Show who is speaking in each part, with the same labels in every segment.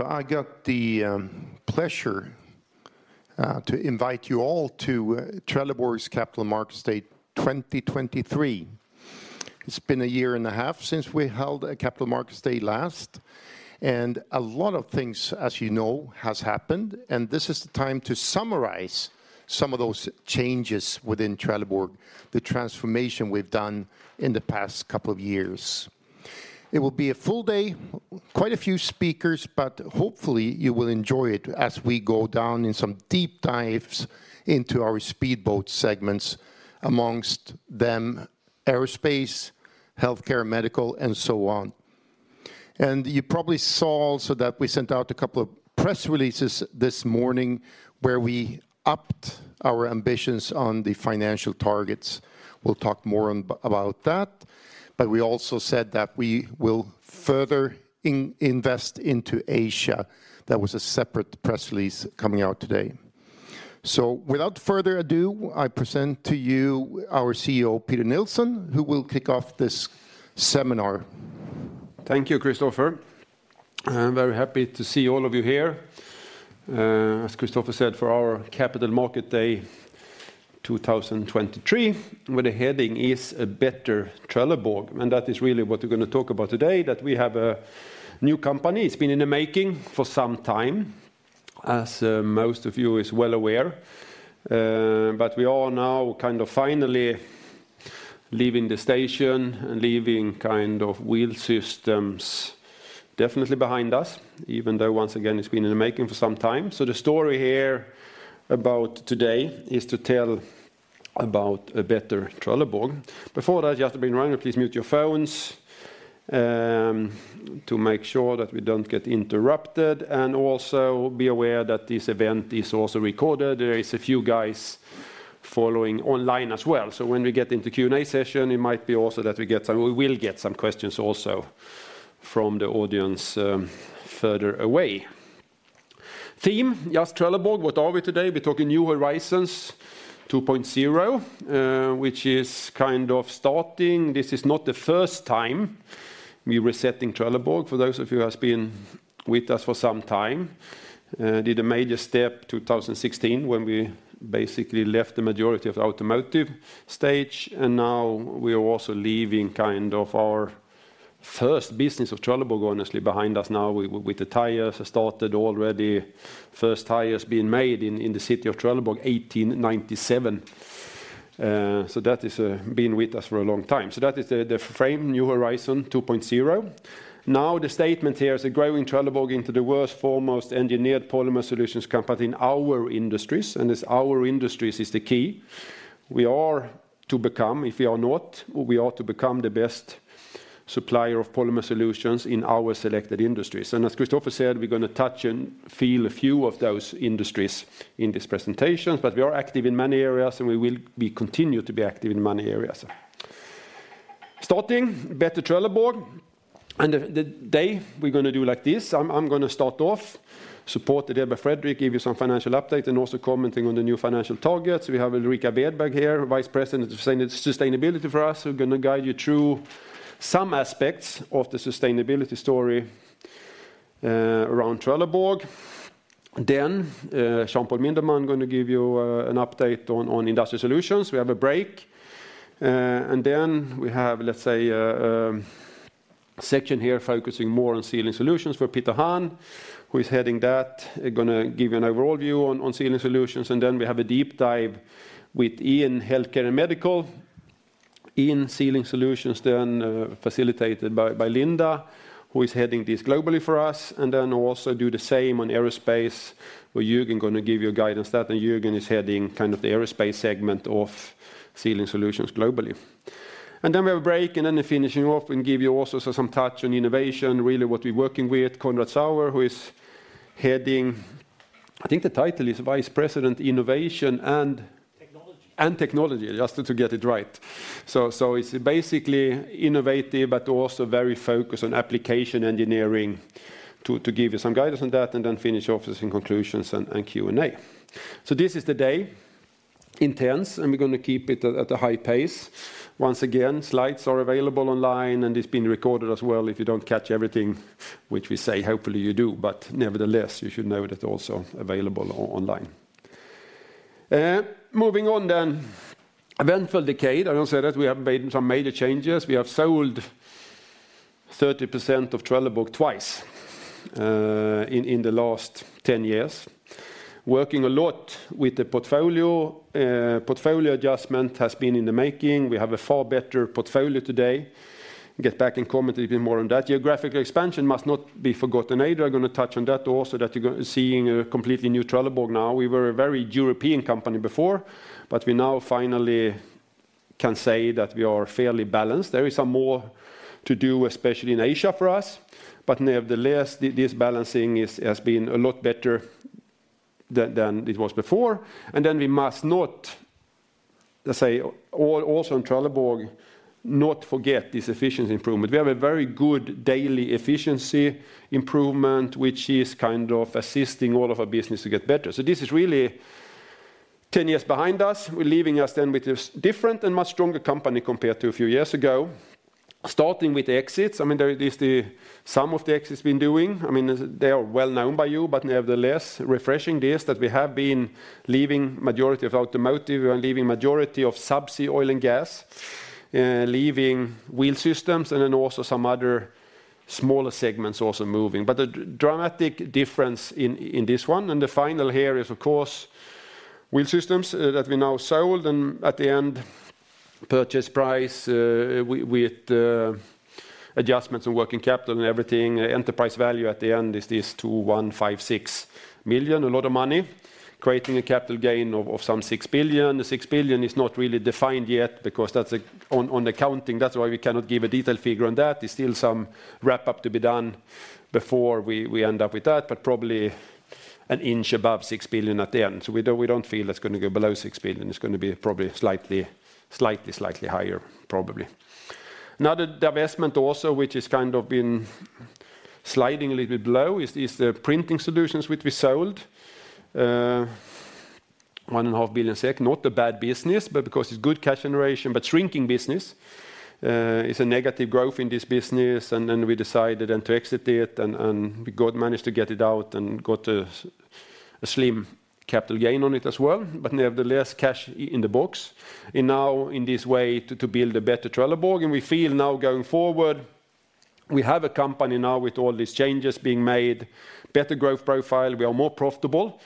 Speaker 1: I got the pleasure to invite you all to Trelleborg's Capital Markets Day 2023. It's been a year and a half since we held a Capital Markets Day last, a lot of things, as you know, has happened, and this is the time to summarize some of those changes within Trelleborg, the transformation we've done in the past couple of years. It will be a full day, quite a few speakers, hopefully you will enjoy it as we go down in some deep dives into our speedboat segments, amongst them aerospace, healthcare, medical, and so on. You probably saw also that we sent out a couple of press releases this morning where we upped our ambitions on the financial targets. We'll talk more about that. We also said that we will further invest into Asia. That was a separate press release coming out today. Without further ado, I present to you our CEO, Peter Nilsson, who will kick off this seminar.
Speaker 2: Thank you, Christopher. I'm very happy to see all of you here, as Christopher said, for our Capital Market Day 2023, where the heading is A Better Trelleborg. That is really what we're gonna talk about today, that we have a new company. It's been in the making for some time, as most of you is well aware, we are now kind of finally leaving the station and leaving kind of Wheel Systems definitely behind us, even though, once again, it's been in the making for some time. The story here about today is to tell about A Better Trelleborg. Before that, just to bring around, please mute your phones, to make sure that we don't get interrupted, also be aware that this event is also recorded. There is a few guys following online as well. When we get into Q&A session, it might be also that we will get some questions also from the audience further away. Theme, yes, Trelleborg, what are we today? We're talking New Horizons 2.0, which is kind of starting. This is not the first time we're resetting Trelleborg, for those of you who has been with us for some time. Did a major step 2016 when we basically left the majority of the automotive stage, and now we are also leaving kind of our first business of Trelleborg, honestly, behind us now with the tires. It started already, first tires being made in the city of Trelleborg 1897. That is been with us for a long time. That is the frame, New Horizons 2.0. The statement here is growing Trelleborg into the world's foremost engineered polymer solutions company in our industries, and it's our industries is the key. We are to become, if we are not, we are to become the best supplier of polymer solutions in our selected industries. As Christopher said, we're gonna touch and feel a few of those industries in this presentation, but we are active in many areas, and we continue to be active in many areas. Starting Better Trelleborg, and the day we're gonna do like this. I'm gonna start off, supported here by Fredrik, give you some financial update, and also commenting on the new financial targets. We have Ulrika Wedberg here, Vice President of Sustainability for us, who's gonna guide you through some aspects of the sustainability story around Trelleborg. Fredrik Nilsson gonna give you an update on Industrial Solutions. We have a break, and then we have, let's say, section here focusing more on Sealing Solutions for Peter Hahn, who is heading that, gonna give you an overall view on Sealing Solutions. Then we have a deep dive in Healthcare and Medical. In Sealing Solutions then, facilitated by Linda, who is heading this globally for us. Then also do the same on aerospace, where Jürgen gonna give you a guide on that. Jürgen is heading kind of the aerospace segment of Sealing Solutions globally. Then we have a break. Then finishing off, we give you also some touch on innovation, really what we're working with. Konrad Saur, who is heading, I think the title is Vice President, Innovation and Technology. Technology, just to get it right. It's basically innovative, but also very focused on application engineering to give you some guidance on that, and then finish off with some conclusions and Q&A. This is the day. Intense. We're gonna keep it at a high pace. Once again, slides are available online. It's being recorded as well. If you don't catch everything, which we say, hopefully you do, nevertheless, you should know that's also available online. Moving on. Eventful decade. I will say that we have made some major changes. We have sold 30% of Trelleborg twice in the last 10 years. Working a lot with the portfolio. Portfolio adjustment has been in the making. We have a far better portfolio today. Get back and comment a little bit more on that. Geographical expansion must not be forgotten either. I'm gonna touch on that also, that you're seeing a completely new Trelleborg now. We were a very European company before, but we now finally can say that we are fairly balanced. There is some more to do, especially in Asia for us, but nevertheless, this balancing has been a lot better than it was before. We must not, let's say, also in Trelleborg, not forget this efficiency improvement. We have a very good daily efficiency improvement, which is kind of assisting all of our business to get better. This is really. 10 years behind us, we're leaving us then with a different and much stronger company compared to a few years ago. Starting with exits, I mean, there is the sum of the exits been doing. I mean, they are well known by you, but nevertheless, refreshing this that we have been leaving majority of automotive, we are leaving majority of Subsea Oil and Gas, leaving wheel systems, and then also some other smaller segments also moving. The dramatic difference in this one, and the final here is of course wheel systems that we now sold, and at the end purchase price, with adjustments in working capital and everything, enterprise value at the end is this 2,100 million. A lot of money, creating a capital gain of some 6 billion. The 6 billion is not really defined yet because that's on accounting, that's why we cannot give a detailed figure on that. There's still some wrap-up to be done before we end up with that, but probably an inch above 6 billion at the end. We don't feel it's gonna go below 6 billion. It's gonna be probably slightly higher, probably. Another divestment also which has kind of been sliding a little bit low is the Printing Solutions which we sold, one and a half billion SEK. Not a bad business, but because it's good cash generation, but shrinking business, it's a negative growth in this business, and then we decided then to exit it, and managed to get it out and got a slim capital gain on it as well. Nevertheless, cash in the box. Now in this way to build a better Trelleborg, and we feel now going forward, we have a company now with all these changes being made, better growth profile, we are more profitable,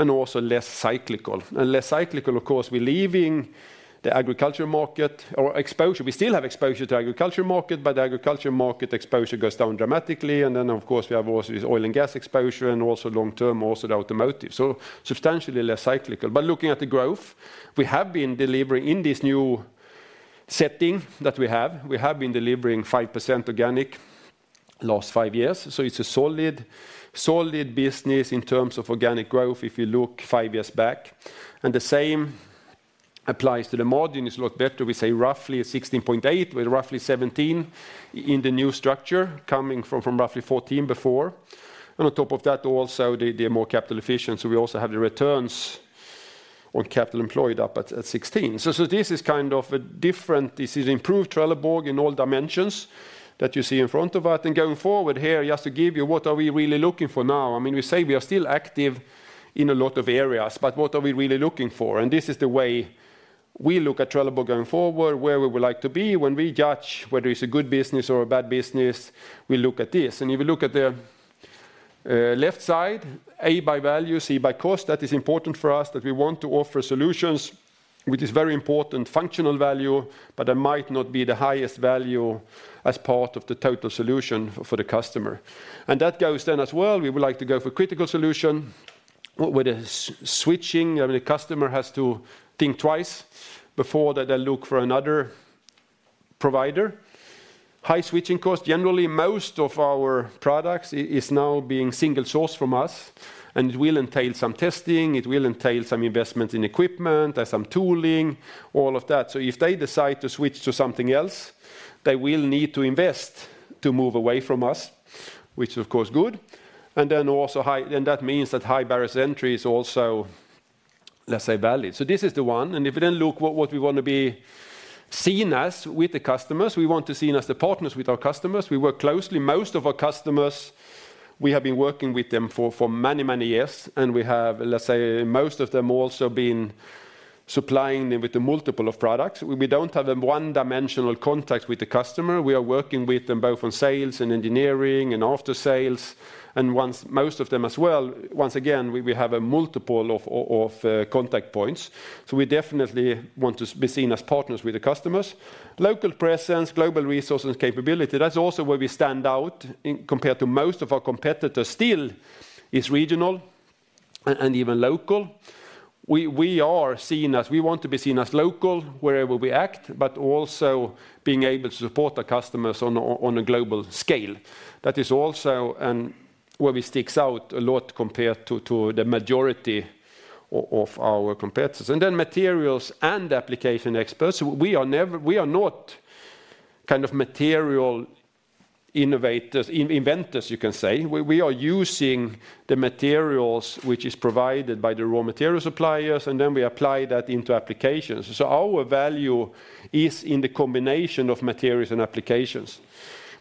Speaker 2: and also less cyclical. Less cyclical, of course, we're leaving the agriculture market or exposure. We still have exposure to agriculture market, but the agriculture market exposure goes down dramatically. Of course, we have also this oil and gas exposure, and also long-term also the automotive. Substantially less cyclical. Looking at the growth, we have been delivering in this new setting that we have, we have been delivering 5% organic last five years. It's a solid business in terms of organic growth if you look five years back. The same applies to the margin. It's a lot better. We say roughly 16.8. We're roughly 17% in the new structure, coming from roughly 14% before. On top of that, also the more capital efficient. We also have the Return on Capital Employed up at 16%. This is kind of a different, this is improved Trelleborg in all dimensions that you see in front of us. Going forward here, just to give you what are we really looking for now. I mean, we say we are still active in a lot of areas, but what are we really looking for? This is the way we look at Trelleborg going forward, where we would like to be. When we judge whether it's a good business or a bad business, we look at this. If you look at the left side, A by value, C by cost, that is important for us that we want to offer solutions with this very important functional value, but that might not be the highest value as part of the total solution for the customer. That goes then as well, we would like to go for critical solution with a switching, where the customer has to think twice before they look for another provider. High switching cost. Generally, most of our products is now being single sourced from us, and it will entail some testing, it will entail some investment in equipment, there's some tooling, all of that. If they decide to switch to something else, they will need to invest to move away from us, which is of course good. That means that high barriers to entry is also, let's say, valid. This is the one. If you then look what we want to be seen as with the customers, we want to be seen as the partners with our customers. We work closely. Most of our customers, we have been working with them for many, many years, and we have, let's say, most of them also been supplying them with a multiple of products. We don't have a one-dimensional contact with the customer. We are working with them both on sales and engineering and after sales. Most of them as well, once again, we have a multiple of contact points. We definitely want to be seen as partners with the customers. Local presence, global resources, capability. That's also where we stand out in compared to most of our competitors. Still, it's regional and even local. We are seen as, we want to be seen as local wherever we act, but also being able to support the customers on a global scale. That is also where we sticks out a lot compared to the majority of our competitors. Materials and application experts. We are not kind of material innovators, inventors, you can say. We are using the materials which is provided by the raw material suppliers, we apply that into applications. Our value is in the combination of materials and applications.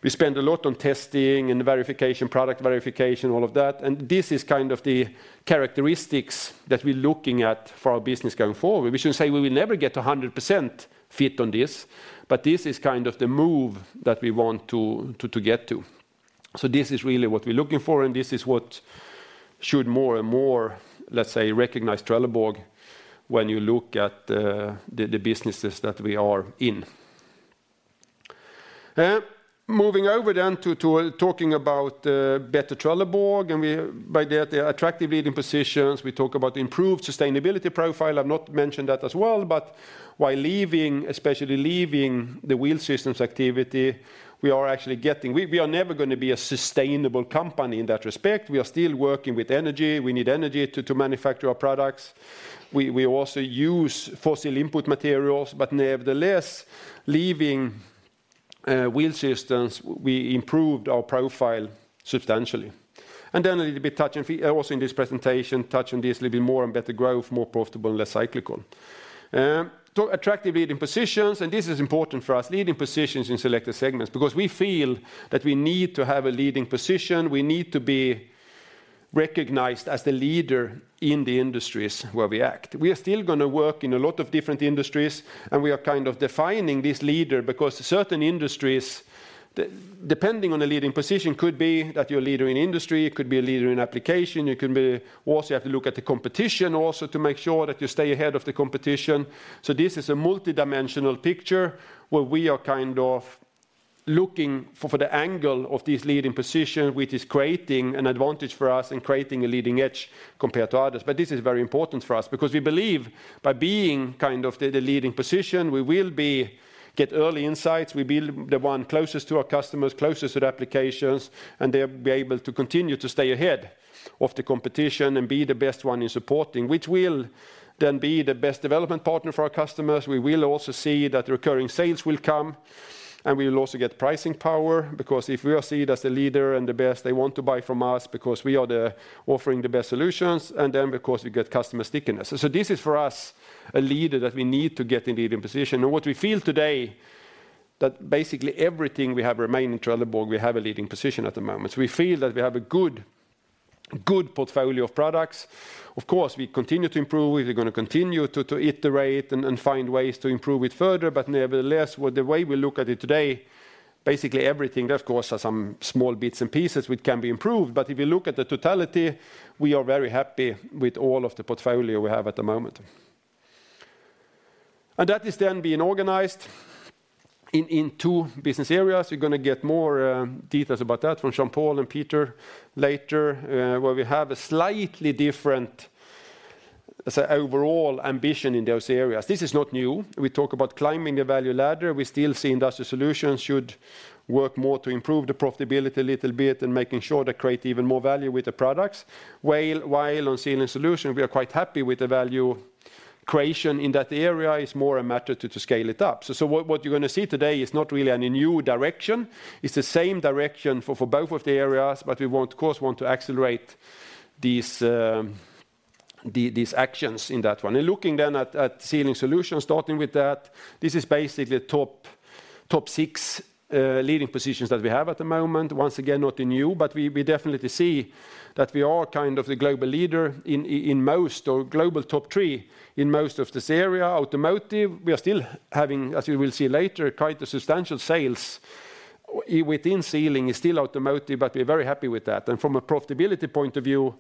Speaker 2: We spend a lot on testing and verification, product verification, all of that. This is kind of the characteristics that we're looking at for our business going forward. We should say we will never get 100% fit on this, but this is kind of the move that we want to get to. This is really what we're looking for, and this is what should more and more, let's say, recognize Trelleborg when you look at the businesses that we are in. Moving over then to talking about better Trelleborg. We by that, the attractive leading positions. We talk about improved sustainability profile. I've not mentioned that as well, but while leaving, especially leaving the Wheel Systems activity, we are actually getting. We are never gonna be a sustainable company in that respect. We are still working with energy. We need energy to manufacture our products. We also use fossil input materials. Nevertheless, leaving Wheel Systems, we improved our profile substantially. A little bit touch, and also in this presentation, touch on this a little bit more on better growth, more profitable, and less cyclical. Attractive leading positions, and this is important for us, leading positions in selected segments because we feel that we need to have a leading position. We need to be recognized as the leader in the industries where we act. We are still gonna work in a lot of different industries, and we are kind of defining this leader because certain industries, depending on the leading position could be that you're a leader in industry, you could be a leader in application, you can be also, you have to look at the competition also to make sure that you stay ahead of the competition. This is a multidimensional picture where we are kind of looking for the angle of this leading position, which is creating an advantage for us and creating a leading edge compared to others. This is very important for us because we believe by being kind of the leading position, we will get early insights. We'll be the one closest to our customers, closest to the applications, and they'll be able to continue to stay ahead of the competition and be the best one in supporting, which will then be the best development partner for our customers. We will also see that recurring sales will come, and we will also get pricing power because if we are seen as the leader and the best, they want to buy from us because we are offering the best solutions, and then, of course, we get customer stickiness. This is for us, a leader that we need to get in leading position. What we feel today that basically everything we have remaining Trelleborg, we have a leading position at the moment. We feel that we have a good portfolio of products. Of course, we continue to improve it. We're gonna continue to iterate and find ways to improve it further. Nevertheless, with the way we look at it today, basically everything that, of course, are some small bits and pieces which can be improved. If you look at the totality, we are very happy with all of the portfolio we have at the moment. That is then being organized in two business areas. You're gonna get more details about that from Jürgen and Peter later, where we have a slightly different, say, overall ambition in those areas. This is not new. We talk about climbing the value ladder. We still see Industrial Solutions should work more to improve the profitability a little bit and making sure they create even more value with the products. While on Sealing Solutions, we are quite happy with the value creation in that area. It's more a matter to scale it up. What you're gonna see today is not really any new direction. It's the same direction for both of the areas, but we want, of course, want to accelerate these actions in that one. Looking then at Sealing Solutions, starting with that, this is basically top six leading positions that we have at the moment. Once again, nothing new. We definitely see that we are kind of the global leader in most or global top three in most of this area. Automotive, we are still having, as you will see later, quite a substantial sales within Sealing is still automotive, but we're very happy with that. From a profitability point of view,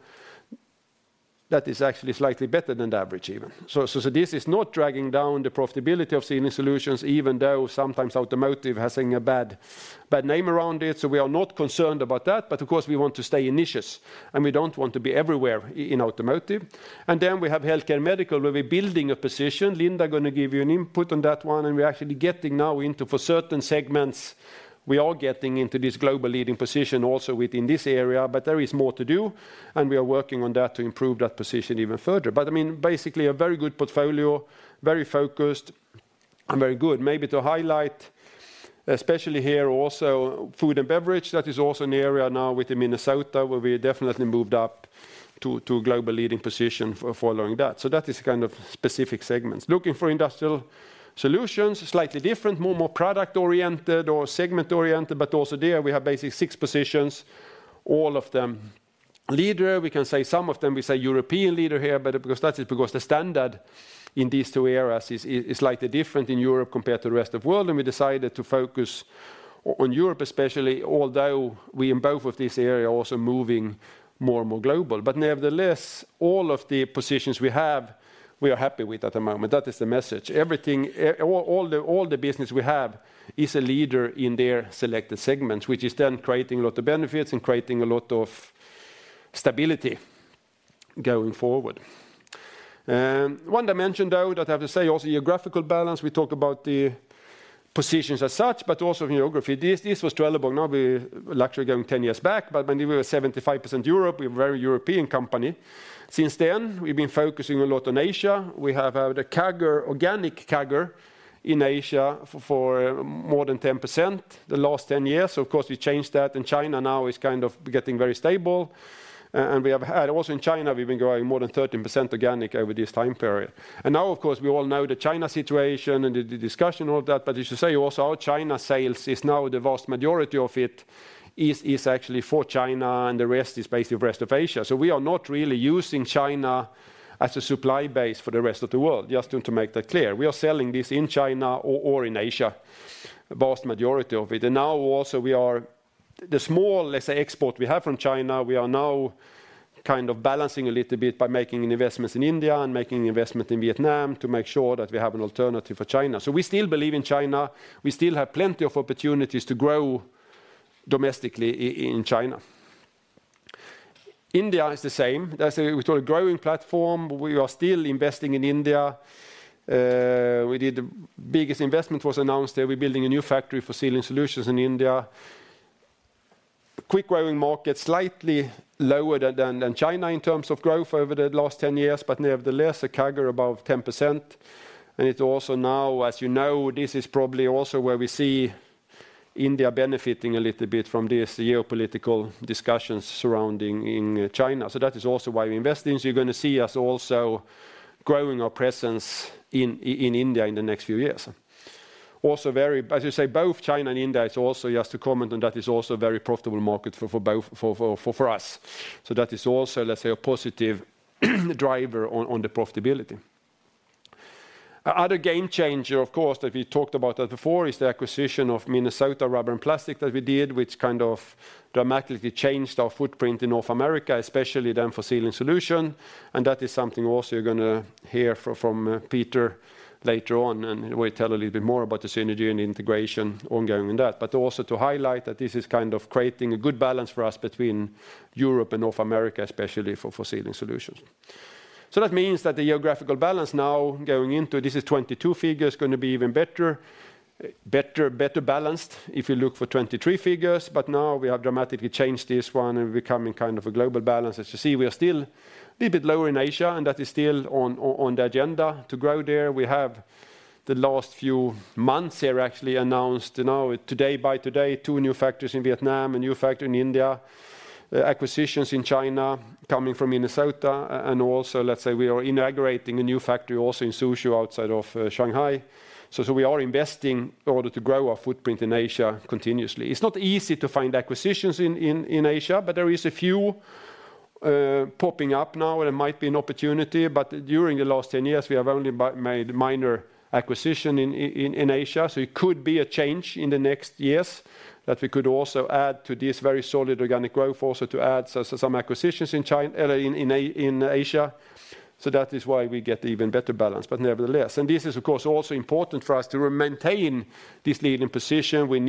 Speaker 2: that is actually slightly better than the average even. This is not dragging down the profitability of Sealing Solutions, even though sometimes automotive has, like, a bad name around it. We are not concerned about that. Of course, we want to stay in niches, and we don't want to be everywhere in automotive. Then we have Healthcare Medical, where we're building a position. Linda gonna give you an input on that one. We're actually getting now into, for certain segments, we are getting into this global leading position also within this area. There is more to do, and we are working on that to improve that position even further. I mean, basically a very good portfolio, very focused, and very good. Maybe to highlight, especially here also, food and beverage, that is also an area now with the Minnesota, where we definitely moved up to a global leading position following that. That is kind of specific segments. Looking for Industrial Solutions, slightly different, more product-oriented or segment-oriented, but also there we have basically six positions, all of them leader. We can say some of them, we say European leader here, but because that is because the standard in these two areas is slightly different in Europe compared to the rest of the world. We decided to focus on Europe especially, although we in both of these areas also moving more and more global. Nevertheless, all of the positions we have, we are happy with at the moment. That is the message. Everything, all the business we have is a leader in their selected segments, which is then creating a lot of benefits and creating a lot of stability going forward. One dimension, though, that I have to say also geographical balance. We talk about the positions as such, but also geography. This was Trelleborg. We're actually going 10 years back, but when we were 75% Europe, we're a very European company. Since then, we've been focusing a lot on Asia. We have the CAGR, organic CAGR in Asia for more than 10% the last 10 years. Of course, we changed that, and China now is kind of getting very stable. Also in China, we've been growing more than 13% organic over this time period. Now, of course, we all know the China situation and the discussion, all of that. I should say also our China sales is now the vast majority of it is actually for China, and the rest is basically rest of Asia. We are not really using China as a supply base for the rest of the world, just to make that clear. We are selling this in China or in Asia, vast majority of it. Now also we are The small, let's say, export we have from China, we are now kind of balancing a little bit by making investments in India and making investment in Vietnam to make sure that we have an alternative for China. We still believe in China. We still have plenty of opportunities to grow domestically in China. India is the same. That's a, we call a growing platform. We are still investing in India. We did the biggest investment was announced there. We're building a new factory for Sealing Solutions in India. Quick growing market, slightly lower than China in terms of growth over the last 10 years, but nevertheless, a CAGR above 10%. It also now, as you know, this is probably also where we see India benefiting a little bit from this geopolitical discussions surrounding in China. That is also why we invest, and you're going to see us also growing our presence in India in the next few years. As you say, both China and India is also, just to comment on that, is also a very profitable market for us. That is also, let's say, a positive driver on the profitability. Other game changer, of course, that we talked about that before, is the acquisition of Minnesota Rubber & Plastics that we did, which kind of dramatically changed our footprint in North America, especially then for Sealing Solutions. That is something also you're going to hear from Peter later on, and we tell a little bit more about the synergy and integration ongoing in that. Also to highlight that this is kind of creating a good balance for us between Europe and North America, especially for Sealing Solutions. That means that the geographical balance now going into this is 22 figures, going to be even better balanced if you look for 23 figures. Now we have dramatically changed this one and becoming kind of a global balance. As you see, we are still a little bit lower in Asia, and that is still on the agenda to grow there. We have the last few months here actually announced now today, by today, 2 new factories in Vietnam, a new factory in India, acquisitions in China coming from Minnesota, and also, let's say, we are inaugurating a new factory also in Suzhou outside of Shanghai. We are investing in order to grow our footprint in Asia continuously. It's not easy to find acquisitions in, in Asia, but there is a few popping up now, and it might be an opportunity. During the last 10 years, we have only made minor acquisition in, in Asia. It could be a change in the next years that we could also add to this very solid organic growth, also to add some acquisitions in Asia. That is why we get even better balance. Nevertheless, this is of course also important for us to maintain this leading position. We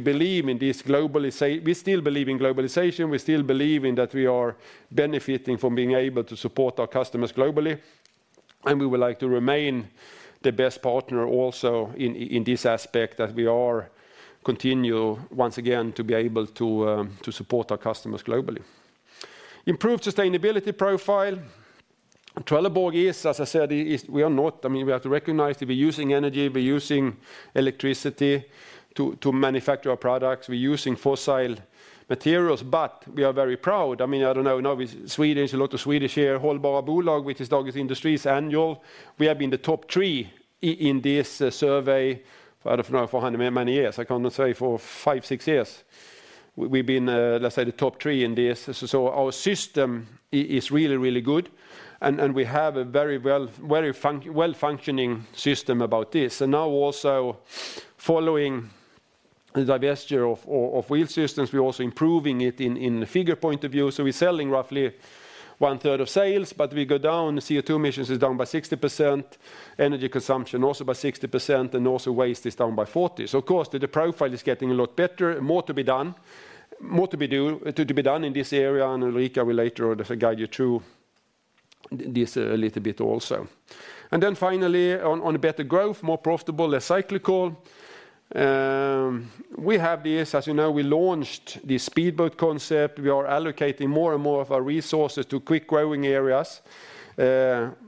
Speaker 2: believe in this globally, we still believe in globalization. We still believe in that we are benefiting from being able to support our customers globally. We would like to remain the best partner also in this aspect that we are continue, once again, to be able to support our customers globally. Improve sustainability profile. Trelleborg is, as I said, we are not, I mean, we have to recognize that we're using energy, we're using electricity to manufacture our products. We're using fossil materials, we are very proud. I mean, I don't know, now Sweden, there's a lot of Swedish here, we have been the top three in this survey, I don't know for how many years. I cannot say for five to six years. We've been, let's say the top three in this. Our system is really, really good, and we have a very well-functioning system about this. Now also following the divestiture of Wheel Systems, we're also improving it in the figure point of view. We're selling roughly 1/3 of sales, but we go down, the CO2 emissions is down by 60%, energy consumption also by 60%, and also waste is down by 40%. Of course, the profile is getting a lot better. More to be done, more to be done in this area, and Ulrika will later on guide you through this a little bit also. Then finally, on a better growth, more profitable, less cyclical. we have this, as you know, we launched the Speedboat concept. We are allocating more and more of our resources to quick-growing areas.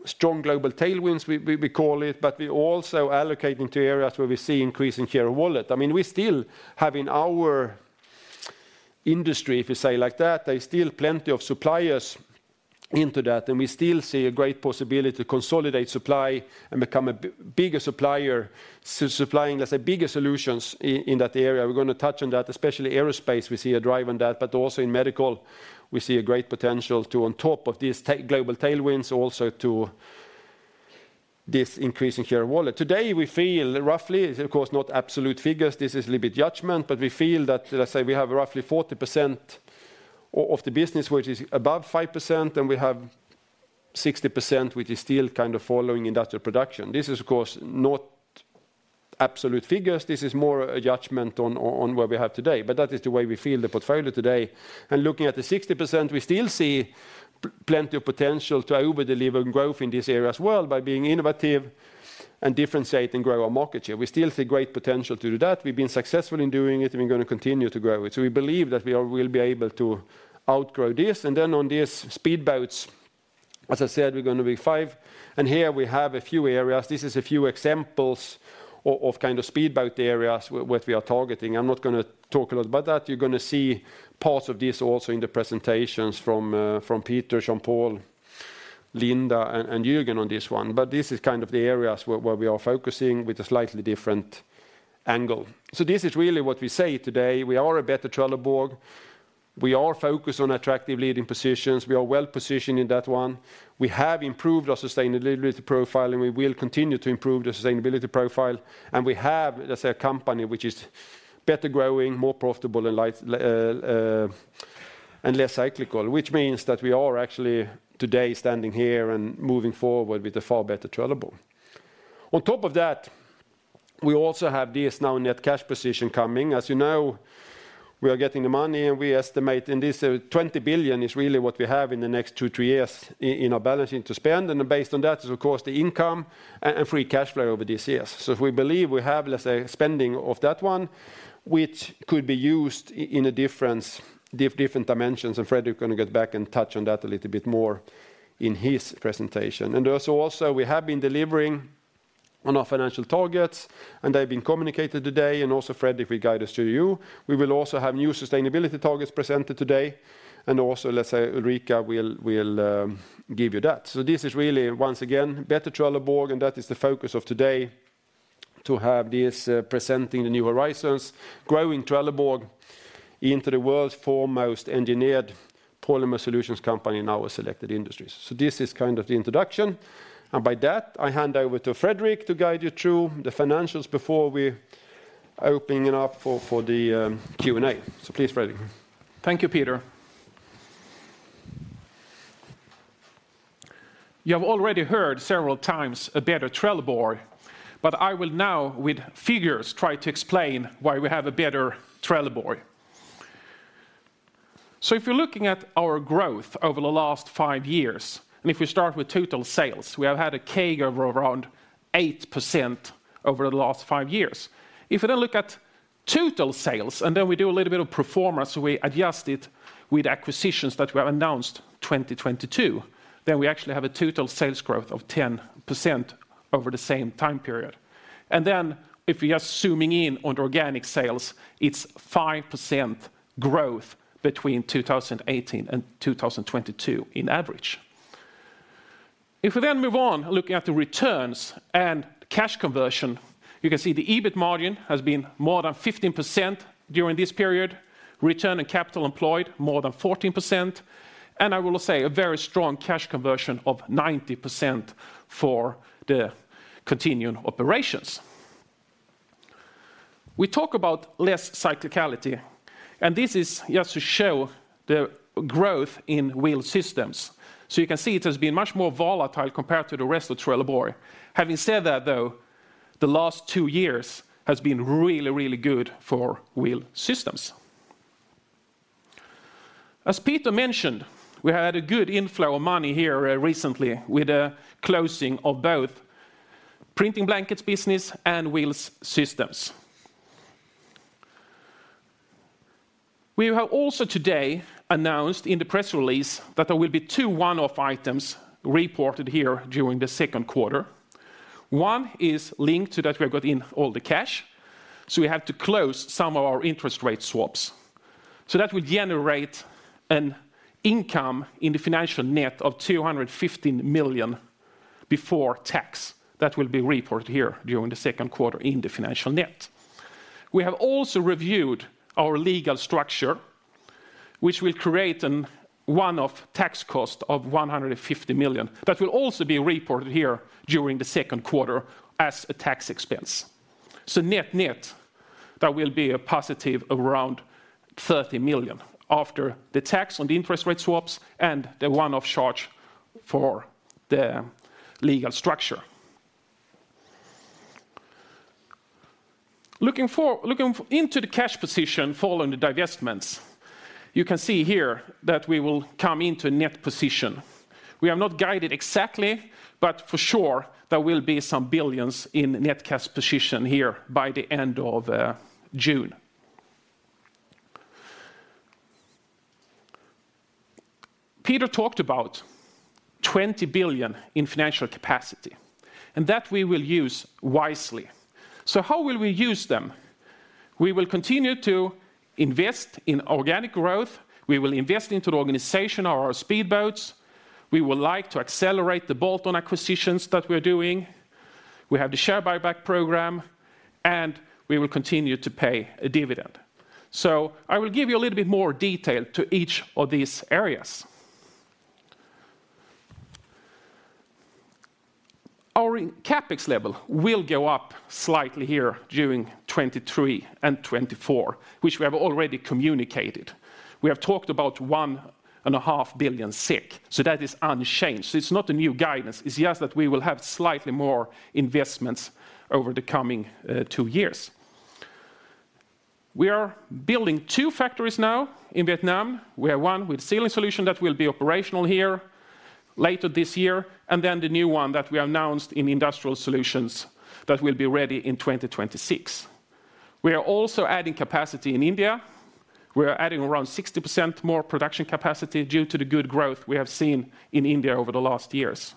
Speaker 2: Strong global tailwinds, we call it, but we're also allocating to areas where we see increase in share of wallet. I mean, we still have in our industry, if you say like that, there's still plenty of suppliers into that, and we still see a great possibility to consolidate supply and become a bigger supplier. Supplying, let's say, bigger solutions in that area. We're going to touch on that, especially aerospace, we see a drive on that. Also in medical, we see a great potential to, on top of these global tailwinds, also to this increase in share of wallet. Today, we feel roughly, of course, not absolute figures, this is a little bit judgment, but we feel that, let's say, we have roughly 40% of the business which is above 5%, and we have 60%, which is still kind of following industrial production. This is of course not absolute figures. This is more a judgment on what we have today. That is the way we feel the portfolio today. Looking at the 60%, we still see plenty of potential to over-deliver growth in this area as well by being innovative and differentiate and grow our market share. We still see great potential to do that. We've been successful in doing it, and we're going to continue to grow it. We believe that we will be able to outgrow this. On these speedboats, as I said, we're going to be 5. Here we have a few areas. This is a few examples of kind of speedboat areas which we are targeting. I'm not gonna talk a lot about that. You're gonna see parts of this also in the presentations from Peter, Jean-Paul, Linda, and Jürgen on this one. This is kind of the areas where we are focusing with a slightly different angle. This is really what we say today. We are a better Trelleborg. We are focused on attractive leading positions. We are well-positioned in that one. We have improved our sustainability profile, and we will continue to improve the sustainability profile. We have, let's say, a company which is better growing, more profitable, and less cyclical, which means that we are actually today standing here and moving forward with a far better Trelleborg. On top of that, we also have this now net cash position coming. As you know, we are getting the money, and we estimate in this 20 billion is really what we have in the next two, three years in our balancing to spend. Based on that is, of course, the income and free cash flow over these years. If we believe we have, let's say, spending of that one, which could be used in different dimensions, and Fredrik gonna get back and touch on that a little bit more in his presentation. Also, we have been delivering on our financial targets, and they've been communicated today. Also, Fredrik, if we guide us to you, we will also have new sustainability targets presented today. Also, let's say, Ulrika will give you that. This is really, once again, better Trelleborg, and that is the focus of today to have this presenting the New Horizons, growing Trelleborg into the world's foremost engineered polymer solutions company in our selected industries. This is kind of the introduction. By that, I hand over to Fredrik to guide you through the financials before we opening it up for the Q&A. Please, Fredrik.
Speaker 3: Thank you, Peter. You have already heard several times a better Trelleborg, but I will now, with figures, try to explain why we have a better Trelleborg. If you're looking at our growth over the last 5 years, and if we start with total sales, we have had a CAGR of around 8% over the last 5 years. If you then look at total sales, and then we do a little bit of pro forma, so we adjust it with acquisitions that we have announced 2022, then we actually have a total sales growth of 10% over the same time period. If we are zooming in on organic sales, it's 5% growth between 2018 and 2022 in average. We then move on looking at the returns and cash conversion, you can see the EBIT margin has been more than 15% during this period, Return on Capital Employed more than 14%, and I will say a very strong cash conversion of 90% for the continuing operations. We talk about less cyclicality, and this is just to show the growth in wheel systems. You can see it has been much more volatile compared to the rest of Trelleborg. Having said that, though, the last two years has been really, really good for wheel systems. As Peter mentioned, we had a good inflow of money here recently with the closing of both printing blankets business and wheel systems. We have also today announced in the press release that there will be 2 one-off items reported here during the second quarter. One is linked to that we have got in all the cash, so we have to close some of our interest rate swaps. That will generate an income in the financial net of 215 million before tax that will be reported here during the second quarter in the financial net. We have also reviewed our legal structure, which will create an one-off tax cost of 150 million. That will also be reported here during the second quarter as a tax expense. Net-net, that will be a positive around 30 million after the tax on the interest rate swaps and the one-off charge for the legal structure. Looking into the cash position following the divestments, you can see here that we will come into net position. We have not guided exactly, but for sure there will be some billions in net cash position here by the end of June. Peter talked about 20 billion in financial capacity, and that we will use wisely. How will we use them? We will continue to invest in organic growth. We will invest into the organization of our speedboats. We would like to accelerate the bolt-on acquisitions that we're doing. We have the share buyback program, and we will continue to pay a dividend. I will give you a little bit more detail to each of these areas. Our CapEx level will go up slightly here during 2023 and 2024, which we have already communicated. We have talked about one and a half billion SEK. That is unchanged. It's not a new guidance. It's just that we will have slightly more investments over the coming 2 years. We are building 2 factories now in Vietnam. We have one with Sealing Solutions that will be operational here later this year, and then the new one that we announced in Industrial Solutions that will be ready in 2026. We are also adding capacity in India. We are adding around 60% more production capacity due to the good growth we have seen in India over the last years.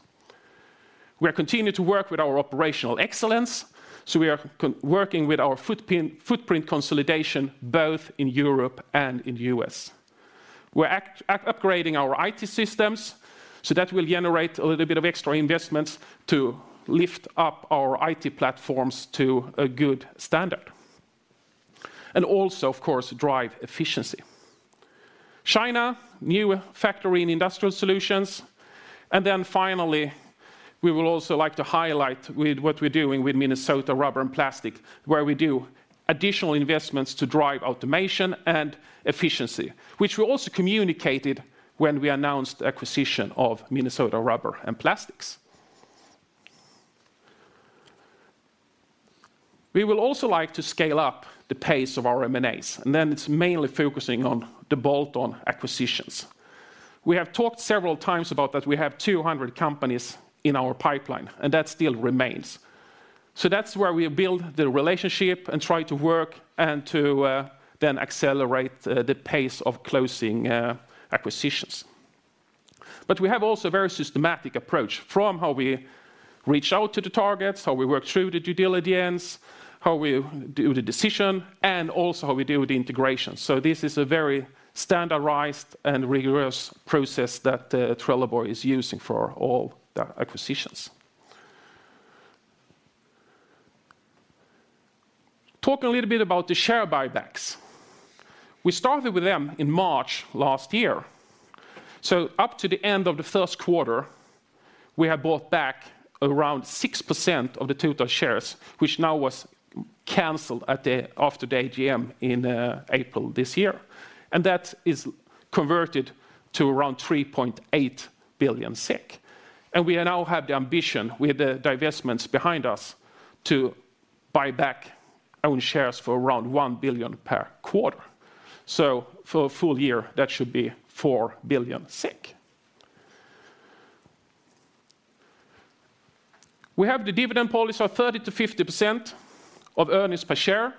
Speaker 3: We are continuing to work with our operational excellence, so we are working with our footprint consolidation both in Europe and in the U.S. We're upgrading our IT systems, so that will generate a little bit of extra investments to lift up our IT platforms to a good standard, and also, of course, drive efficiency. China, new factory in Industrial Solutions. Finally, we would also like to highlight with what we're doing with Minnesota Rubber & Plastics, where we do additional investments to drive automation and efficiency, which we also communicated when we announced the acquisition of Minnesota Rubber & Plastics. We will also like to scale up the pace of our M&As, and then it's mainly focusing on the bolt-on acquisitions. We have talked several times about that we have 200 companies in our pipeline, and that still remains. That's where we build the relationship and try to work and to then accelerate the pace of closing acquisitions. We have also a very systematic approach from how we reach out to the targets, how we work through the due diligence, how we do the decision, and also how we do the integration. This is a very standardized and rigorous process that Trelleborg is using for all the acquisitions. Talk a little bit about the share buybacks. We started with them in March last year. Up to the end of the first quarter, we have bought back around 6% of the total shares, which now was canceled after the AGM in April this year. That is converted to around 3.8 billion SEK. We now have the ambition with the divestments behind us to buy back own shares for around 1 billion per quarter. For a full year, that should be 4 billion. We have the dividend policy of 30%-50% of earnings per share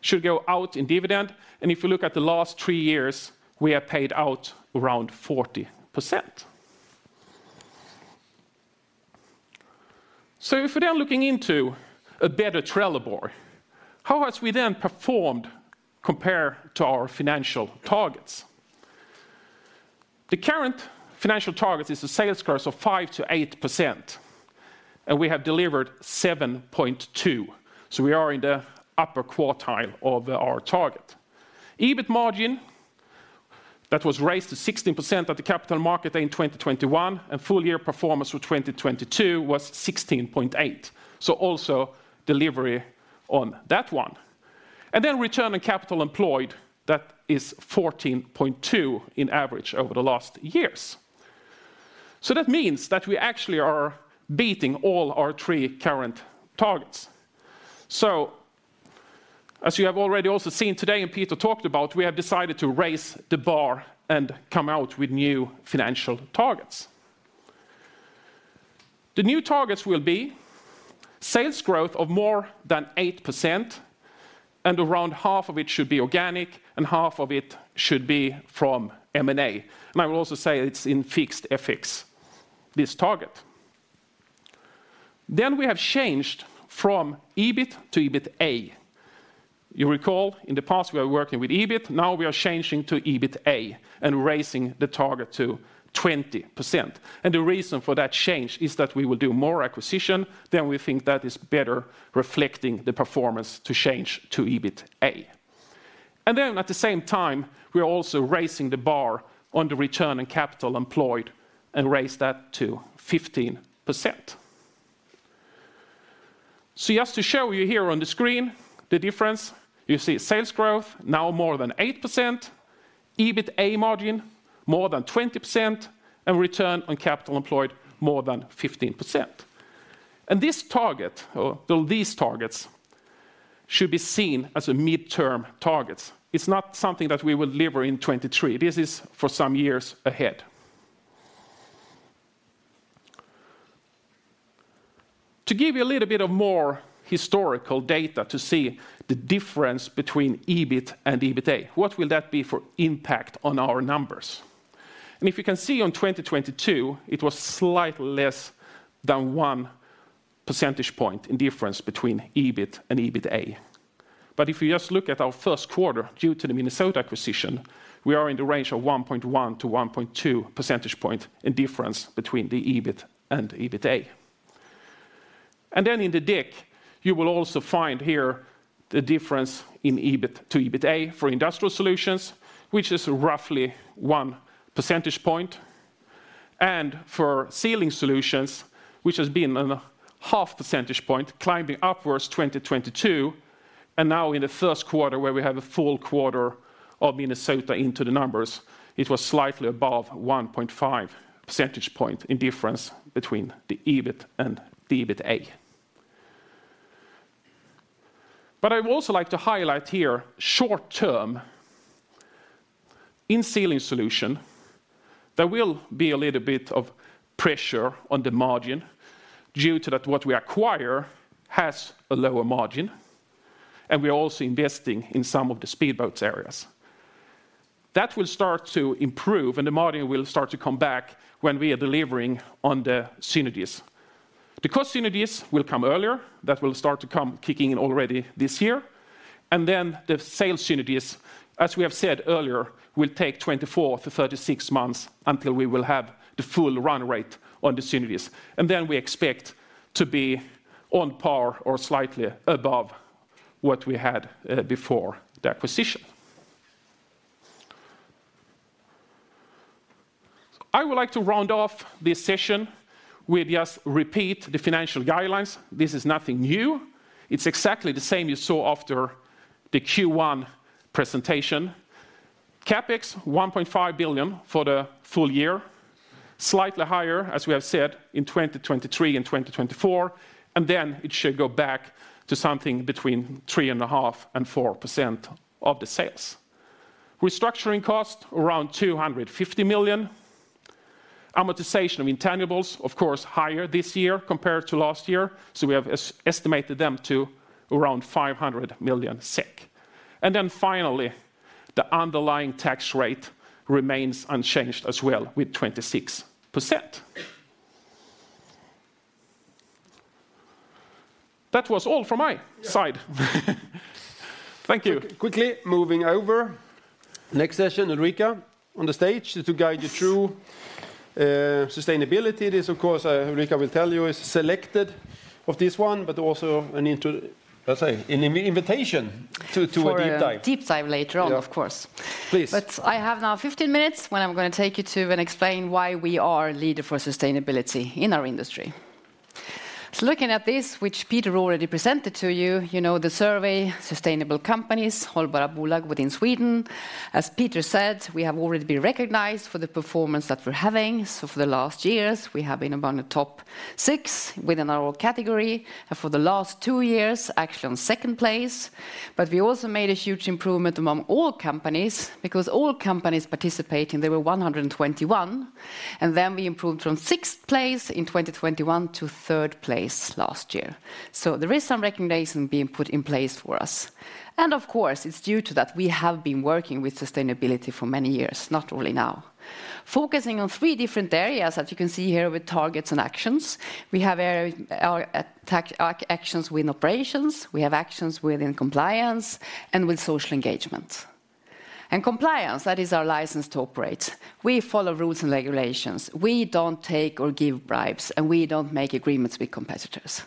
Speaker 3: should go out in dividend. If you look at the last 3 years, we have paid out around 40%. If we're now looking into a better Trelleborg, how has we then performed compared to our financial targets? The current financial target is a sales growth of 5%-8%, and we have delivered 7.2%, so we are in the upper quartile of our target. EBIT margin, that was raised to 16% at the Capital Market Day in 2021, and full year performance for 2022 was 16.8%, so also delivery on that one. Return on Capital Employed, that is 14.2% in average over the last years. That means that we actually are beating all our 3 current targets. As you have already also seen today and Peter talked about, we have decided to raise the bar and come out with new financial targets. The new targets will be sales growth of more than 8%, around half of it should be organic, and half of it should be from M&A. I will also say it's in fixed FX, this target. We have changed from EBIT to EBITA. You recall in the past, we are working with EBIT, now we are changing to EBITA and raising the target to 20%. The reason for that change is that we will do more acquisition, we think that is better reflecting the performance to change to EBITA. At the same time, we are also raising the bar on the Return on Capital Employed and raise that to 15%. Just to show you here on the screen the difference, you see sales growth now more than 8%, EBITA margin more than 20%, and Return on Capital Employed more than 15%. This target, or though these targets, should be seen as a midterm targets. It's not something that we will deliver in 2023. This is for some years ahead. To give you a little bit of more historical data to see the difference between EBIT and EBITA, what will that be for impact on our numbers? If you can see on 2022, it was slightly less than 1 percentage point in difference between EBIT and EBITA. If you just look at our first quarter, due to the Minnesota acquisition, we are in the range of 1.1 to 1.2 percentage point in difference between the EBIT and EBITA. In the deck, you will also find here the difference in EBIT to EBITA for Industrial Solutions, which is roughly one percentage point. For Sealing Solutions, which has been on a half percentage point, climbing upwards 2022, and now in the first quarter where we have a full quarter of Minnesota into the numbers, it was slightly above 1.5 percentage point in difference between the EBIT and the EBITA. I would also like to highlight here short term in Sealing Solutions, there will be a little bit of pressure on the margin due to that what we acquire has a lower margin, and we are also investing in some of the speedboats areas. That will start to improve, and the margin will start to come back when we are delivering on the synergies. The cost synergies will come earlier. That will start to come, kicking in already this year. The sales synergies, as we have said earlier, will take 24 to 36 months until we will have the full run rate on the synergies. Then we expect to be on par or slightly above what we had before the acquisition. I would like to round off this session with just repeat the financial guidelines. This is nothing new. It is exactly the same you saw after the Q1 presentation. CapEx, 1.5 billion for the full year, slightly higher, as we have said, in 2023 and 2024, and then it should go back to something between 3.5% and 4% of the sales. Restructuring cost, around 250 million. Amortization of intangibles, of course, higher this year compared to last year. We have estimated them to around 500 million SEK. Finally, the underlying tax rate remains unchanged as well with 26%. That was all from my side. Thank you.
Speaker 2: Quickly moving over. Next session, Ulrika, on the stage to guide you through sustainability. This, of course, Ulrika will tell you, is selected of this one, but also an invitation to a deep dive.
Speaker 4: For a deep dive later on, of course.
Speaker 2: Please.
Speaker 4: I have now 15 minutes when I'm gonna take you to and explain why we are a leader for sustainability in our industry. Looking at this, which Peter already presented to you know, the survey, sustainable companies, Hållbara Bolag within Sweden. As Peter said, we have already been recognized for the performance that we're having. For the last years, we have been among the top six within our category. For the last two years, actually on second place. We also made a huge improvement among all companies because all companies participating, there were 121, and then we improved from sixth place in 2021 to third place last year. There is some recognition being put in place for us. Of course, it's due to that we have been working with sustainability for many years, not only now. Focusing on three different areas, as you can see here with targets and actions. We have actions with operations, we have actions within compliance and with social engagement. Compliance, that is our license to operate. We follow rules and regulations. We don't take or give bribes, and we don't make agreements with competitors.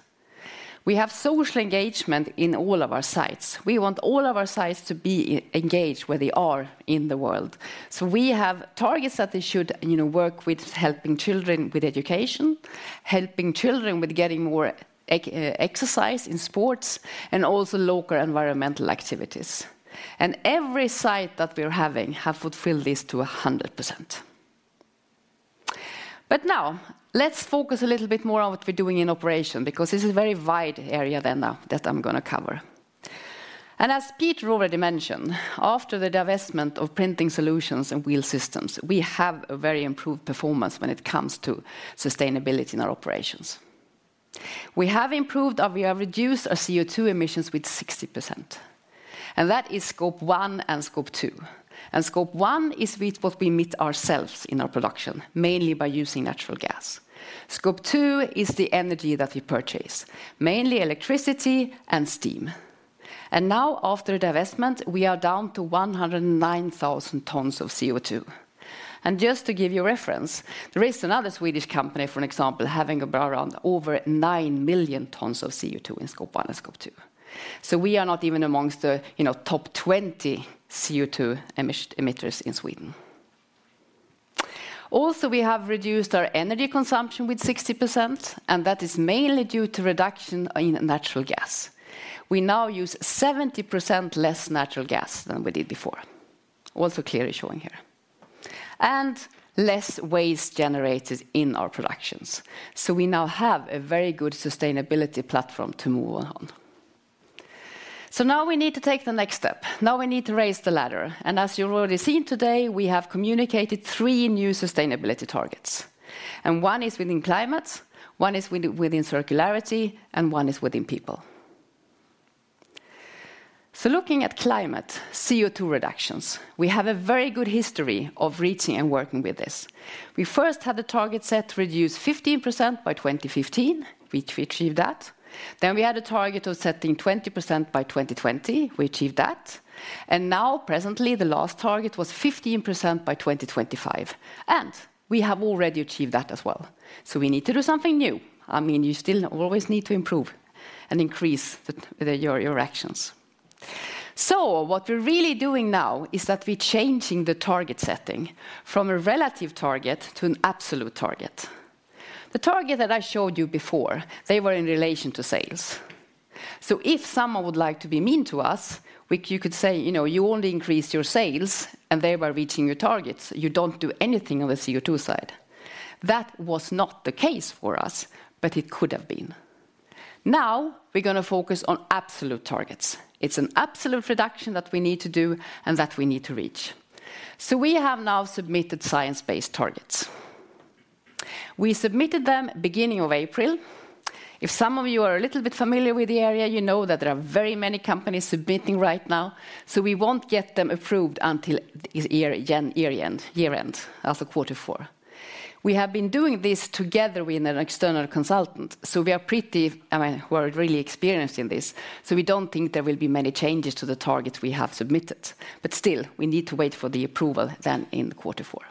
Speaker 4: We have social engagement in all of our sites. We want all of our sites to be e-engaged where they are in the world. We have targets that they should, you know, work with helping children with education, helping children with getting more exercise in sports, and also local environmental activities. Every site that we're having have fulfilled this to 100%. Now, let's focus a little bit more on what we're doing in operation because this is a very wide area than that I'm gonna cover. As Peter already mentioned, after the divestment of Trelleborg Printing Solutions and Trelleborg Wheel Systems, we have a very improved performance when it comes to sustainability in our operations. We have improved or we have reduced our CO2 emissions with 60%, and that is Scope 1 and Scope 2. Scope 1 is with what we emit ourselves in our production, mainly by using natural gas. Scope 2 is the energy that we purchase, mainly electricity and steam. Now, after divestment, we are down to 109,000 tons of CO2. Just to give you reference, there is another Swedish company, for example, having around over 9 million tons of CO2 in Scope 1 and Scope 2. We are not even amongst the, you know, top 20 CO2 emitters in Sweden. We have reduced our energy consumption with 60%, that is mainly due to reduction in natural gas. We now use 70% less natural gas than we did before. Clearly showing here. Less waste generated in our productions. We now have a very good sustainability platform to move on. Now we need to take the next step. Now we need to raise the ladder. As you've already seen today, we have communicated three new sustainability targets. One is within climate, one is within circularity, and one is within people. Looking at climate, CO2 reductions, we have a very good history of reaching and working with this. We first had the target set to reduce 15% by 2015, which we achieved that. We had a target of setting 20% by 2020, we achieved that. Now presently, the last target was 15% by 2025. We have already achieved that as well. We need to do something new. I mean, you still always need to improve and increase your actions. What we're really doing now is that we're changing the target setting from a relative target to an absolute target. The target that I showed you before, they were in relation to sales. If someone would like to be mean to us, you could say, you know, you only increased your sales, and thereby reaching your targets, you don't do anything on the CO2 side. That was not the case for us, but it could have been. Now, we're gonna focus on absolute targets. It's an absolute reduction that we need to do and that we need to reach. We have now submitted science-based targets. We submitted them beginning of April. If some of you are a little bit familiar with the area, you know that there are very many companies submitting right now, we won't get them approved until this year end, as of quarter four. We have been doing this together with an external consultant, I mean, we are really experienced in this, we don't think there will be many changes to the targets we have submitted. Still, we need to wait for the approval then in quarter four.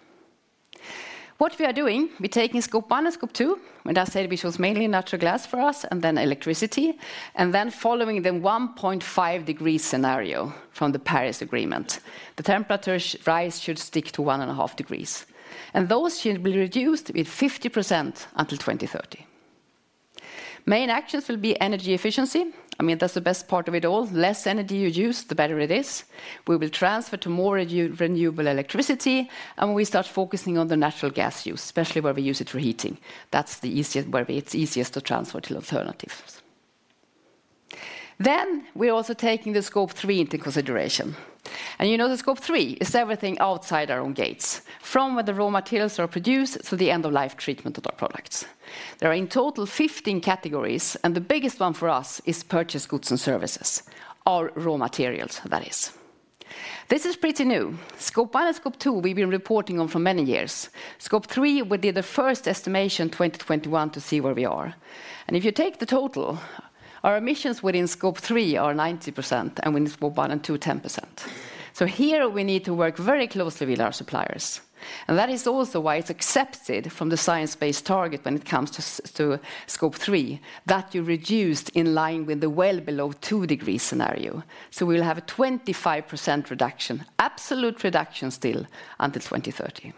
Speaker 4: What we are doing, we're taking Scope 1 and Scope 2, and as said, which was mainly natural gas for us, and then electricity, and then following the 1.5 degree scenario from the Paris Agreement. The temperature rise should stick to one and a half degrees. Those should be reduced with 50% until 2030. Main actions will be energy efficiency. I mean, that's the best part of it all. Less energy you use, the better it is. We will transfer to more re-renewable electricity, and we start focusing on the natural gas use, especially where we use it for heating. That's where it's easiest to transfer to alternatives. We're also taking the Scope 3 into consideration. You know the Scope 3 is everything outside our own gates, from where the raw materials are produced to the end of life treatment of our products. There are in total 15 categories, and the biggest one for us is purchased goods and services, our raw materials that is. This is pretty new. Scope 1 and Scope 2 we've been reporting on for many years. Scope 3, we did the first estimation 2021 to see where we are. If you take the total, our emissions within Scope 3 are 90%, and within Scope 1 and 2, 10%. Here we need to work very closely with our suppliers. That is also why it's accepted from the Science Based Targets when it comes to Scope 3, that you reduced in line with the well below 2 degrees scenario. We'll have a 25% reduction, absolute reduction still until 2030.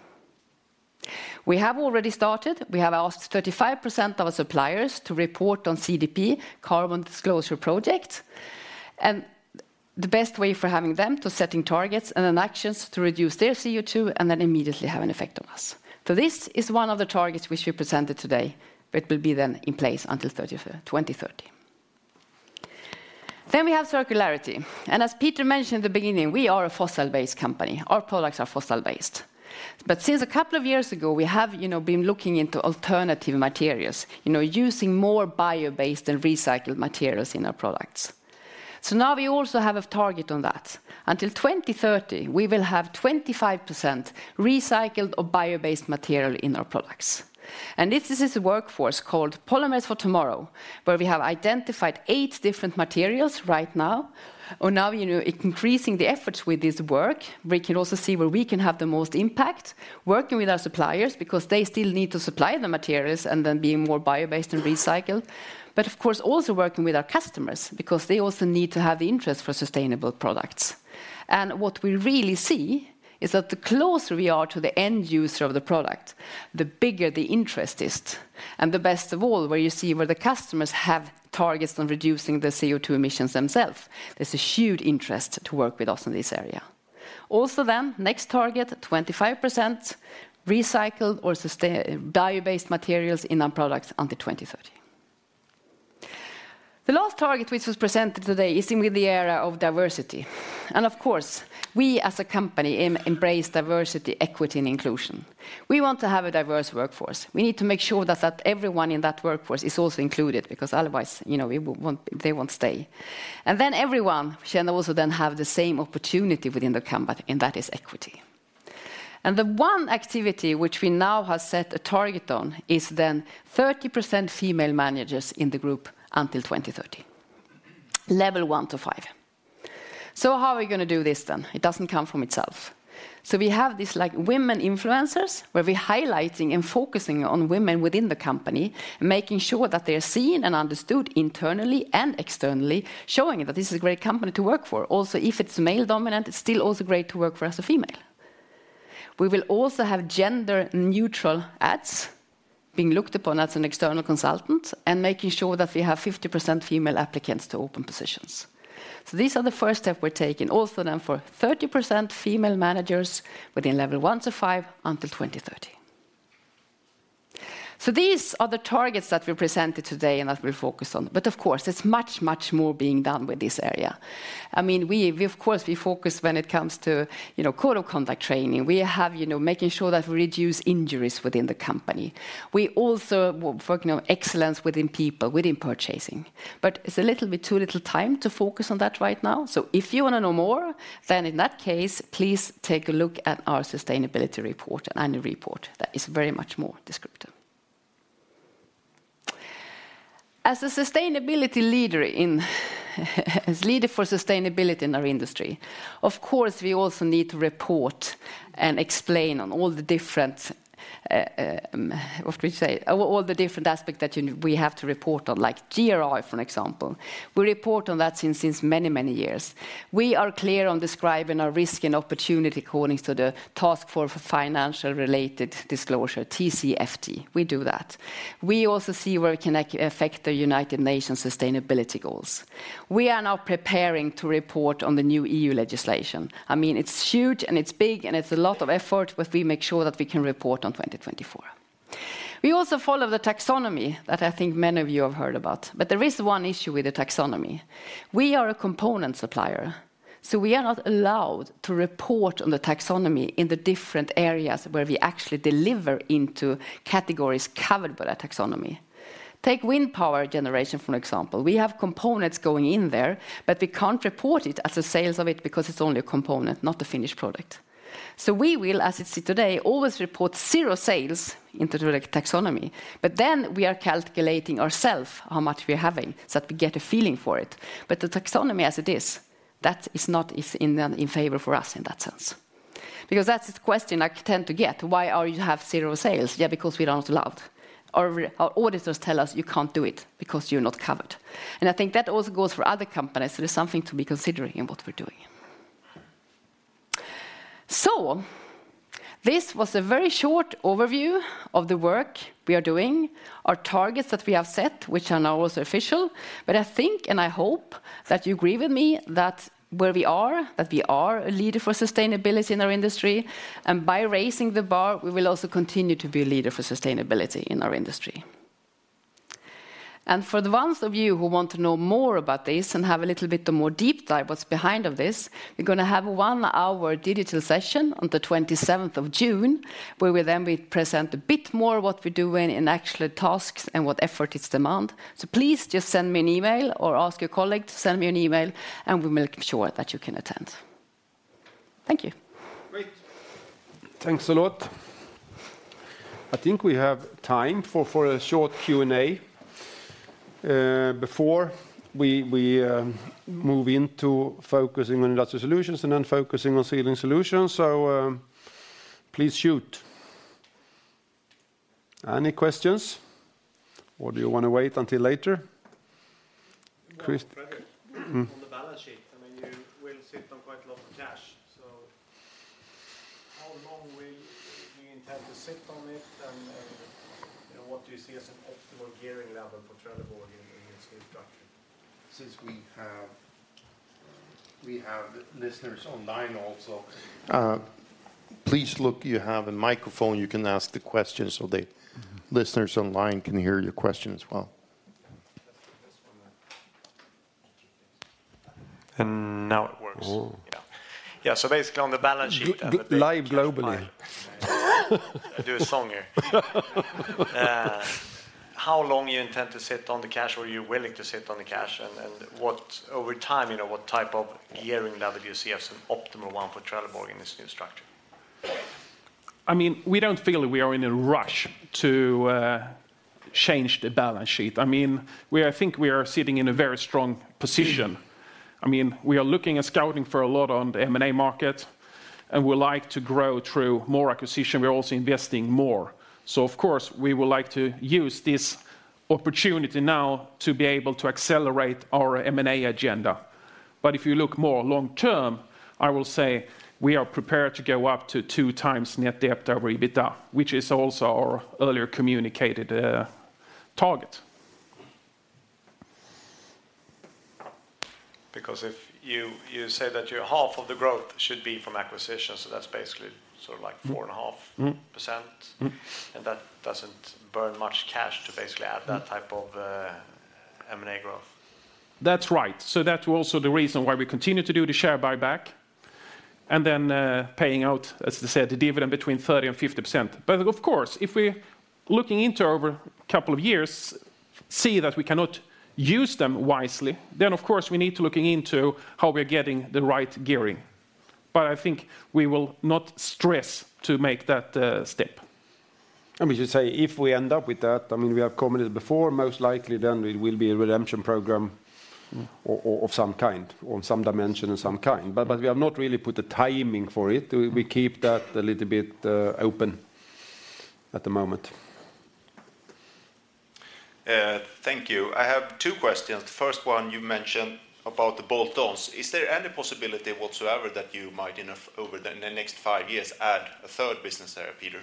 Speaker 4: We have already started. We have asked 35% of our suppliers to report on CDP, Carbon Disclosure Project. The best way for having them to setting targets and then actions to reduce their CO2 and then immediately have an effect on us. This is one of the targets which we presented today, but will be then in place until 2030. We have circularity, and as Peter mentioned at the beginning, we are a fossil-based company. Our products are fossil-based. Since a couple of years ago, we have, you know, been looking into alternative materials, you know, using more bio-based and recycled materials in our products. Now we also have a target on that. Until 2030, we will have 25% recycled or bio-based material in our products. This is a workforce called Polymers for Tomorrow, where we have identified 8 different materials right now. Now, you know, increasing the efforts with this work, we can also see where we can have the most impact working with our suppliers because they still need to supply the materials and then being more bio-based and recycled. Of course, also working with our customers because they also need to have the interest for sustainable products. What we really see is that the closer we are to the end user of the product, the bigger the interest is. The best of all, where you see where the customers have targets on reducing the CO2 emissions themselves, there's a huge interest to work with us in this area. Next target, 25% recycled or bio-based materials in our products until 2030. The last target which was presented today is in with the area of diversity. Of course, we as a company embrace diversity, equity and inclusion. We want to have a diverse workforce. We need to make sure that everyone in that workforce is also included because otherwise, you know, they won't stay. Everyone should also have the same opportunity within the company, and that is equity. The one activity which we now have set a target on is 30% female managers in the group until 2030, level 1 to 5. How are we going to do this? It doesn't come from itself. We have these like women influencers, where we're highlighting and focusing on women within the company, making sure that they are seen and understood internally and externally, showing that this is a great company to work for. Also, if it's male dominant, it's still also great to work for as a female. We will also have gender neutral ads being looked upon as an external consultant and making sure that we have 50% female applicants to open positions. These are the first step we're taking, also then for 30% female managers within level one to five until 2030. These are the targets that we presented today and that we're focused on. Of course, there's much, much more being done with this area. I mean, we of course focus when it comes to, you know, Code of Conduct training. We have, you know, making sure that we reduce injuries within the company. We also work on excellence within people, within purchasing. It's a little bit too little time to focus on that right now. If you wanna know more, then in that case, please take a look at our Sustainability Report and Annual Report. That is very much more descriptive. As a sustainability leader as leader for sustainability in our industry, of course, we also need to report and explain on all the different, what we say, all the different aspect that, you know, we have to report on like GRI, for example. We report on that since many years. We are clear on describing our risk and opportunity according to the Task Force on Climate-related Financial Disclosures, TCFD. We do that. We also see where it can affect the United Nations sustainability goals. We are now preparing to report on the new EU legislation. I mean, it's huge and it's big and it's a lot of effort, but we make sure that we can report on 2024. We also follow the taxonomy that I think many of you have heard about. There is one issue with the taxonomy. We are a component supplier, so we are not allowed to report on the taxonomy in the different areas where we actually deliver into categories covered by that taxonomy. Take wind power generation for example. We have components going in there, but we can't report it as a sales of it because it's only a component, not the finished product. We will, as it's today, always report zero sales into the taxonomy, but then we are calculating ourself how much we are having, so that we get a feeling for it. The taxonomy as it is, that is not in favor for us in that sense. That's the question I tend to get, "Why are you have zero sales?" Yeah, we are not allowed. Our auditors tell us, "You can't do it because you're not covered." I think that also goes for other companies. There's something to be considering in what we're doing. This was a very short overview of the work we are doing, our targets that we have set, which are now also official. I think, and I hope that you agree with me that where we are, that we are a leader for sustainability in our industry, and by raising the bar, we will also continue to be a leader for sustainability in our industry. For the ones of you who want to know more about this and have a little bit of more deep dive what's behind of this, we're gonna have a 1-hour digital session on the 27th of June, where we then present a bit more what we're doing in actual tasks and what effort it demand. Please just send me an email or ask your colleague to send me an email, and we will make sure that you can attend. Thank you.
Speaker 2: Great. Thanks a lot. I think we have time for a short Q&A, before we move into focusing on Industrial Solutions and then focusing on Sealing Solutions. Please shoot. Any questions, or do you wanna wait until later? Chris?
Speaker 5: Fredrik, on the balance sheet, I mean, you will sit on quite a lot of cash. How long will you intend to sit on it and, you know, what do you see as an optimal gearing level for Trelleborg in its new structure?
Speaker 2: We have listeners online also, please look, you have a microphone, you can ask the question so the listeners online can hear your question as well.
Speaker 5: Now it works.
Speaker 2: Oh.
Speaker 5: Yeah. Yeah. Basically on the balance sheet.
Speaker 2: Live globally.
Speaker 5: I do a song here. How long you intend to sit on the cash or you're willing to sit on the cash and what, over time, you know, what type of gearing level you see as an optimal one for Trelleborg in this new structure?
Speaker 3: I mean, we don't feel we are in a rush to change the balance sheet. I mean, I think we are sitting in a very strong position. I mean, we are looking and scouting for a lot on the M&A market, and we'd like to grow through more acquisition. We're also investing more. Of course, we would like to use this opportunity now to be able to accelerate our M&A agenda. If you look more long term, I will say we are prepared to go up to 2x net debt over EBITDA, which is also our earlier communicated target.
Speaker 5: If you say that your half of the growth should be from acquisition, so that's basically 4.5%. That doesn't burn much cash to basically add that type of M&A growth.
Speaker 3: That's right. That's also the reason why we continue to do the share buyback and then paying out, as I said, the dividend between 30% and 50%. Of course, if we're looking into over a couple of years, see that we cannot use them wisely, then of course, we need to looking into how we're getting the right gearing. I think we will not stress to make that step.
Speaker 2: We should say, if we end up with that, I mean, we have commented before, most likely then it will be a redemption program of some kind, on some dimension and some kind. We have not really put a timing for it. We keep that a little bit open at the moment.
Speaker 5: Thank you. I have two questions. The first one you mentioned about the bolt-ons. Is there any possibility whatsoever that you might, you know, over the next five years add a third business area, Peter?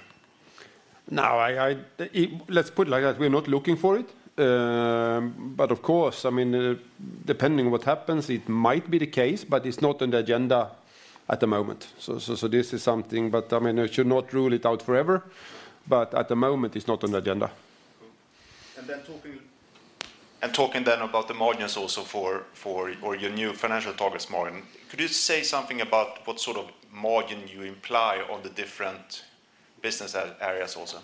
Speaker 2: No, let's put it like that, we're not looking for it. Of course, I mean, depending on what happens, it might be the case, but it's not on the agenda at the moment. So this is something, but I mean, I should not rule it out forever, but at the moment it's not on the agenda.
Speaker 5: Talking then about the margins also for, or your new financial targets margin, could you say something about what sort of margin you imply on the different business areas also?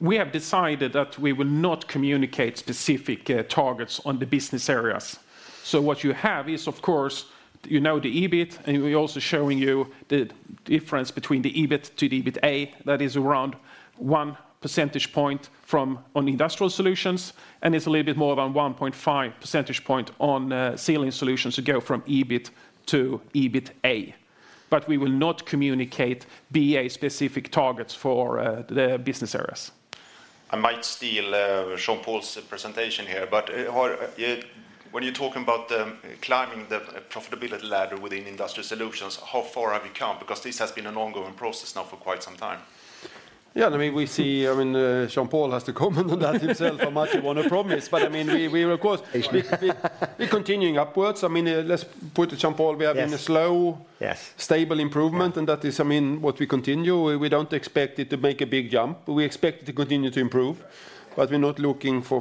Speaker 3: We have decided that we will not communicate specific targets on the business areas. What you have is, of course, you know the EBIT, and we're also showing you the difference between the EBIT to the EBITA. That is around 1 percentage point from, on Industrial Solutions, and it's a little bit more than 1.5 percentage point on Sealing Solutions to go from EBIT to EBITA. We will not communicate BA specific targets for the business areas.
Speaker 5: I might steal Jürgen's presentation here, but, or, when you're talking about, climbing the profitability ladder within Industrial Solutions, how far have you come? This has been an ongoing process now for quite some time.
Speaker 2: Yeah, I mean, we see, I mean, Jean-Paul has to comment on that himself how much he wanna promise. I mean, we of course, we're continuing upwards. I mean, let's put it, Jean-Paul, we are in a.
Speaker 6: Yes.
Speaker 2: stable improvement. That is, I mean, what we continue. We don't expect it to make a big jump. We expect it to continue to improve, we're not looking for.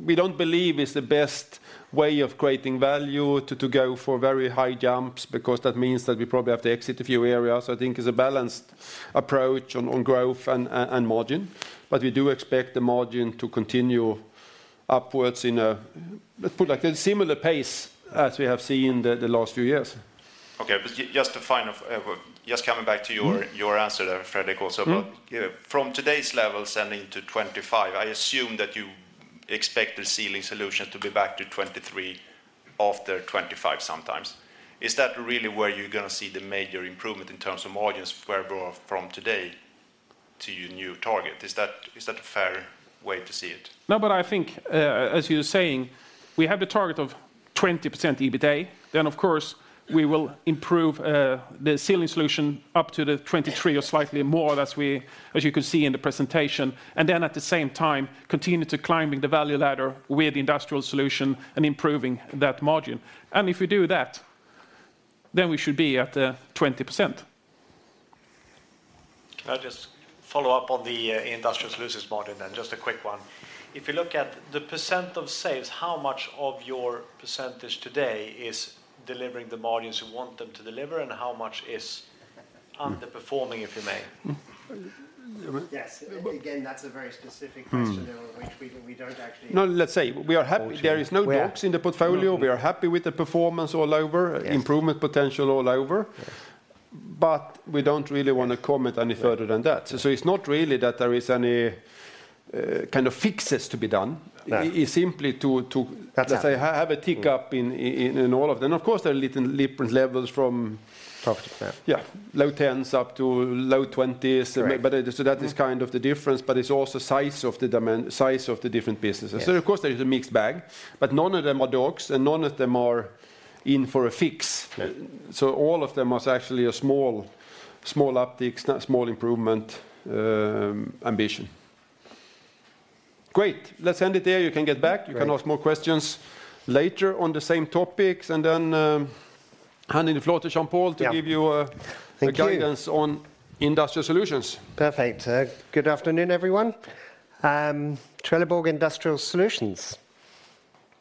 Speaker 2: We don't believe it's the best way of creating value to go for very high jumps because that means that we probably have to exit a few areas. I think it's a balanced approach on growth and margin. We do expect the margin to continue upwards in a, let's put it like a similar pace as we have seen the last few years.
Speaker 5: Okay, just a final, just coming back to your answer there, Fredrik, also. From today's levels and into 2025, I assume that you expect the Sealing Solutions to be back to 23% after 2025 sometimes. Is that really where you're going to see the major improvement in terms of margins where we are from today? To your new target. Is that a fair way to see it?
Speaker 2: I think, as you're saying, we have the target of 20% EBITA. Of course, we will improve the Sealing Solutions up to 23% or slightly more as you can see in the presentation. At the same time, continue to climbing the value ladder with industrial solution and improving that margin. If we do that, then we should be at 20%.
Speaker 5: I'll just follow up on the Industrial Solutions margin then. Just a quick one. If you look at the % of sales, how much of your % today is delivering the margins you want them to deliver, and how much is underperforming, if you may?
Speaker 6: Yes. Again, that's a very specific question, though, which we don't actually.
Speaker 2: No, let's say, we are. There is no dogs in the portfolio. We are happy with the performance all over improvement potential all over.
Speaker 6: Yes.
Speaker 2: We don't really wanna comment any further than that. It's not really that there is any kind of fixes to be done. It's simply to.
Speaker 5: That's fine.
Speaker 2: Let's say, have a tick up in all of them. Of course, there are little different levels.
Speaker 5: Profit, yeah.
Speaker 2: Yeah, low tens up to low twenties.
Speaker 6: Right.
Speaker 2: That is kind of the difference, but it's also size of the demand, size of the different businesses.
Speaker 6: Yes.
Speaker 2: Of course there is a mixed bag, but none of them are dogs, and none of them are in for a fix. All of them was actually a small uptick, small improvement, ambition. Great. Let's end it there. You can get back.
Speaker 5: Great.
Speaker 2: You can ask more questions later on the same topics, and then, hand in the floor to Jean-Paul to give you.
Speaker 6: Thank you.
Speaker 2: Guidance on Industrial Solutions.
Speaker 6: Good afternoon, everyone. Trelleborg Industrial Solutions,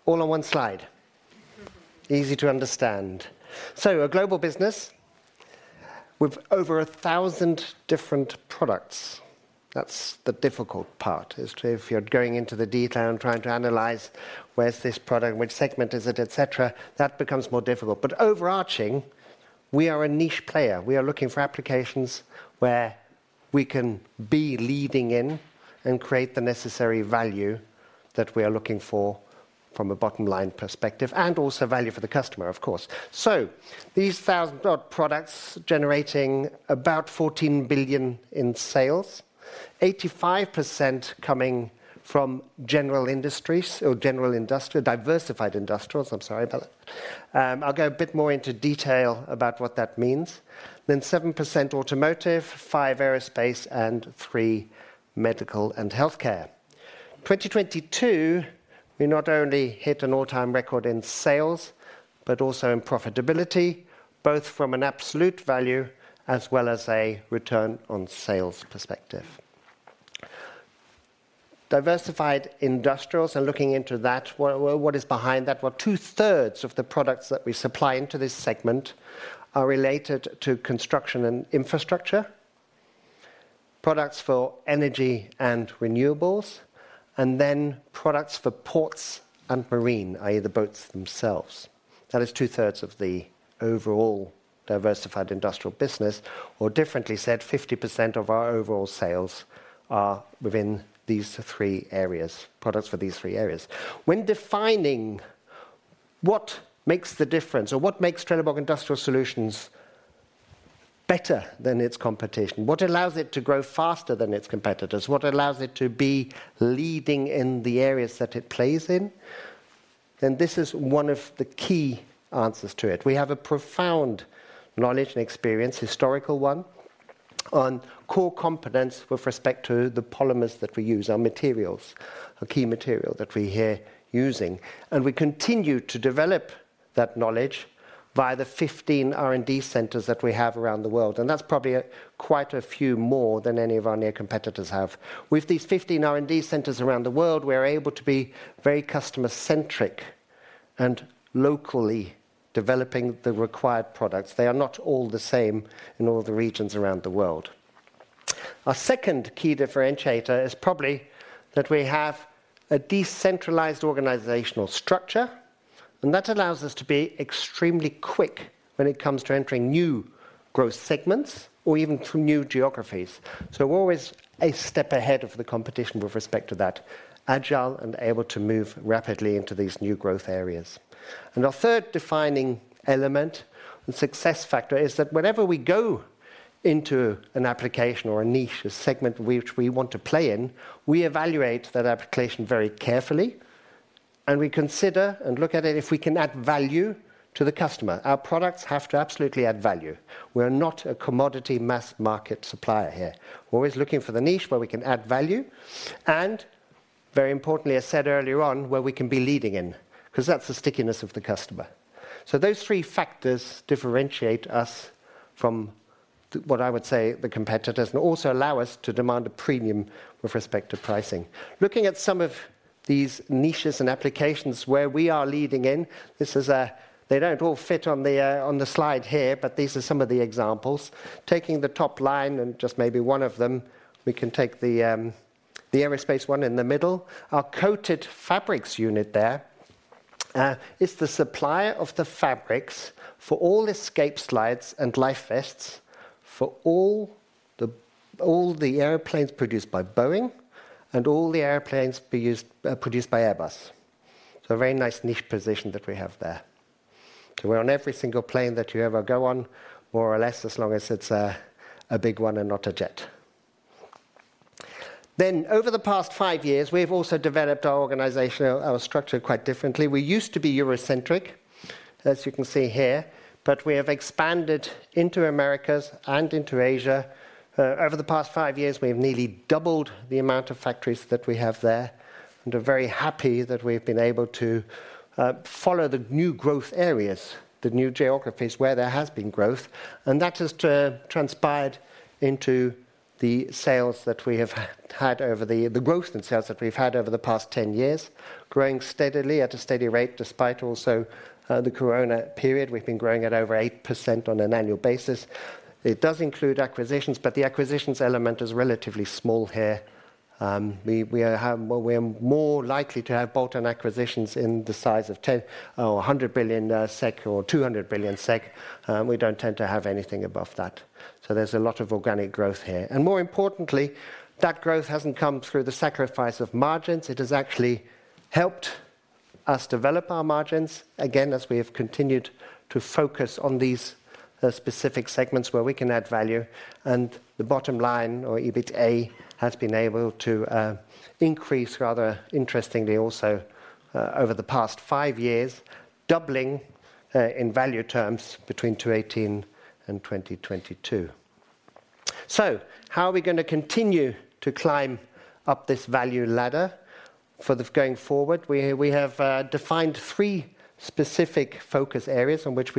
Speaker 6: all on one slide. Easy to understand. A global business with over 1,000 different products. That's the difficult part, is if you're going into the detail and trying to analyze where's this product, which segment is it, et cetera, that becomes more difficult. Overarching, we are a niche player. We are looking for applications where we can be leading in and create the necessary value that we are looking for from a bottom line perspective, and also value for the customer, of course. These 1,000 products generating about 14 billion in sales, 85% coming from general industries or general industrial, diversified industrials, I'm sorry about that. I'll go a bit more into detail about what that means. 7% automotive, 5% aerospace, and 3% medical and healthcare. 2022, we not only hit an all-time record in sales, but also in profitability, both from an absolute value as well as a return on sales perspective. Diversified industrials, looking into that, well, what is behind that? Well, two-thirds of the products that we supply into this segment are related to construction and infrastructure, products for energy and renewables, products for ports and marine, i.e. the boats themselves. That is two-thirds of the overall diversified industrial business, differently said, 50% of our overall sales are within these three areas, products for these three areas. When defining what makes the difference or what makes Trelleborg Industrial Solutions better than its competition, what allows it to grow faster than its competitors, what allows it to be leading in the areas that it plays in, this is one of the key answers to it. We have a profound knowledge and experience, historical one, on core competence with respect to the polymers that we use, our materials, a key material that we're here using. We continue to develop that knowledge via the 15 R&D centers that we have around the world. That's probably quite a few more than any of our near competitors have. With these 15 R&D centers around the world, we're able to be very customer-centric and locally developing the required products. They are not all the same in all the regions around the world. Our second key differentiator is probably that we have a decentralized organizational structure, and that allows us to be extremely quick when it comes to entering new growth segments or even to new geographies. We're always a step ahead of the competition with respect to that, agile and able to move rapidly into these new growth areas. Our third defining element and success factor is that whenever we go into an application or a niche, a segment which we want to play in, we evaluate that application very carefully, and we consider and look at it if we can add value to the customer. Our products have to absolutely add value. We're not a commodity mass market supplier here. We're always looking for the niche where we can add value, and very importantly, I said earlier on, where we can be leading in because that's the stickiness of the customer. Those three factors differentiate us from the, what I would say, the competitors and also allow us to demand a premium with respect to pricing. Looking at some of these niches and applications where we are leading in, this is. They don't all fit on the slide here, but these are some of the examples. Taking the top line and just maybe one of them, we can take the aerospace one in the middle. Our coated fabrics unit there is the supplier of the fabrics for all escape slides and life vests for all the, all the airplanes produced by Boeing and all the airplanes produced by Airbus. A very nice niche position that we have there. So we're on every single plane that you ever go on, more or less, as long as it's a big one and not a jet. Over the past five years, we have also developed our organization, our structure quite differently. We used to be Eurocentric, as you can see here, but we have expanded into Americas and into Asia. Over the past five years, we've nearly doubled the amount of factories that we have there and are very happy that we've been able to follow the new growth areas, the new geographies where there has been growth. That has transpired into the sales that we have had over the growth in sales that we've had over the past 10 years, growing steadily at a steady rate despite also the corona period. We've been growing at over 8% on an annual basis. It does include acquisitions, but the acquisitions element is relatively small here. We're more likely to have bolt-on acquisitions in the size of 10 or 100 billion SEK SEK or 200 billion SEK. We don't tend to have anything above that. There's a lot of organic growth here. More importantly, that growth hasn't come through the sacrifice of margins. It has actually helped us develop our margins, again, as we have continued to focus on these specific segments where we can add value. The bottom line, or EBITA, has been able to increase rather interestingly also over the past five years, doubling in value terms between 2018 and 2022. How are we gonna continue to climb up this value ladder going forward? We have defined three specific focus areas on which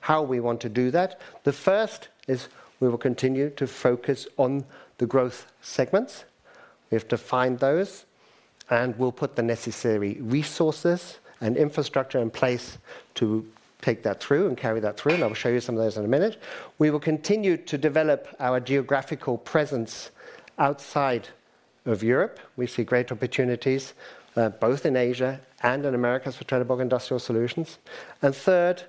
Speaker 6: how we want to do that. The first is we will continue to focus on the growth segments. We've defined those, and we'll put the necessary resources and infrastructure in place to take that through and carry that through, and I'll show you some of those in a minute. We will continue to develop our geographical presence outside of Europe. We see great opportunities, both in Asia and in Americas for Trelleborg Industrial Solutions. Third,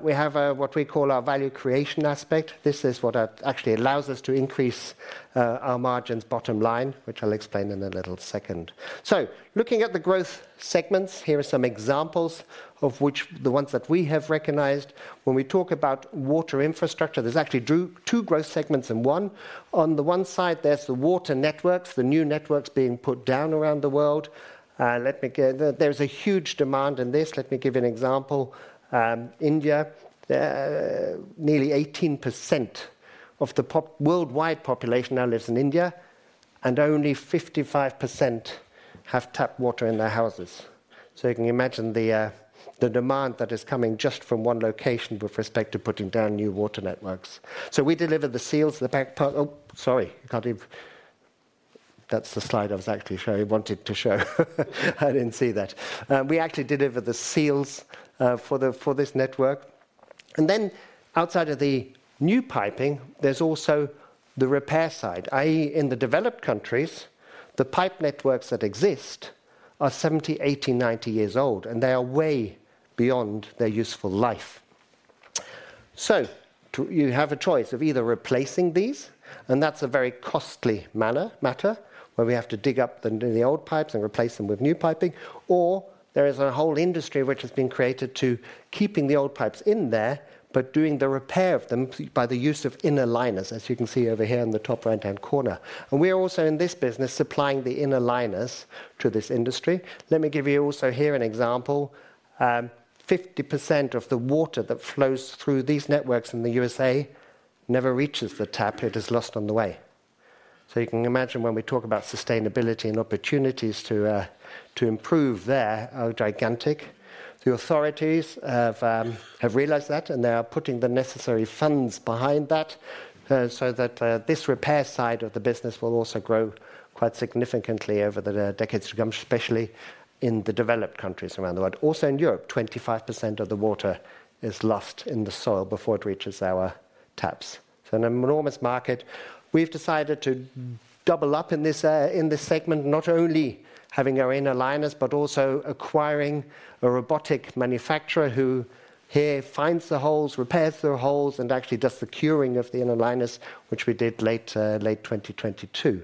Speaker 6: we have our, what we call our value creation aspect. This is what actually allows us to increase our margins bottom line, which I'll explain in a little second. Looking at the growth segments, here are some examples of which the ones that we have recognized. When we talk about water infrastructure, there's actually two growth segments in one. On the one side, there's the water networks, the new networks being put down around the world. Let me get. There's a huge demand in this. Let me give you an example. India, nearly 18% of the worldwide population now lives in India, and only 55% have tap water in their houses. You can imagine the demand that is coming just from one location with respect to putting down new water networks. We deliver the seals, the back part. Oh, sorry. Can't even. That's the slide I was actually showing, wanted to show. I didn't see that. We actually deliver the seals for this network. Outside of the new piping, there's also the repair side, i.e., in the developed countries, the pipe networks that exist are 70, 80, 90 years old, and they are way beyond their useful life. You have a choice of either replacing these, and that's a very costly matter, where we have to dig up the old pipes and replace them with new piping. There is a whole industry which has been created to keeping the old pipes in there, but doing the repair of them by the use of inner liners, as you can see over here in the top right-hand corner. We are also in this business supplying the inner liners to this industry. Let me give you also here an example. 50% of the water that flows through these networks in the USA never reaches the tap. It is lost on the way. You can imagine when we talk about sustainability and opportunities to improve there are gigantic. The authorities have realized that, and they are putting the necessary funds behind that, so that this repair side of the business will also grow quite significantly over the decades to come, especially in the developed countries around the world. Also in Europe, 25% of the water is lost in the soil before it reaches our taps. It's an enormous market. We've decided to double up in this in this segment, not only having our inner liners, but also acquiring a robotic manufacturer who here finds the holes, repairs the holes, and actually does the curing of the inner liners, which we did late late 2022.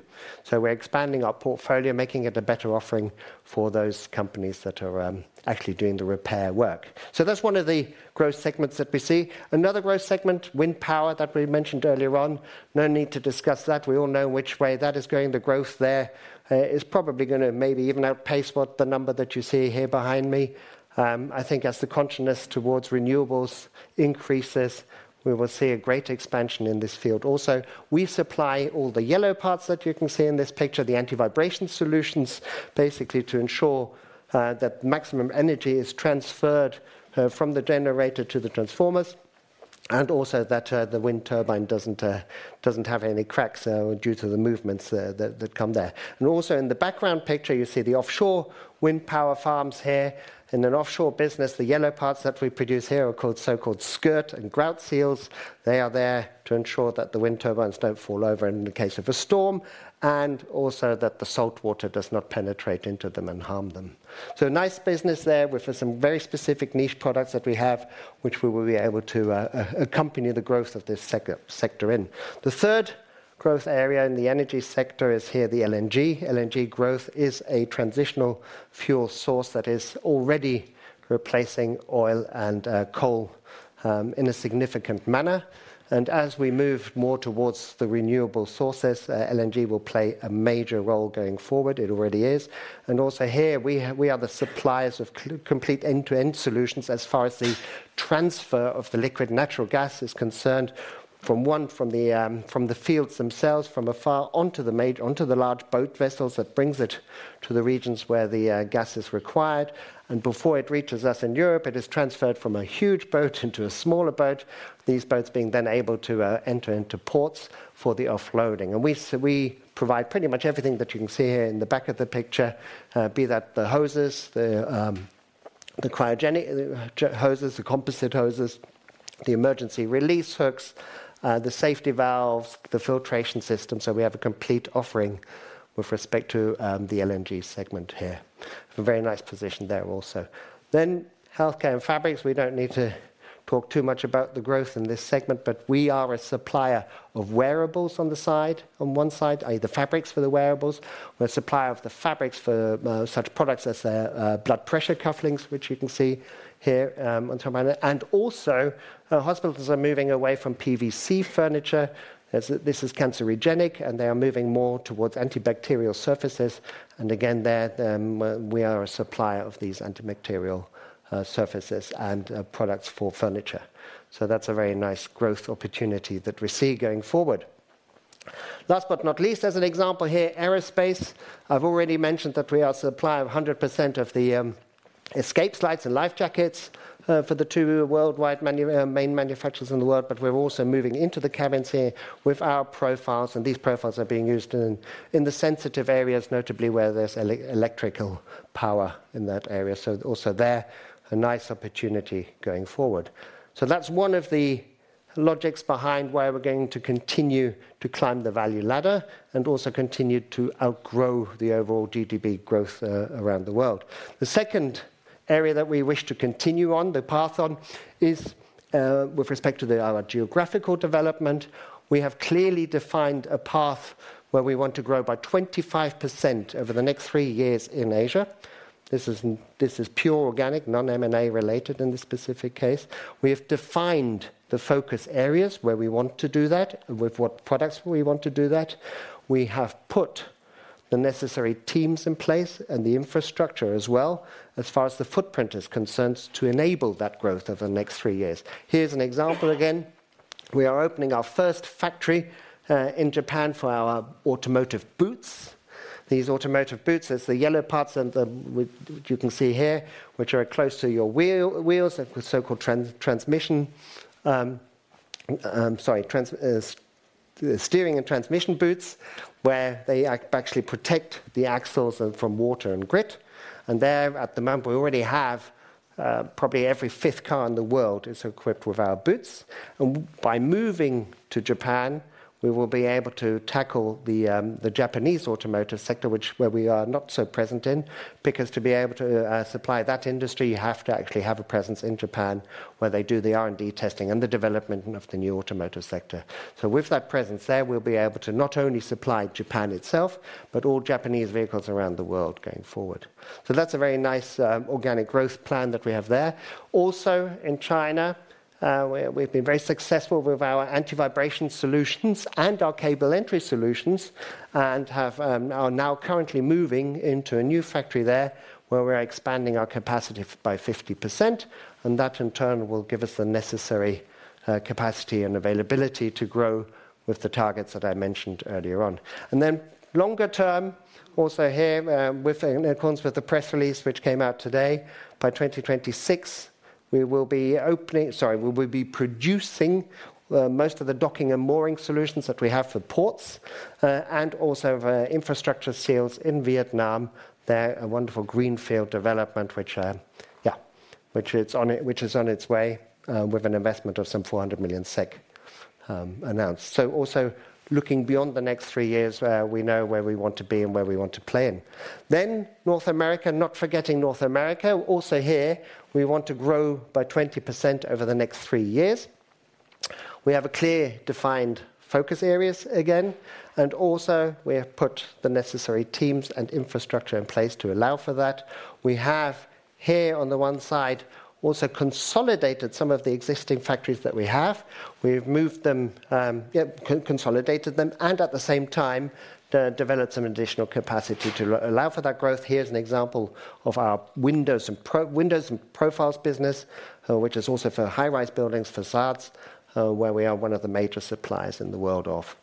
Speaker 6: We're expanding our portfolio, making it a better offering for those companies that are actually doing the repair work. That's one of the growth segments that we see. Another growth segment, wind power that we mentioned earlier on. No need to discuss that. We all know which way that is going. The growth there is probably gonna maybe even outpace what the number that you see here behind me. I think as the consciousness towards renewables increases, we will see a great expansion in this field also. We supply all the yellow parts that you can see in this picture, the anti-vibration solutions, basically to ensure that maximum energy is transferred from the generator to the transformers, and also that the wind turbine doesn't have any cracks due to the movements that come there. Also in the background picture, you see the offshore wind power farms here. In an offshore business, the yellow parts that we produce here are called so-called skirt and grout seals. They are there to ensure that the wind turbines don't fall over in the case of a storm, and also that the salt water does not penetrate into them and harm them. Nice business there with some very specific niche products that we have, which we will be able to accompany the growth of this sector in. The third growth area in the energy sector is here the LNG. LNG growth is a transitional fuel source that is already replacing oil and coal in a significant manner. As we move more towards the renewable sources, LNG will play a major role going forward. It already is. Also here we are the suppliers of complete end-to-end solutions as far as the transfer of the liquid natural gas is concerned, from one, from the fields themselves, from afar onto the large boat vessels that brings it to the regions where the gas is required. Before it reaches us in Europe, it is transferred from a huge boat into a smaller boat, these boats being then able to enter into ports for the offloading. We provide pretty much everything that you can see here in the back of the picture, be that the hoses, the cryogenic hoses, the composite hoses, the emergency release hooks, the safety valves, the filtration system. We have a complete offering with respect to the LNG segment here. A very nice position there also. Healthcare and fabrics, we don't need to talk too much about the growth in this segment, but we are a supplier of wearables on the side, on one side, i.e., the fabrics for the wearables. We're a supplier of the fabrics for such products as blood pressure cufflinks, which you can see here on top right. Hospitals are moving away from PVC furniture, as this is carcinogenic, and they are moving more towards antibacterial surfaces. Again, there, we are a supplier of these antibacterial surfaces and products for furniture. That's a very nice growth opportunity that we see going forward. Last but not least, as an example here, aerospace. I've already mentioned that we are supplier of 100% of the escape slides and life jackets for the two worldwide main manufacturers in the world. We're also moving into the cabins here with our profiles, and these profiles are being used in the sensitive areas, notably where there's electrical power in that area. Also there, a nice opportunity going forward. That's one of the logics behind why we're going to continue to climb the value ladder and also continue to outgrow the overall GDP growth around the world. The second area that we wish to continue on is with respect to our geographical development. We have clearly defined a path where we want to grow by 25% over the next 3 years in Asia. This is pure organic, non-M&A related in this specific case. We have defined the focus areas where we want to do that, with what products we want to do that. We have put the necessary teams in place and the infrastructure as well, as far as the footprint is concerned, to enable that growth over the next three years. Here's an example again. We are opening our first factory in Japan for our automotive boots. These automotive boots, it's the yellow parts and the which you can see here, which are close to your wheels, the so-called transmission, sorry, steering and transmission boots, where they actually protect the axles from water and grit. There at the moment, we already have, probably every fifth car in the world is equipped with our boots. By moving to Japan, we will be able to tackle the Japanese automotive sector, which, where we are not so present in, because to be able to supply that industry, you have to actually have a presence in Japan, where they do the R&D testing and the development of the new automotive sector. With that presence there, we'll be able to not only supply Japan itself, but all Japanese vehicles around the world going forward. That's a very nice organic growth plan that we have there. Also in China, where we've been very successful with our anti-vibration solutions and our cable entry solutions, and have, are now currently moving into a new factory there, where we're expanding our capacity by 50%, and that in turn will give us the necessary capacity and availability to grow with the targets that I mentioned earlier on. Longer term, also here, with, in accordance with the press release which came out today, by 2026, we will be producing most of the docking and mooring solutions that we have for ports, and also for infrastructure sales in Vietnam. They're a wonderful greenfield development which, yeah, which is on its way, with an investment of some 400 million SEK, announced. Also looking beyond the next three years, we know where we want to be and where we want to play in. North America, not forgetting North America, also here, we want to grow by 20% over the next three years. We have a clear defined focus areas again, and also we have put the necessary teams and infrastructure in place to allow for that. We have here on the one side also consolidated some of the existing factories that we have. We've moved them, consolidated them and at the same time, developed some additional capacity to allow for that growth. Here's an example of our windows and profiles business, which is also for high-rise buildings facades, where we are one of the major suppliers in the world of.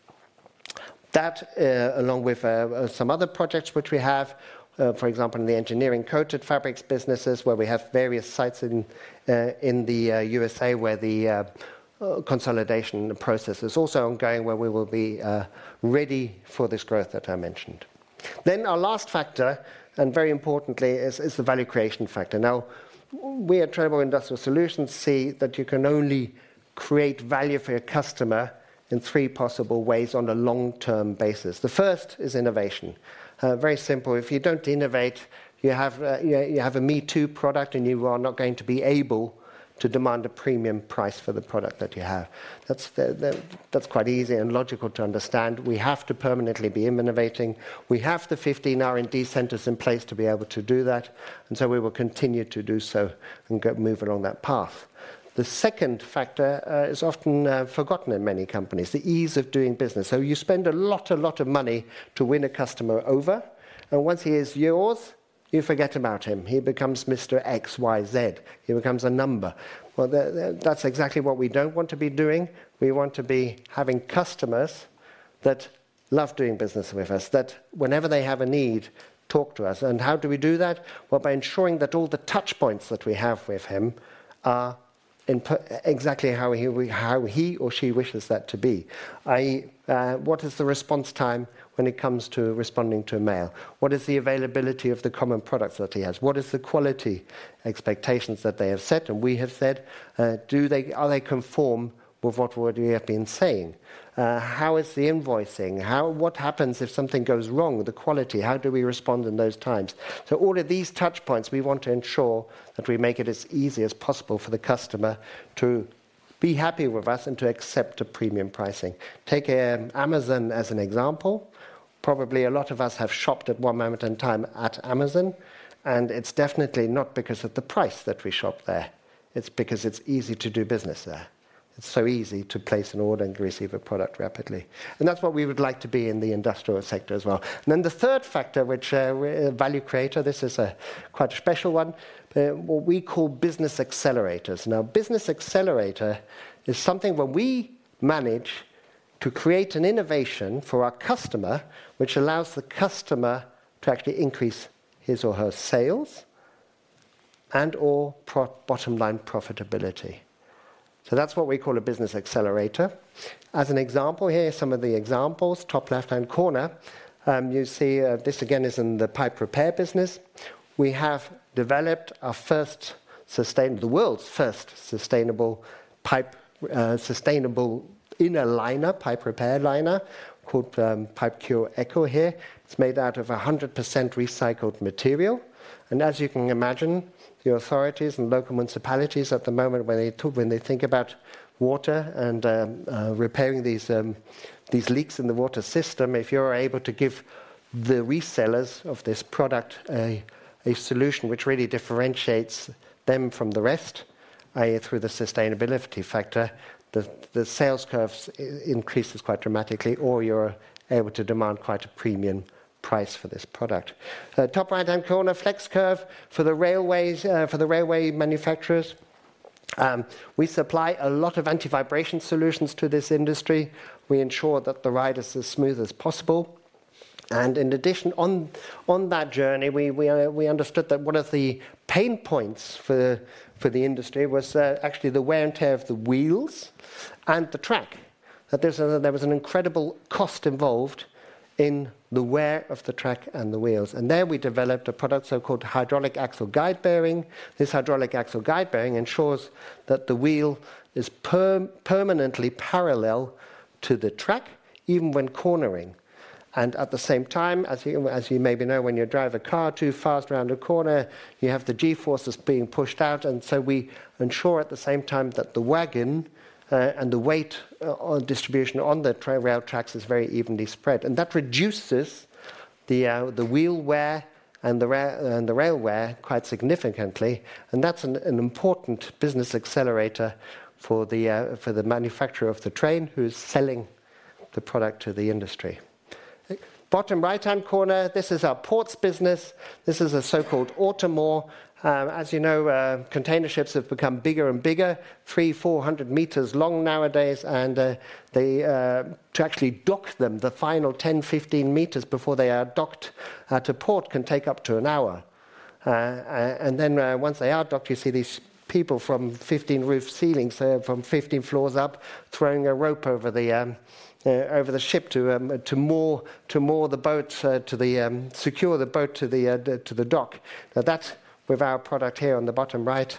Speaker 6: That along with some other projects which we have, for example, in the engineering coated fabrics businesses, where we have various sites in the USA where the consolidation process is also ongoing, where we will be ready for this growth that I mentioned. Our last factor, and very importantly, is the value creation factor. We at Trelleborg Industrial Solutions see that you can only create value for your customer in three possible ways on a long-term basis. The first is innovation. Very simple. If you don't innovate, you have a me-too product, and you are not going to be able to demand a premium price for the product that you have. That's quite easy and logical to understand. We have to permanently be innovating. We have the 15 R&D centers in place to be able to do that. We will continue to do so and go move along that path. The second factor is often forgotten in many companies, the ease of doing business. You spend a lot of money to win a customer over, and once he is yours, you forget about him. He becomes Mr. XYZ. He becomes a number. That's exactly what we don't want to be doing. We want to be having customers that love doing business with us, that whenever they have a need, talk to us. How do we do that? By ensuring that all the touch points that we have with him are input exactly how he or she wishes that to be. What is the response time when it comes to responding to a mail? What is the availability of the common products that he has? What is the quality expectations that they have set and we have set? Do they conform with what we have been saying? How is the invoicing? What happens if something goes wrong with the quality? How do we respond in those times? All of these touch points, we want to ensure that we make it as easy as possible for the customer to be happy with us and to accept a premium pricing. Take Amazon as an example. Probably a lot of us have shopped at one moment in time at Amazon, and it's definitely not because of the price that we shop there. It's because it's easy to do business there. It's so easy to place an order and to receive a product rapidly. That's what we would like to be in the industrial sector as well. Then the third factor, which value creator, this is quite a special one, what we call business accelerators. Business accelerator is something when we manage to create an innovation for our customer which allows the customer to actually increase his or her sales and/or bottom line profitability. That's what we call a business accelerator. As an example here, some of the examples, top left-hand corner, you see, this again is in the pipe repair business. We have developed the world's first sustainable pipe, sustainable inner liner, pipe repair liner, called PipeCure Eco here. It's made out of 100% recycled material. As you can imagine, the authorities and local municipalities at the moment when they think about water and repairing these leaks in the water system, if you're able to give the resellers of this product a solution which really differentiates them from the rest, i.e., through the sustainability factor, the sales curves increases quite dramatically, or you're able to demand quite a premium price for this product. Top right-hand corner, FLEXX Curve for the railways, for the railway manufacturers. We supply a lot of anti-vibration solutions to this industry. We ensure that the ride is as smooth as possible. In addition, on that journey, we understood that one of the pain points for the industry was actually the wear and tear of the wheels and the track. There was an incredible cost involved in the wear of the track and the wheels. There we developed a product, so-called Hydraulic Axle Guide Bearing. This Hydraulic Axle Guide Bearing ensures that the wheel is permanently parallel to the track, even when cornering. At the same time, as you maybe know, when you drive a car too fast around a corner, you have the G-forces being pushed out. We ensure at the same time that the wagon and the weight distribution on the rail tracks is very evenly spread. That reduces the wheel wear and the rail wear quite significantly. That's an important business accelerator for the manufacturer of the train who's selling the product to the industry. Bottom right-hand corner, this is our ports business. This is a so-called AutoMoor. As you know, container ships have become bigger and bigger, 3, 400 meters long nowadays. They, to actually dock them, the final 10, 15 meters before they are docked to port can take up to an hour. Once they are docked, you see these people from 15 roof ceilings, from 15 floors up throwing a rope over the over the ship to moor the boat, secure the boat to the dock. Now that, with our product here on the bottom right,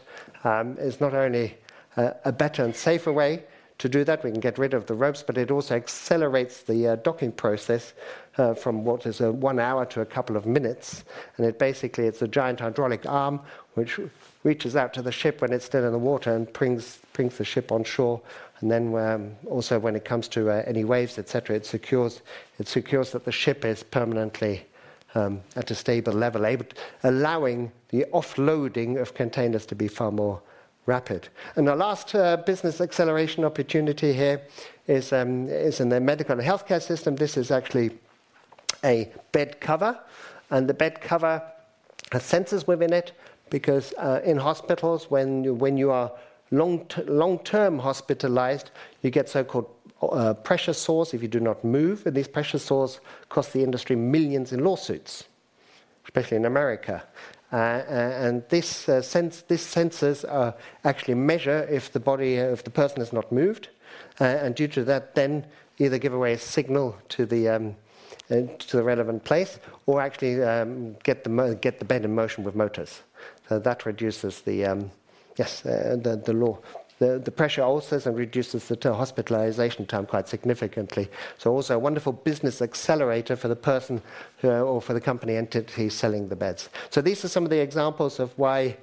Speaker 6: is not only a better and safer way to do that, we can get rid of the ropes, but it also accelerates the docking process, from what is 1 hour to a couple of minutes. Basically, it's a giant hydraulic arm which reaches out to the ship when it's still in the water and brings the ship on shore. Then when, also when it comes to any waves, et cetera, it secures that the ship is permanently at a stable level, allowing the offloading of containers to be far more rapid. The last business acceleration opportunity here is in the medical and healthcare system. This is actually a bed cover. The bed cover has sensors within it because in hospitals, when you, when you are long-term hospitalized, you get so-called pressure sores if you do not move. These pressure sores cost the industry $ millions in lawsuits, especially in America. These sensors actually measure if the body of the person has not moved, and due to that, then either give away a signal to the relevant place or actually get the bed in motion with motors. That reduces the, yes, the law. The, the pressure also reduces the hospitalization time quite significantly. Also a wonderful business accelerator for the person or for the company entity selling the beds. These are some of the examples of why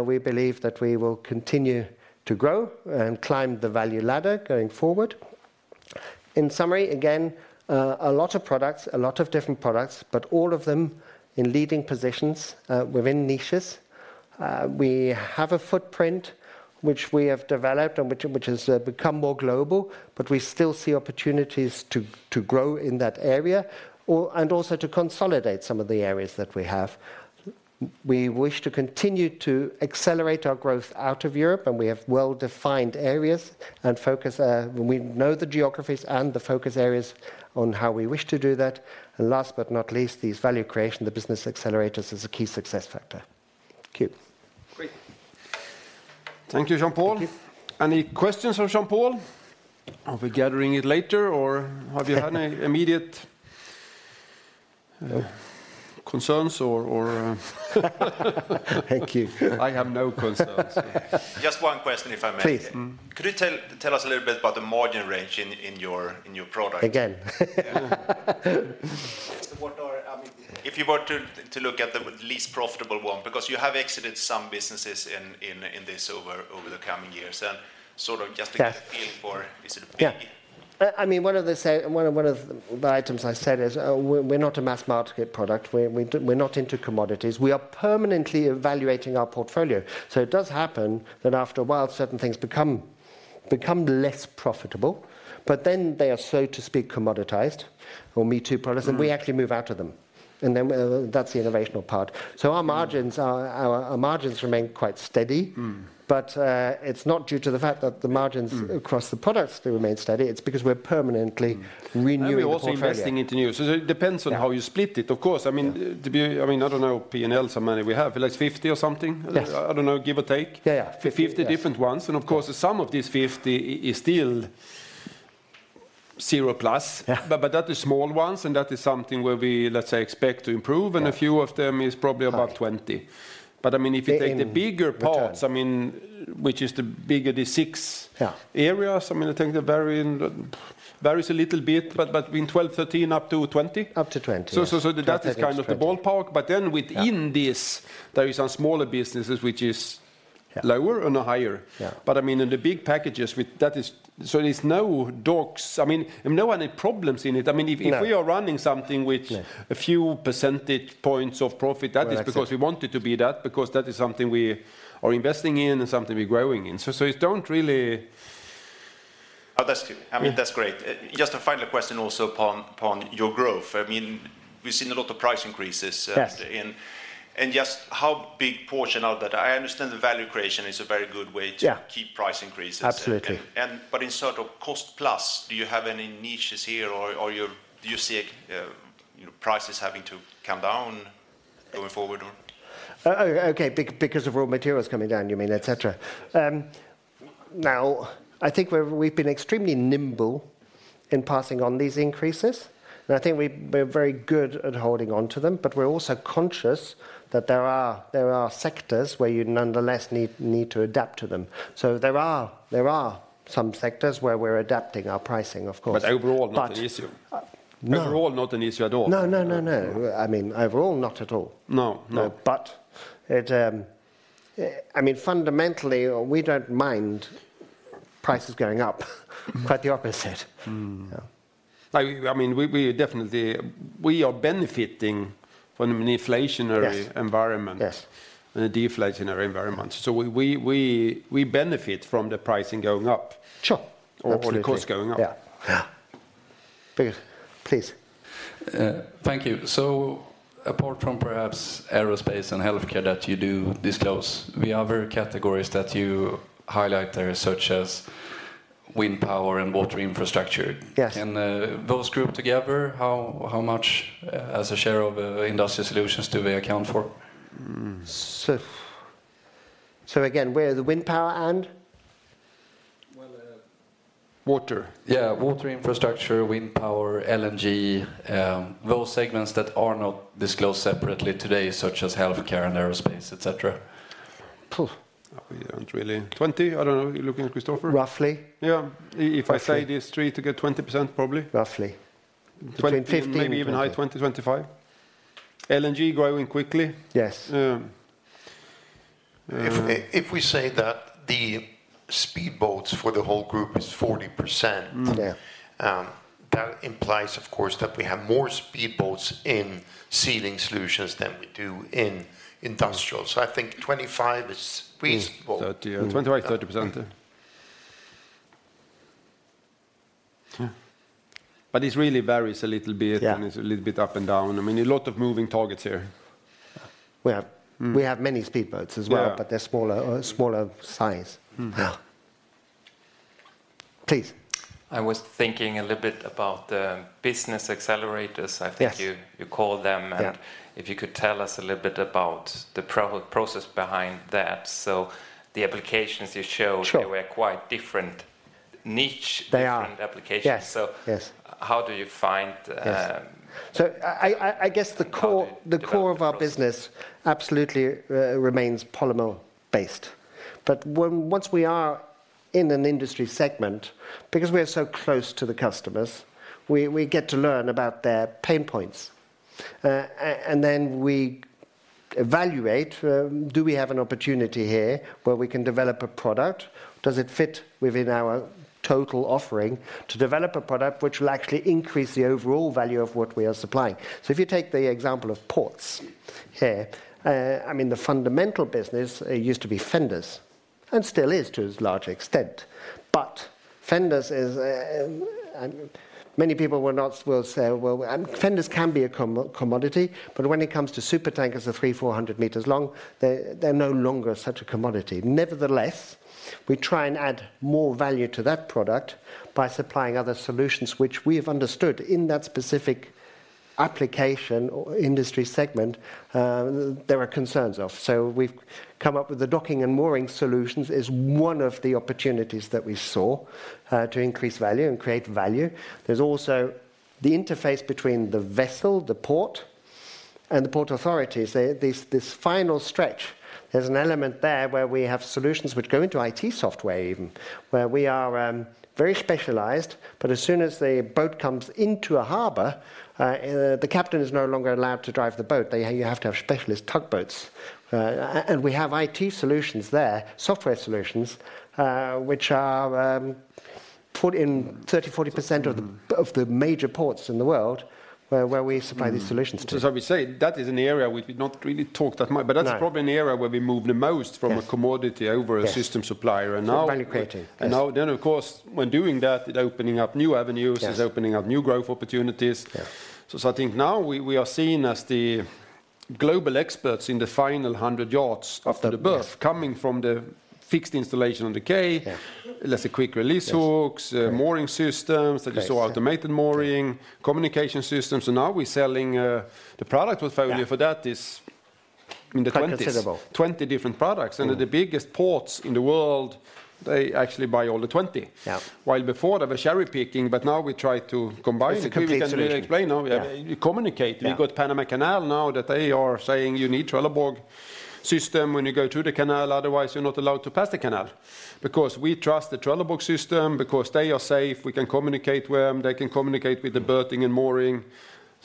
Speaker 6: we believe that we will continue to grow and climb the value ladder going forward. In summary, again, a lot of products, a lot of different products, but all of them in leading positions within niches. We have a footprint which we have developed, which has become more global, but we still see opportunities to grow in that area and also to consolidate some of the areas that we have. We wish to continue to accelerate our growth out of Europe, and we have well-defined areas and focus, and we know the geographies and the focus areas on how we wish to do that. Last but not least, this value creation, the business accelerator, is a key success factor. Thank you.
Speaker 2: Great. Thank you, Jean-Paul.
Speaker 6: Thank you.
Speaker 2: Any questions for Jean-Paul? Are we gathering it later or have you had any immediate concerns or...
Speaker 6: Thank you.
Speaker 2: I have no concerns.
Speaker 5: Just one question, if I may.
Speaker 6: Please.
Speaker 5: Could you tell us a little bit about the margin range in your product?
Speaker 6: Again?
Speaker 5: What are, I mean. If you were to look at the least profitable one, because you have exited some businesses in this over the coming years, and sort of just to get a feel for, is it a big.
Speaker 6: I mean, one of the items I said is, we're not a mass-market product. We're not into commodities. We are permanently evaluating our portfolio. It does happen that after a while, certain things become less profitable, they are, so to speak, commoditized or me-too products and we actually move out of them. That's the innovational part. Our margins remain quite steady, it's not due to the fact that the margins across the products remain steady, it's because we're permanently renewing the portfolio.
Speaker 2: We're also investing into new. It depends, how you split it, of course. I mean, I don't know P&Ls how many we have. Like 50 or something.
Speaker 6: Yes.
Speaker 2: I don't know, give or take. 50 different ones.
Speaker 6: Yes.
Speaker 2: of course, some of these 50 is still zero+. That is small ones, and that is something where we, let's say, expect to improve. A few of them is probably about 20.
Speaker 6: Right.
Speaker 2: I mean, if you take the bigger parts. I mean, which is the bigger areas, I mean, I think they're very varies a little bit, but between 12, 13, up to 20.
Speaker 6: Up to 20, yes.
Speaker 2: That is kind of the ballpark.
Speaker 6: Up to 20.
Speaker 2: Within this there is some smaller businesses which is lower and higher. I mean, in the big packages with. There's no dogs. I mean, no any problems in it. I mean, if we.
Speaker 6: No.
Speaker 2: If we are running something which a few percentage points.
Speaker 6: Right. I see.
Speaker 2: That is because we want it to be that, because that is something we are investing in and something we're growing in. It don't really,
Speaker 5: Oh, that's good. I mean, that's great. Just a final question also upon your growth. I mean, we've seen a lot of price increases.
Speaker 6: Yes.
Speaker 5: Just how big portion of that? I understand the value creation is a very good way keep price increases.
Speaker 6: Absolutely.
Speaker 5: In sort of cost plus, do you have any niches here or do you see, you know, prices having to come down going forward or?
Speaker 6: okay, because of raw materials coming down, you mean, et cetera?
Speaker 5: Yes. Yes.
Speaker 6: I think we're, we've been extremely nimble in passing on these increases, and I think we're very good at holding onto them. We're also conscious that there are sectors where you nonetheless need to adapt to them. There are some sectors where we're adapting our pricing, of course.
Speaker 5: Overall not an issue.
Speaker 6: But.
Speaker 5: Overall not an issue at all.
Speaker 6: No, no, no. I mean, overall not at all.
Speaker 5: No. No.
Speaker 6: No. It, I mean, fundamentally, we don't mind prices going up. Quite the opposite.
Speaker 2: Like, I mean, we are benefiting from an inflationary environment.
Speaker 6: Yes. Yes.
Speaker 2: Than a deflationary environment. We benefit from the pricing going up.
Speaker 6: Sure. Absolutely.
Speaker 2: Or the cost going up.
Speaker 6: Yeah. Yeah. Please. Please.
Speaker 5: Thank you. Apart from perhaps aerospace and healthcare that you do disclose, the other categories that you highlight there, such as wind power and water infrastructure.
Speaker 6: Yes.
Speaker 5: Those grouped together, how much as a share of Industrial Solutions do they account for?
Speaker 6: Again, where? The wind power and?
Speaker 5: Well.
Speaker 2: Water.
Speaker 5: Yeah, water infrastructure, wind power, LNG, those segments that are not disclosed separately today, such as healthcare and aerospace, et cetera.
Speaker 2: We aren't really 20? I don't know. You're looking at Christofer.
Speaker 1: Roughly.
Speaker 2: Yeah. If I say these three together, 20% probably.
Speaker 6: Roughly. 15, 20.
Speaker 2: Maybe even high 20%, 25%. LNG growing quickly.
Speaker 6: Yes.
Speaker 1: If we say that the speedboats for the whole group is 40% that implies, of course, that we have more speedboats in Sealing Solutions than we do in Industrial. I think 25 is reasonable.
Speaker 2: 30. 25%, 30%. Yeah. This really varies a little bit. It's a little bit up and down. I mean, a lot of moving targets here.
Speaker 6: We have many speedboats as well they're smaller size. Yeah.Please
Speaker 2: I was thinking a little bit about the business accelerators.
Speaker 6: Yes.
Speaker 2: I think you call them. If you could tell us a little bit about the process behind that. The applications you showed.
Speaker 6: Sure.
Speaker 2: They were quite different niche-
Speaker 6: They are.
Speaker 2: Different applications.
Speaker 6: Yes, yes.
Speaker 2: How do you find?
Speaker 6: Yes. I guess.
Speaker 2: How do you develop the process?
Speaker 6: the core of our business absolutely remains polymer-based. Once we are in an industry segment, because we are so close to the customers, we get to learn about their pain points. And then we evaluate, do we have an opportunity here where we can develop a product? Does it fit within our total offering to develop a product which will actually increase the overall value of what we are supplying? If you take the example of ports here, I mean, the fundamental business used to be fenders, and still is to as large extent. Fenders is, many people will not say, "Well, fenders can be a commodity," but when it comes to supertankers of three, 400 meters long, they're no longer such a commodity. We try and add more value to that product by supplying other solutions which we have understood in that specific application or industry segment, there are concerns of. We've come up with the docking and mooring solutions as one of the opportunities that we saw to increase value and create value. There's also the interface between the vessel, the port, and the port authorities. This final stretch, there's an element there where we have solutions which go into IT software even, where we are very specialized, but as soon as the boat comes into a harbor, the captain is no longer allowed to drive the boat. You have to have specialist tugboats. We have IT solutions there, software solutions which are put in 30%, 40% of the of the major ports in the world where we supply these solutions to.
Speaker 2: As we say, that is an area we did not really talk that much.
Speaker 6: No.
Speaker 2: That's probably an area where we move the most.
Speaker 6: Yes.
Speaker 2: From a commodity over.
Speaker 6: Yes.
Speaker 2: A system supplier.
Speaker 6: Value creating, yes
Speaker 2: Now then, of course, when doing that, it opening up new avenues.
Speaker 6: Yes.
Speaker 2: it's opening up new growth opportunities. I think now we are seen as the global experts in the final 100 yards.
Speaker 6: Of the birth.
Speaker 2: Of the birth, coming from the fixed installation on the quay. Less a quick release hooks.
Speaker 6: Yes.
Speaker 2: Mooring systems that you saw, automated mooring communication systems, so now we're selling, the product with value for that is in the 20s.
Speaker 6: Quite considerable.
Speaker 2: 20 different products. The biggest ports in the world, they actually buy all the 20. Before they were cherry-picking, but now we try to combine.
Speaker 6: It's a complete solution.
Speaker 2: Can we really explain now you communicate.
Speaker 6: You got.
Speaker 2: Panama Canal now that they are saying you need Trelleborg system when you go through the canal, otherwise you're not allowed to pass the canal. We trust the Trelleborg system because they are safe, we can communicate with them, they can communicate with the berthing and mooring.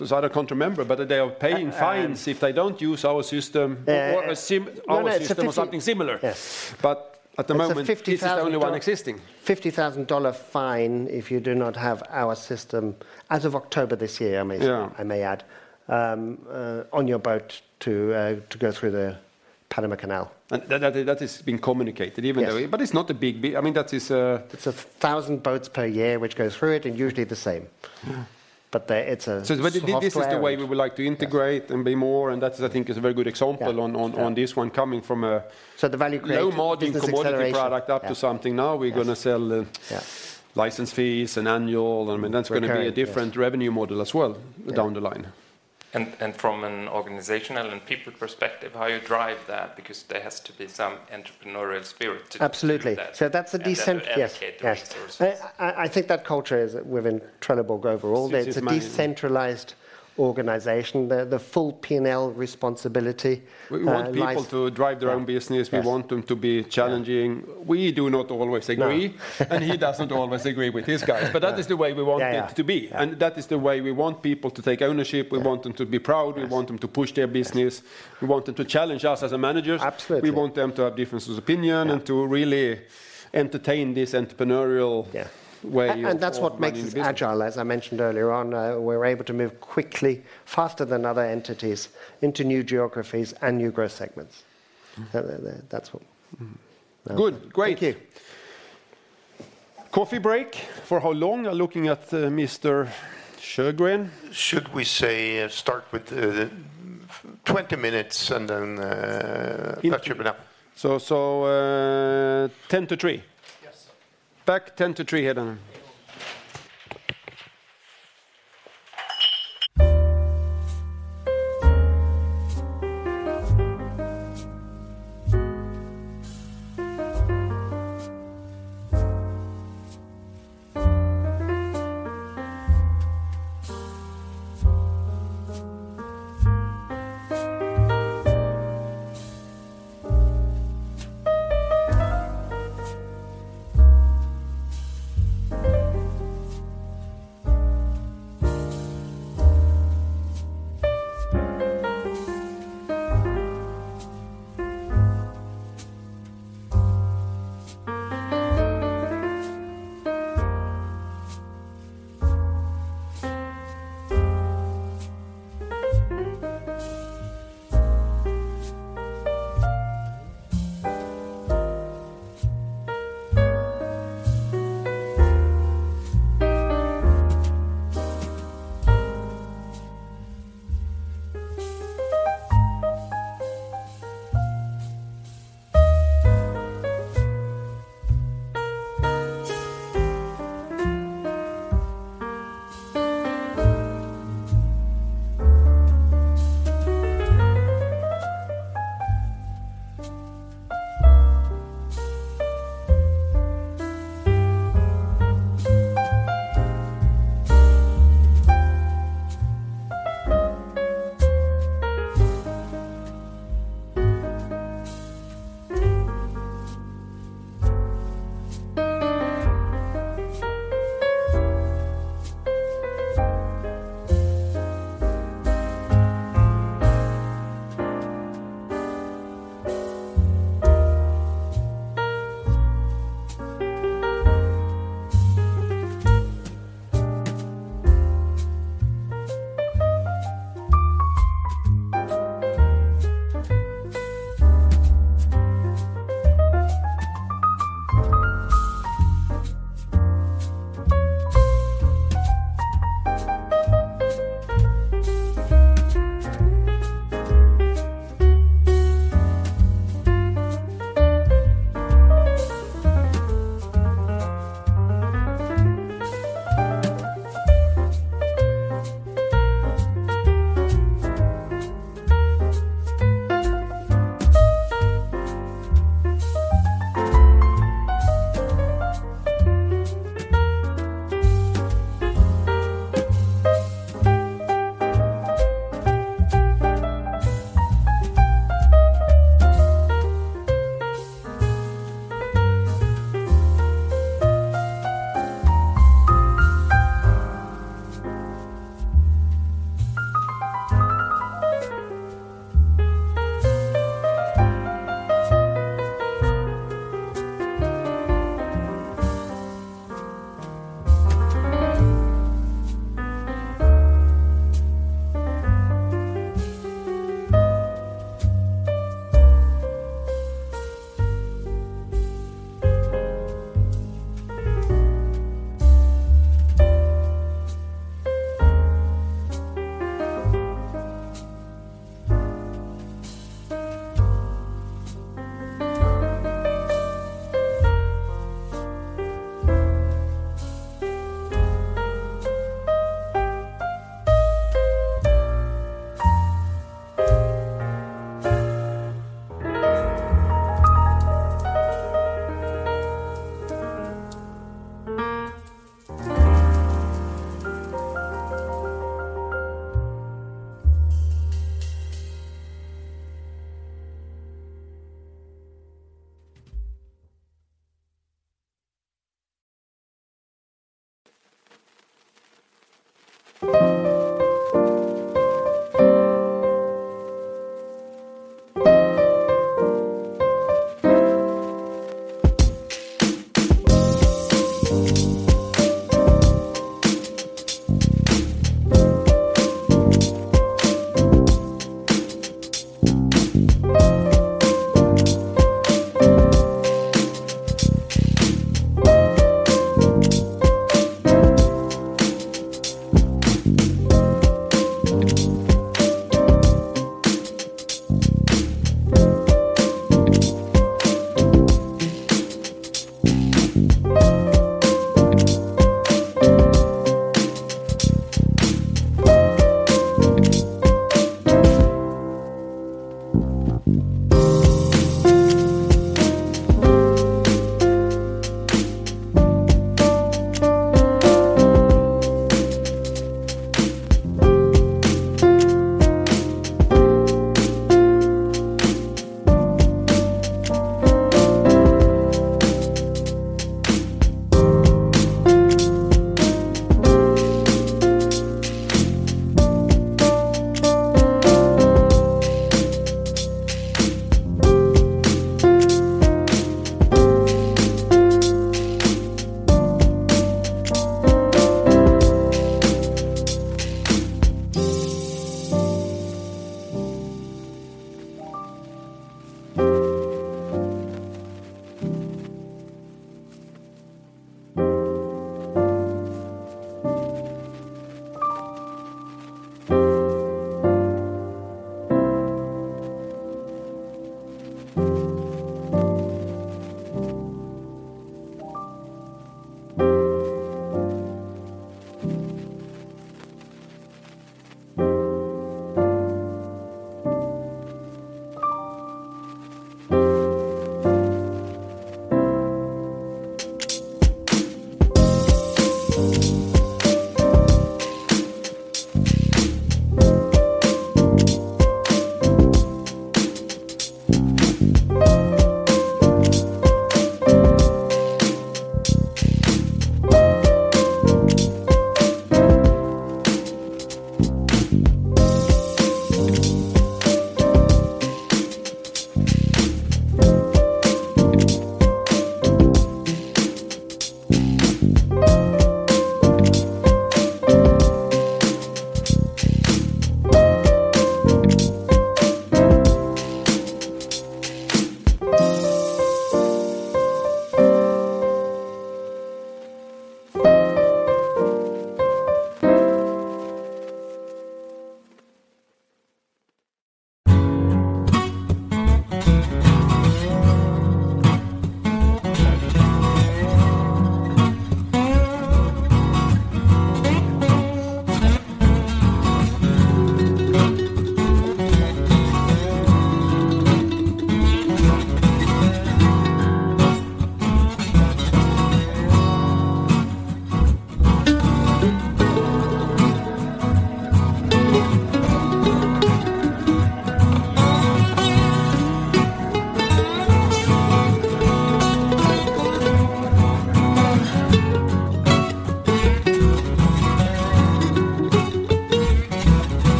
Speaker 2: I can't remember, but they are paying fines if they don't use our system or our system
Speaker 6: No, no, it's a 50.
Speaker 2: Or something similar.
Speaker 6: Yes.
Speaker 2: At the moment.
Speaker 6: It's a $50,000.
Speaker 2: This is the only one existing.
Speaker 6: $50,000 fine if you do not have our system as of October this year. I may add, on your boat to go through the Panama Canal.
Speaker 2: That, that is being communicated.
Speaker 6: Yes.
Speaker 2: But it's not a big I mean, that is...
Speaker 6: It's 1,000 boats per year which go through it. Usually the same they, it's a software.
Speaker 2: But this is the way we would like to integrate and be more, and that's I think is a very good example on this one coming from.
Speaker 6: The value create business acceleration.
Speaker 2: Low margin commodity product up to something now.
Speaker 6: Yes.
Speaker 2: We're gonna sell license fees and annual. I mean, that's gonna be.
Speaker 6: Recurring, yes.
Speaker 2: A different revenue model as well down the line. From an organizational and people perspective, how you drive that, because there has to be some entrepreneurial spirit to do that.
Speaker 6: Absolutely. that's the decent.
Speaker 2: How you allocate the resources.
Speaker 6: Yes. I think that culture is within Trelleborg overall.
Speaker 2: Strategically.
Speaker 6: It's a decentralized organization. The full P&L responsibility, lies-
Speaker 2: We want people to drive their own business.
Speaker 6: Yeah. Yes.
Speaker 2: We want them to be challenging. We do not always agree.
Speaker 6: No.
Speaker 2: He doesn't always agree with his guys. That is the way we want it to be. That is the way we want people to take ownership. We want them to be proud.
Speaker 6: Yes.
Speaker 2: We want them to push their business.
Speaker 6: Yes.
Speaker 2: We want them to challenge us as managers.
Speaker 6: Absolutely.
Speaker 2: We want them to have differences of opinion and to really entertain this entrepreneurial way of running business.
Speaker 6: That's what makes us agile, as I mentioned earlier on. We're able to move quickly, faster than other entities, into new geographies and new growth segments. That's what.
Speaker 2: Good. Great.
Speaker 6: Thank you.
Speaker 2: Coffee break. For how long? I'm looking at Mr. Sjögren.
Speaker 1: Should we say, start with, 20 minutes and then.
Speaker 2: In 20.
Speaker 1: Touch it up.
Speaker 2: 10 to three.
Speaker 1: Yes.
Speaker 2: Back 10 to three, Nilsson.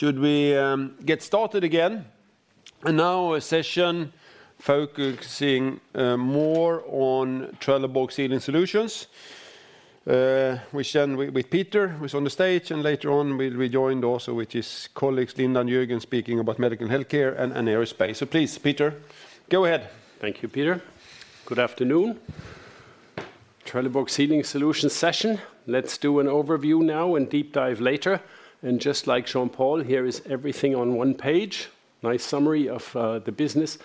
Speaker 2: Should we get started again? A session focusing more on Trelleborg Sealing Solutions, which then with Peter who's on the stage, and later on we'll be joined also with his colleagues, Linda and Jürgen, speaking about Medical Healthcare and Aerospace. Peter, go ahead.
Speaker 7: Thank you, Peter. Good afternoon. Trelleborg Sealing Solutions session. Let's do an overview now and deep dive later. Just like Jean-Paul, here is everything on one page. Nice summary of the business.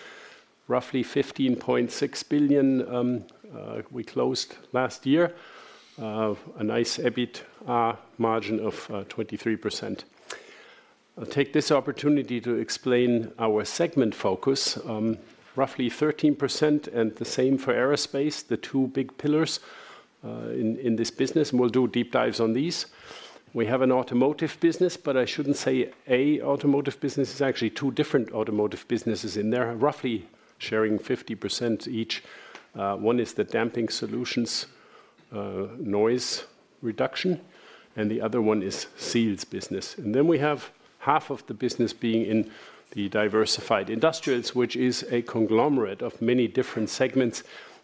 Speaker 7: Roughly 15.6 billion we closed last year of a nice EBIT margin of 23%. I'll take this opportunity to explain our segment focus, roughly 13% and the same for Aerospace, the two big pillars in this business, and we'll do deep dives on these. We have an automotive business, but I shouldn't say a automotive business. It's actually two different automotive businesses in there, roughly sharing 50% each. One is the damping solutions, noise reduction, and the other one is seals business. We have half of the business being in the diversified industrials, which is a conglomerate of many different segments,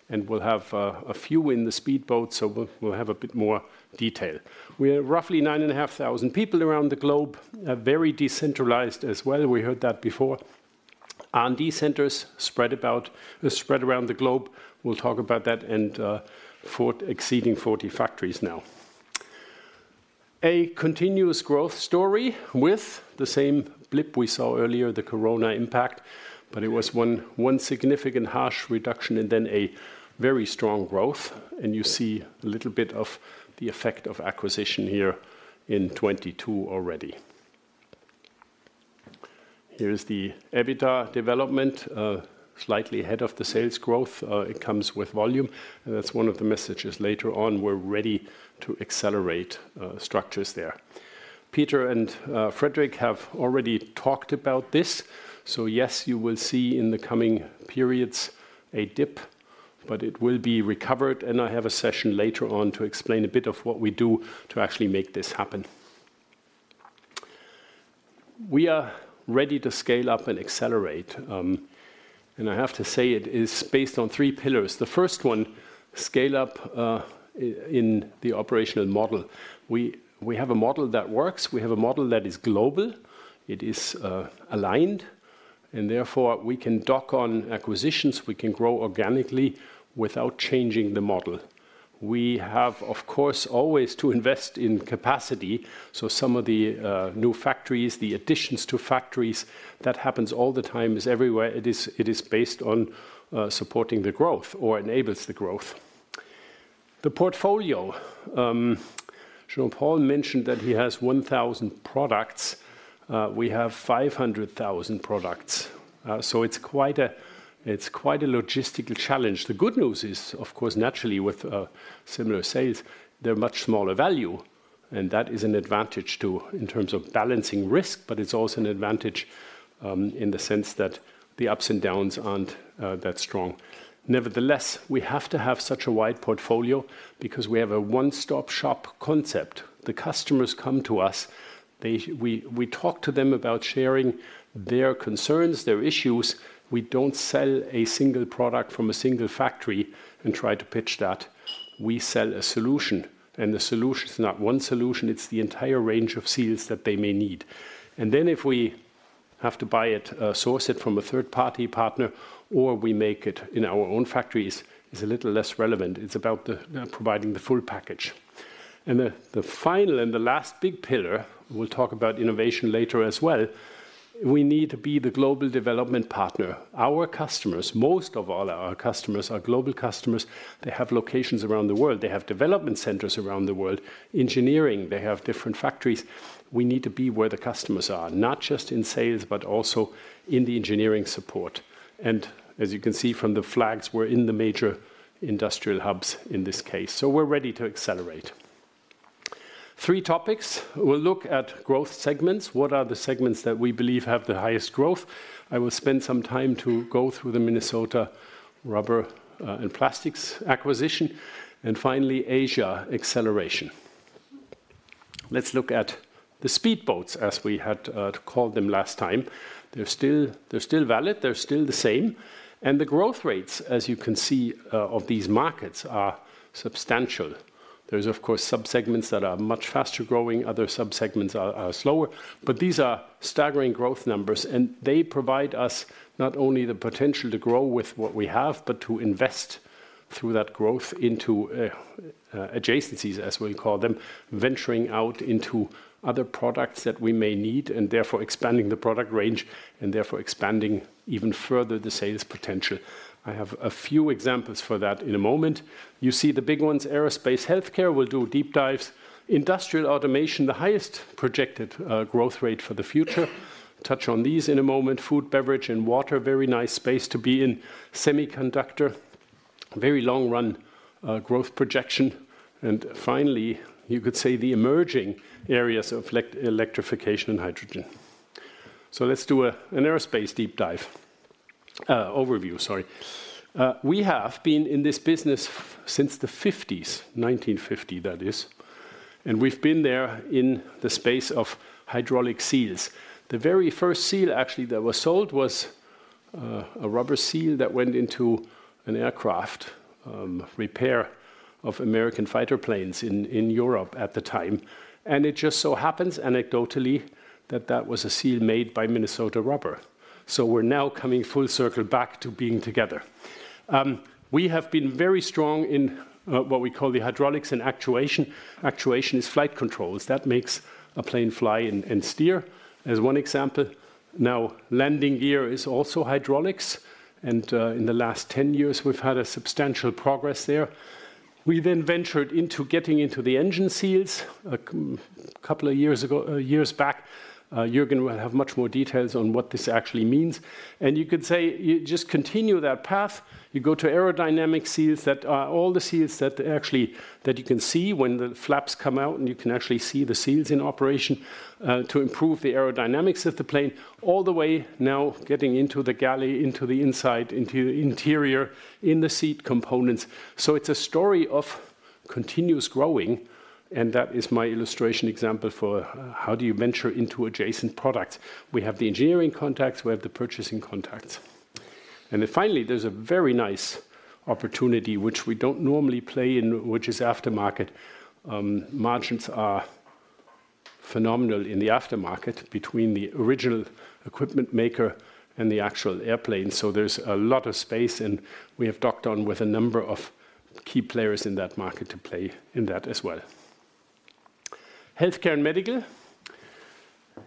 Speaker 7: we'll have a few in the Speedboat, we'll have a bit more detail. We are roughly 9,500 people around the globe, very decentralized as well. We heard that before. R&D centers spread around the globe. We'll talk about that and exceeding 40 factories now. A continuous growth story with the same blip we saw earlier, the corona impact, it was one significant harsh reduction, a very strong growth. You see a little bit of the effect of acquisition here in 2022 already. Here is the EBITDA development, slightly ahead of the sales growth. It comes with volume, that's one of the messages. Later on, we're ready to accelerate structures there. Peter and Fredrik have already talked about this. Yes, you will see in the coming periods a dip, but it will be recovered. I have a session later on to explain a bit of what we do to actually make this happen. We are ready to scale up and accelerate. I have to say it is based on three pillars. The first one, scale up in the operational model. We have a model that works, we have a model that is global, it is aligned, and therefore we can dock on acquisitions, we can grow organically without changing the model. We have, of course, always to invest in capacity, so some of the new factories, the additions to factories, that happens all the time is everywhere. It is based on supporting the growth or enables the growth. The portfolio. Jean-Paul mentioned that he has 1,000 products. We have 500,000 products. It's quite a logistical challenge. The good news is, of course, naturally with similar sales, they're much smaller value, and that is an advantage to in terms of balancing risk, but it's also an advantage in the sense that the ups and downs aren't that strong. Nevertheless, we have to have such a wide portfolio because we have a one-stop shop concept. The customers come to us, we talk to them about sharing their concerns, their issues. We don't sell a single product from a single factory and try to pitch that. We sell a solution, and the solution is not one solution, it's the entire range of seals that they may need. If we have to buy it, source it from a third-party partner, or we make it in our own factories, is a little less relevant. It's about the providing the full package. The final and the last big pillar, we'll talk about innovation later as well, we need to be the global development partner. Our customers, most of all our customers are global customers. They have locations around the world. They have development centers around the world. Engineering, they have different factories. We need to be where the customers are, not just in sales, but also in the engineering support. As you can see from the flags, we're in the major industrial hubs in this case. We're ready to accelerate. Three topics. We'll look at growth segments. What are the segments that we believe have the highest growth? I will spend some time to go through the Minnesota Rubber & Plastics acquisition. Finally, Asia acceleration. Let's look at the speedboats, as we had to call them last time. They're still valid, they're still the same. The growth rates, as you can see, of these markets are substantial. There's, of course, subsegments that are much faster-growing, other subsegments are slower. These are staggering growth numbers, and they provide us not only the potential to grow with what we have, but to invest through that growth into adjacencies, as we call them, venturing out into other products that we may need, and therefore expanding the product range, and therefore expanding even further the sales potential. I have a few examples for that in a moment. You see the big ones, aerospace, healthcare, we'll do deep dives. Industrial automation, the highest projected growth rate for the future. Touch on these in a moment. Food, beverage, and water, very nice space to be in. Semiconductor, very long-run growth projection. Finally, you could say the emerging areas of electrification and hydrogen. Let's do an aerospace deep dive. Overview, sorry. We have been in this business since the 1950s, 1950 that is, and we've been there in the space of hydraulic seals. The very first seal actually that was sold was a rubber seal that went into an aircraft repair of American fighter planes in Europe at the time. It just so happens anecdotally that that was a seal made by Minnesota Rubber. We're now coming full circle back to being together. We have been very strong in what we call the hydraulics and actuation. Actuation is flight controls. That makes a plane fly and steer, as one example. Landing gear is also hydraulics, and in the last 10 years, we've had a substantial progress there. We then ventured into getting into the engine seals a couple of years ago, years back. Jürgen will have much more details on what this actually means. You could say you just continue that path. You go to aerodynamic seals that are all the seals that you can see when the flaps come out, and you can actually see the seals in operation, to improve the aerodynamics of the plane, all the way now getting into the galley, into the inside, into interior, in the seat components. It's a story of continuous growing, and that is my illustration example for how do you venture into adjacent products. We have the engineering contacts, we have the purchasing contacts. Then finally, there's a very nice opportunity which we don't normally play in, which is aftermarket. Margins are phenomenal in the aftermarket between the original equipment maker and the actual airplane. There's a lot of space, and we have docked on with a number of key players in that market to play in that as well. Healthcare and medical.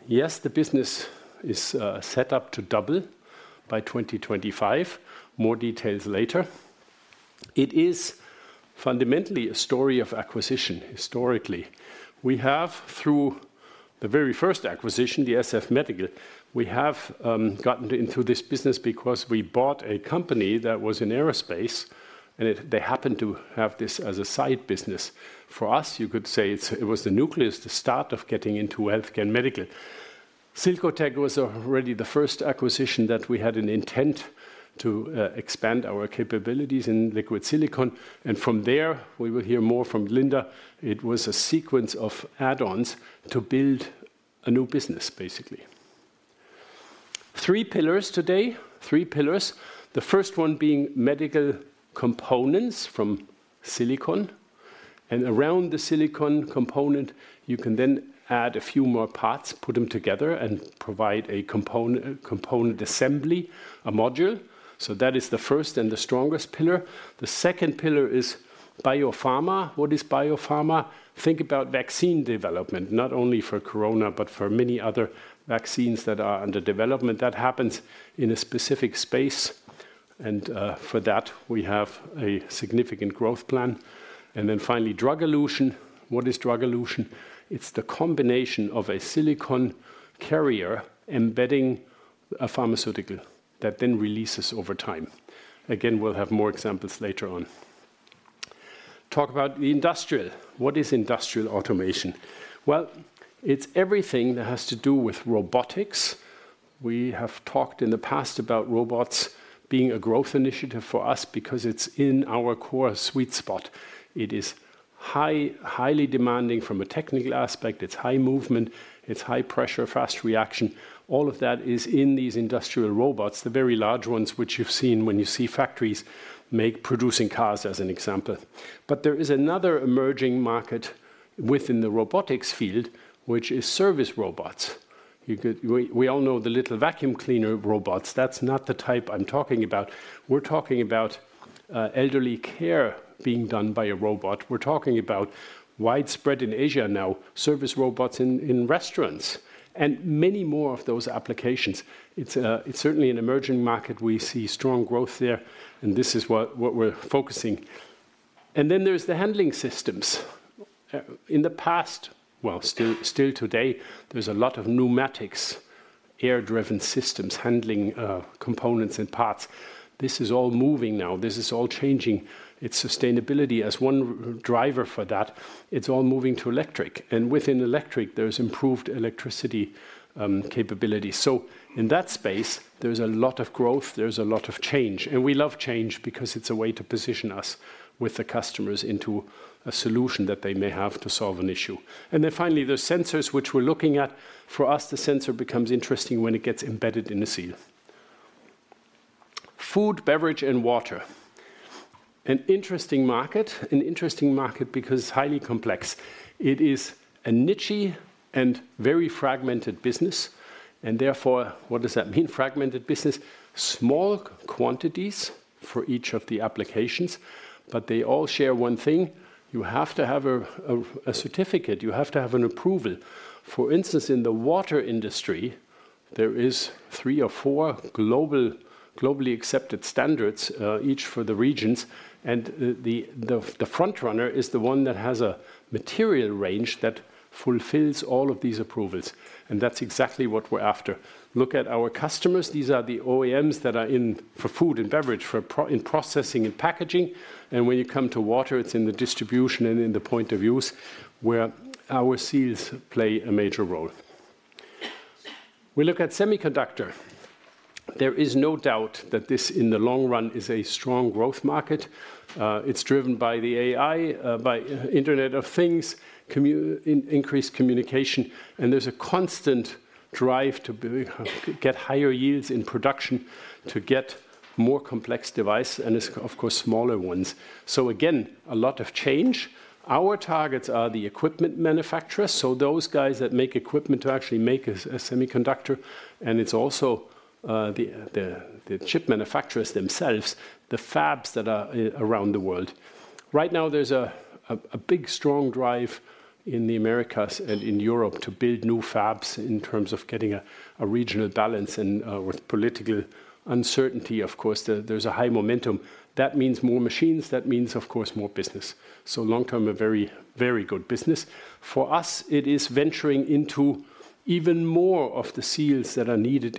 Speaker 7: Yes, the business is set up to double by 2025. More details later. It is fundamentally a story of acquisition historically. We have, through the very first acquisition, the Specialty Silicone Fabricators, we have gotten into this business because we bought a company that was in aerospace, and they happened to have this as a side business. For us, you could say it's, it was the nucleus, the start of getting into healthcare and medical. Silcotech was already the first acquisition that we had an intent to expand our capabilities in liquid silicone. From there, we will hear more from Linda, it was a sequence of add-ons to build a new business, basically. Three pillars today. Three pillars, the first one being medical components from silicone. Around the silicone component, you can then add a few more parts, put them together, and provide a component assembly, a module. That is the first and the strongest pillar. The second pillar is biopharma. What is biopharma? Think about vaccine development, not only for Corona, but for many other vaccines that are under development. That happens in a specific space, for that we have a significant growth plan. Finally, drug elution. What is drug elution? It's the combination of a silicone carrier embedding a pharmaceutical that then releases over time. Again, we'll have more examples later on. Talk about the industrial. What is industrial automation? Well, it's everything that has to do with robotics. We have talked in the past about robots being a growth initiative for us because it's in our core sweet spot. It is highly demanding from a technical aspect. It's high movement, it's high pressure, fast reaction. All of that is in these industrial robots, the very large ones which you've seen when you see factories make producing cars as an example. There is another emerging market within the robotics field, which is service robots. We all know the little vacuum cleaner robots. That's not the type I'm talking about. We're talking about elderly care being done by a robot. We're talking about widespread in Asia now, service robots in restaurants, and many more of those applications. It's certainly an emerging market. We see strong growth there, and this is what we're focusing. Then there's the handling systems. In the past, well, still today, there's a lot of pneumatics, air-driven systems handling components and parts. This is all moving now. This is all changing. It's sustainability as one driver for that. It's all moving to electric. Within electric, there's improved electricity capability. In that space, there's a lot of growth, there's a lot of change, and we love change because it's a way to position us with the customers into a solution that they may have to solve an issue. Finally, the sensors which we're looking at. For us, the sensor becomes interesting when it gets embedded in the seal. Food, beverage, and water. An interesting market. An interesting market because it's highly complex. It is a niche-y and very fragmented business, and therefore, what does that mean, fragmented business? Small quantities for each of the applications, but they all share one thing. You have to have a certificate, you have to have an approval. For instance, in the water industry, there is 3 or 4 globally accepted standards, each for the regions, and the frontrunner is the one that has a material range that fulfills all of these approvals. That's exactly what we're after. Look at our customers. These are the OEMs that are in for food and beverage, for in processing and packaging. When you come to water, it's in the distribution and in the point of use where our seals play a major role. We look at semiconductor. There is no doubt that this, in the long run, is a strong growth market. It's driven by the AI, by Internet of Things, increased communication, and there's a constant drive to get higher yields in production to get more complex device and is, of course, smaller ones. Again, a lot of change. Our targets are the equipment manufacturers, so those guys that make equipment to actually make a semiconductor. It's also the chip manufacturers themselves, the fabs that are around the world. Right now, there's a big strong drive in the Americas and in Europe to build new fabs in terms of getting a regional balance and with political uncertainty, of course, there's a high momentum. That means more machines. That means, of course, more business. Long term, a very, very good business. For us, it is venturing into even more of the seals that are needed.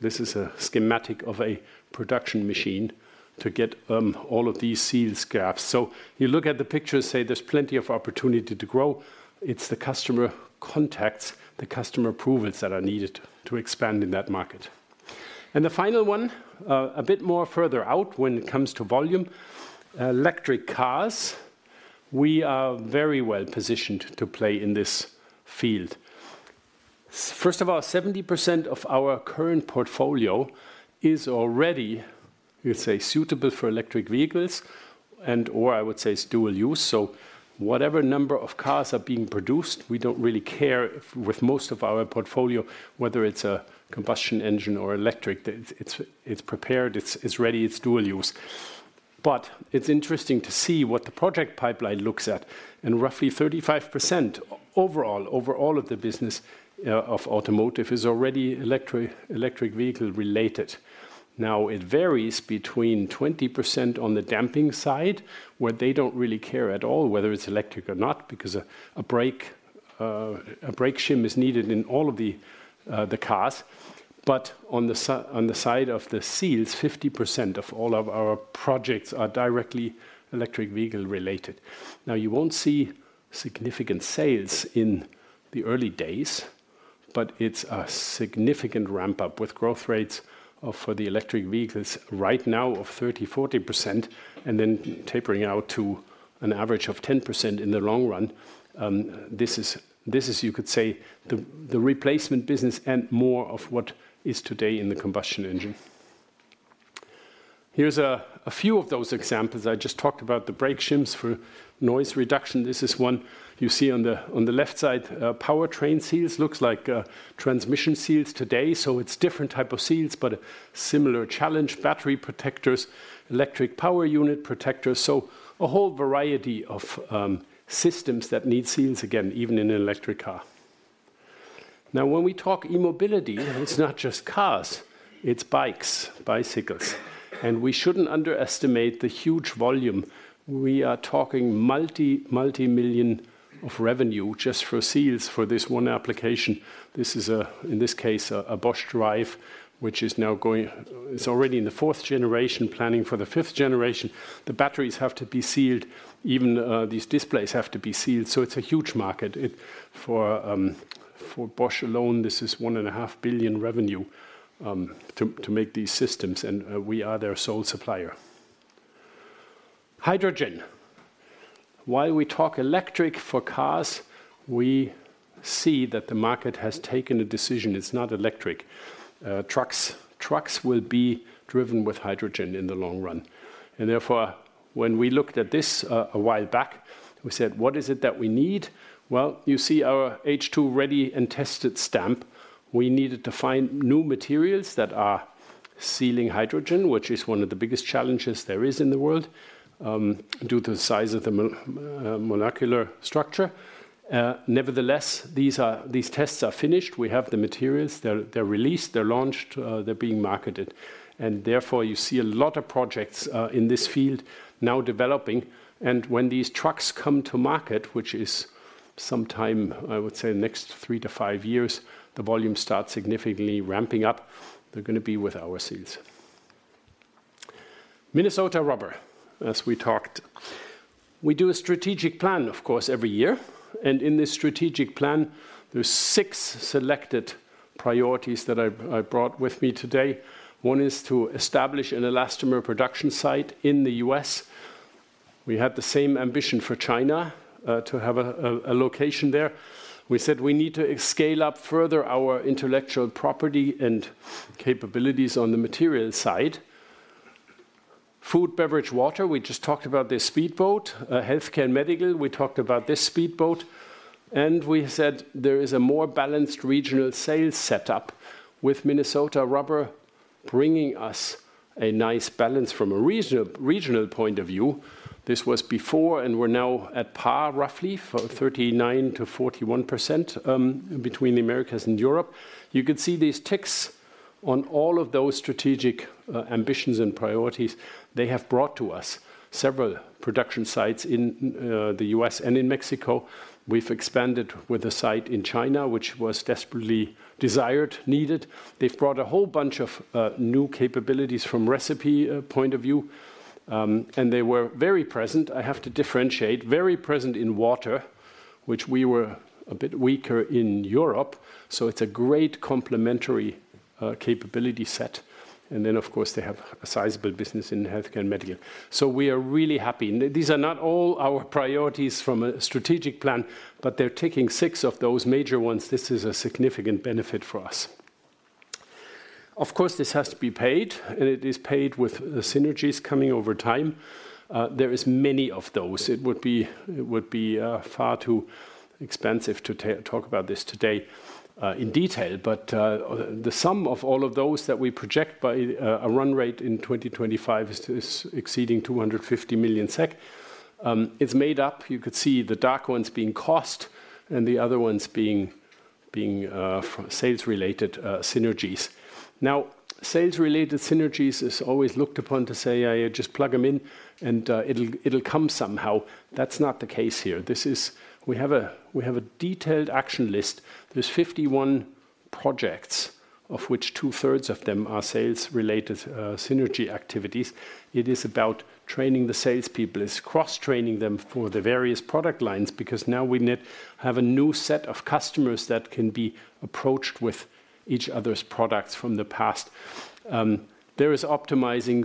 Speaker 7: This is a schematic of a production machine to get all of these seals gaps. You look at the pictures, say there's plenty of opportunity to grow. It's the customer contacts, the customer approvals that are needed to expand in that market. The final one, a bit more further out when it comes to volume, electric cars. First of all, 70% of our current portfolio is already, we'll say, suitable for electric vehicles and/or I would say is dual use. Whatever number of cars are being produced, we don't really care with most of our portfolio, whether it's a combustion engine or electric. It's prepared, it's ready, it's dual use. It's interesting to see what the project pipeline looks at. Roughly 35% overall, over all of the business, of automotive is already electric vehicle-related. It varies between 20% on the damping side, where they don't really care at all whether it's electric or not because a brake shim is needed in all of the cars. On the side of the seals, 50% of all of our projects are directly electric vehicle related. You won't see significant sales in the early days, but it's a significant ramp up with growth rates of, for the electric vehicles right now of 30%-40% and then tapering out to an average of 10% in the long run. This is, you could say, the replacement business and more of what is today in the combustion engine. Here's a few of those examples. I just talked about the brake shims for noise reduction. This is one you see on the, on the left side. Powertrain seals looks like transmission seals today. It's different type of seals, but similar challenge. Battery protectors, electric power unit protectors. A whole variety of systems that need seals again, even in an electric car. When we talk e-mobility, it's not just cars, it's bikes, bicycles. We shouldn't underestimate the huge volume. We are talking multi-multimillion of revenue just for seals for this one application. This is a, in this case, a Bosch drive, which is already in the 4th generation, planning for the 5th generation. The batteries have to be sealed. Even these displays have to be sealed. It's a huge market. For Bosch alone, this is one and a half billion revenue to make these systems. We are their sole supplier. Hydrogen. While we talk electric for cars, we see that the market has taken a decision. It's not electric. Trucks. Trucks will be driven with hydrogen in the long run. Therefore, when we looked at this, a while back, we said, "What is it that we need?" Well, you see our H2 ready and tested stamp. We needed to find new materials that are sealing hydrogen, which is one of the biggest challenges there is in the world, due to the size of the molecular structure. Nevertheless, these tests are finished. We have the materials. They're released, they're launched, they're being marketed. Therefore, you see a lot of projects in this field now developing. When these trucks come to market, which is sometime, I would say, the next 3-5 years, the volume starts significantly ramping up. They're gonna be with our seals. Minnesota Rubber, as we talked. We do a strategic plan, of course, every year. In this strategic plan, there's six selected priorities that I brought with me today. One is to establish an elastomer production site in the U.S. We have the same ambition for China, to have a location there. We said we need to scale up further our intellectual property and capabilities on the material side. Food, beverage, water, we just talked about this speedboat. Healthcare and medical, we talked about this speedboat. We said there is a more balanced regional sales setup with Minnesota Rubber bringing us a nice balance from a region-regional point of view. This was before. We're now at par, roughly, for 39%-41% between the Americas and Europe. You could see these ticks on all of those strategic ambitions and priorities. They have brought to us several production sites in the US and in Mexico. We've expanded with a site in China, which was desperately desired, needed. They've brought a whole bunch of new capabilities from recipe point of view. They were very present, I have to differentiate, very present in water, which we were a bit weaker in Europe. It's a great complementary capability set. Of course, they have a sizable business in healthcare and medical. We are really happy. These are not all our priorities from a strategic plan, but they're ticking six of those major ones. This is a significant benefit for us. Of course, this has to be paid, and it is paid with the synergies coming over time. There is many of those. It would be far too expensive to talk about this today in detail. The sum of all of those that we project by a run rate in 2025 is exceeding 250 million SEK. It's made up, you could see the dark ones being cost and the other ones being sales-related synergies. Now, sales-related synergies is always looked upon to say, "I just plug them in and it'll come somehow." That's not the case here. We have a detailed action list. There's 51 projects, of which 2/3 of them are sales-related synergy activities. It is about training the salespeople. It's cross-training them for the various product lines because now we have a new set of customers that can be approached with each other's products from the past. There is optimizing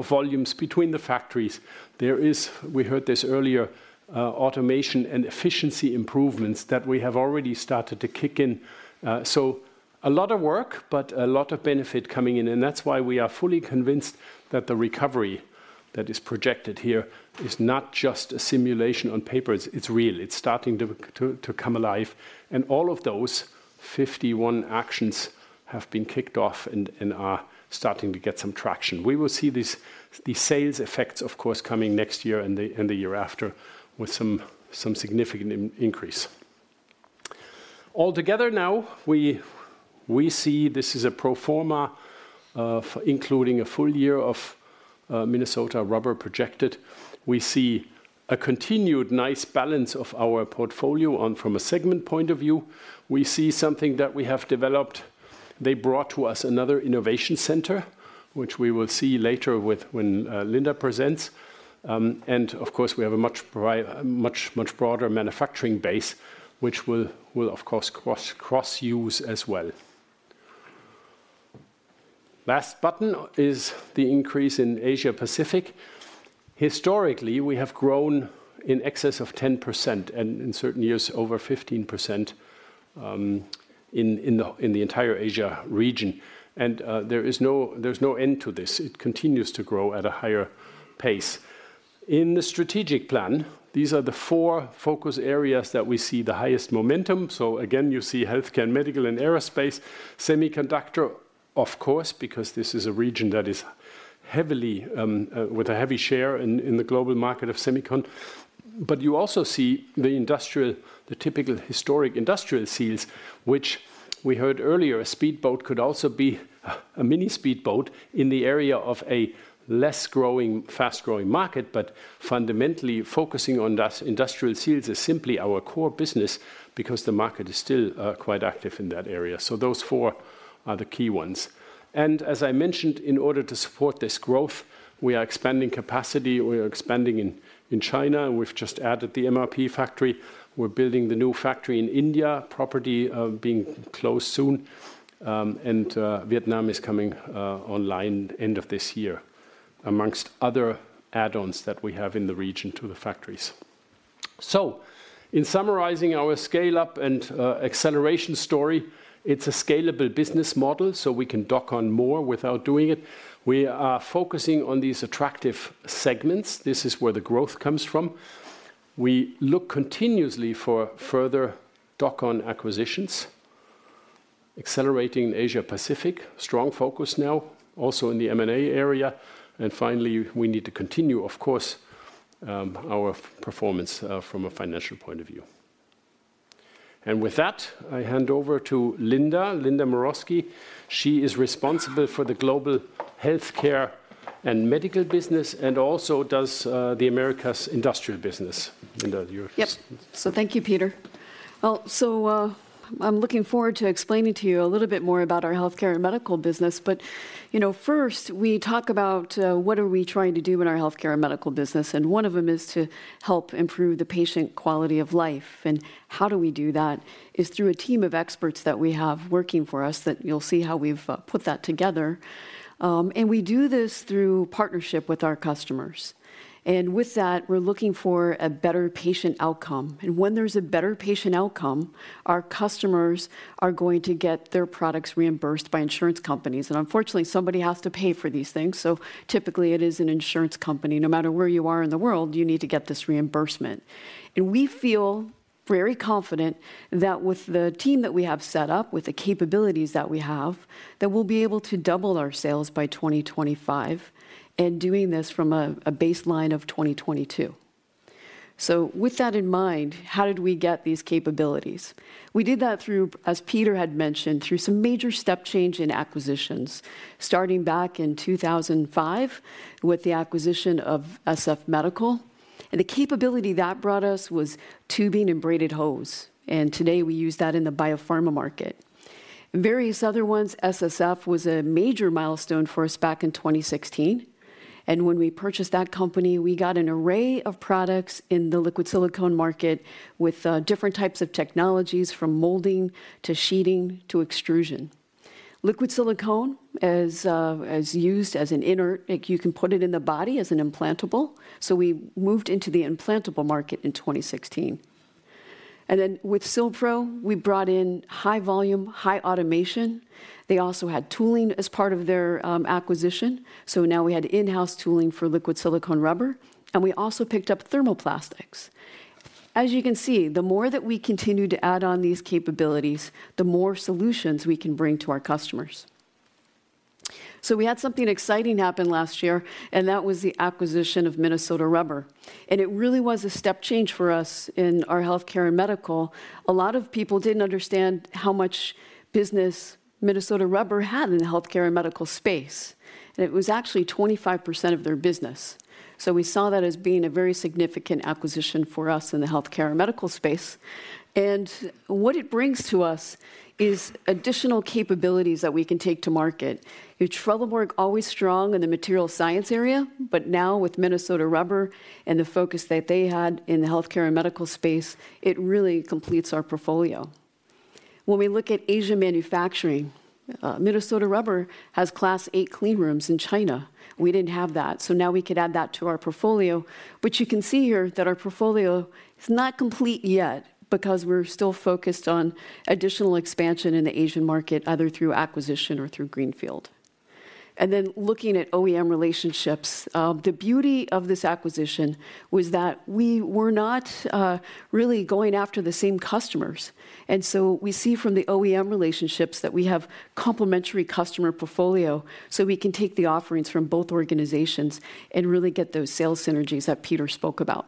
Speaker 7: volumes between the factories. There is, we heard this earlier, automation and efficiency improvements that we have already started to kick in. A lot of work, but a lot of benefit coming in, and that's why we are fully convinced that the recovery that is projected here is not just a simulation on paper. It's, it's real. It's starting to come alive. All of those 51 actions have been kicked off and are starting to get some traction. We will see these sales effects, of course, coming next year and the and the year after with some significant increase. All together now, we see this is a pro forma of including a full year of Minnesota Rubber projected. We see a continued nice balance of our portfolio on from a segment point of view. We see something that we have developed. They brought to us another innovation center, which we will see later with when Linda presents. Of course, we have a much broader manufacturing base, which will of course cross-use as well. Last button is the increase in Asia-Pacific. Historically, we have grown in excess of 10% and in certain years over 15%, in the entire Asia region. There is no, there's no end to this. It continues to grow at a higher pace. In the strategic plan, these are the four focus areas that we see the highest momentum. Again, you see healthcare and medical and aerospace. Semiconductor, of course, because this is a region that is heavily with a heavy share in the global market of semicon. You also see the typical historic industrial seals, which we heard earlier, a speedboat could also be a mini speedboat in the area of a less growing, fast-growing market. Fundamentally, focusing on that industrial seals is simply our core business because the market is still quite active in that area. Those four are the key ones. As I mentioned, in order to support this growth, we are expanding capacity, we are expanding in China, and we've just added the MRP factory. We're building the new factory in India, property being closed soon. Vietnam is coming online end of this year, amongst other add-ons that we have in the region to the factories. In summarizing our scale-up and acceleration story, it's a scalable business model, so we can dock on more without doing it. We are focusing on these attractive segments. This is where the growth comes from. We look continuously for further dock-on acquisitions, accelerating Asia-Pacific, strong focus now also in the M&A area. Finally, we need to continue, of course, our performance from a financial point of view. With that, I hand over to Linda Muroski. She is responsible for the global healthcare and medical business and also does the Americas industrial business. Linda, you're
Speaker 8: Yep. Thank you, Peter. Well, I'm looking forward to explaining to you a little bit more about our healthcare and medical business. You know, first, we talk about what are we trying to do in our healthcare and medical business, and one of them is to help improve the patient quality of life. How do we do that is through a team of experts that we have working for us that you'll see how we've put that together. We do this through partnership with our customers. With that, we're looking for a better patient outcome. When there's a better patient outcome, our customers are going to get their products reimbursed by insurance companies. Unfortunately, somebody has to pay for these things. Typically it is an insurance company. No matter where you are in the world, you need to get this reimbursement. We feel very confident that with the team that we have set up, with the capabilities that we have, that we'll be able to double our sales by 2025, and doing this from a baseline of 2022. With that in mind, how did we get these capabilities? We did that through, as Peter had mentioned, through some major step change in acquisitions, starting back in 2005 with the acquisition of SF Medical. The capability that brought us was tubing and braided hose. Today we use that in the biopharma market. Various other ones, Specialty Silicone Fabricators (SSF) was a major milestone for us back in 2016. When we purchased that company, we got an array of products in the liquid silicone market with different types of technologies from molding to sheeting to extrusion. Liquid silicone is used as an inert. You can put it in the body as an implantable. We moved into the implantable market in 2016. Then with Sil-Pro, we brought in high volume, high automation. They also had tooling as part of their acquisition. Now we had in-house tooling for liquid silicone rubber, and we also picked up thermoplastics. As you can see, the more that we continue to add on these capabilities, the more solutions we can bring to our customers. We had something exciting happen last year, and that was the acquisition of Minnesota Rubber. It really was a step change for us in our healthcare and medical. A lot of people didn't understand how much business Minnesota Rubber had in the healthcare and medical space. It was actually 25% of their business. We saw that as being a very significant acquisition for us in the healthcare and medical space. What it brings to us is additional capabilities that we can take to market. Trelleborg always strong in the material science area, but now with Minnesota Rubber and the focus that they had in the healthcare and medical space, it really completes our portfolio. When we look at Asia manufacturing, Minnesota Rubber has Class 8 cleanrooms in China. We didn't have that. Now we could add that to our portfolio. You can see here that our portfolio is not complete yet because we're still focused on additional expansion in the Asian market, either through acquisition or through greenfield. Looking at OEM relationships, the beauty of this acquisition was that we were not really going after the same customers. We see from the OEM relationships that we have complementary customer portfolio, so we can take the offerings from both organizations and really get those sales synergies that Peter spoke about.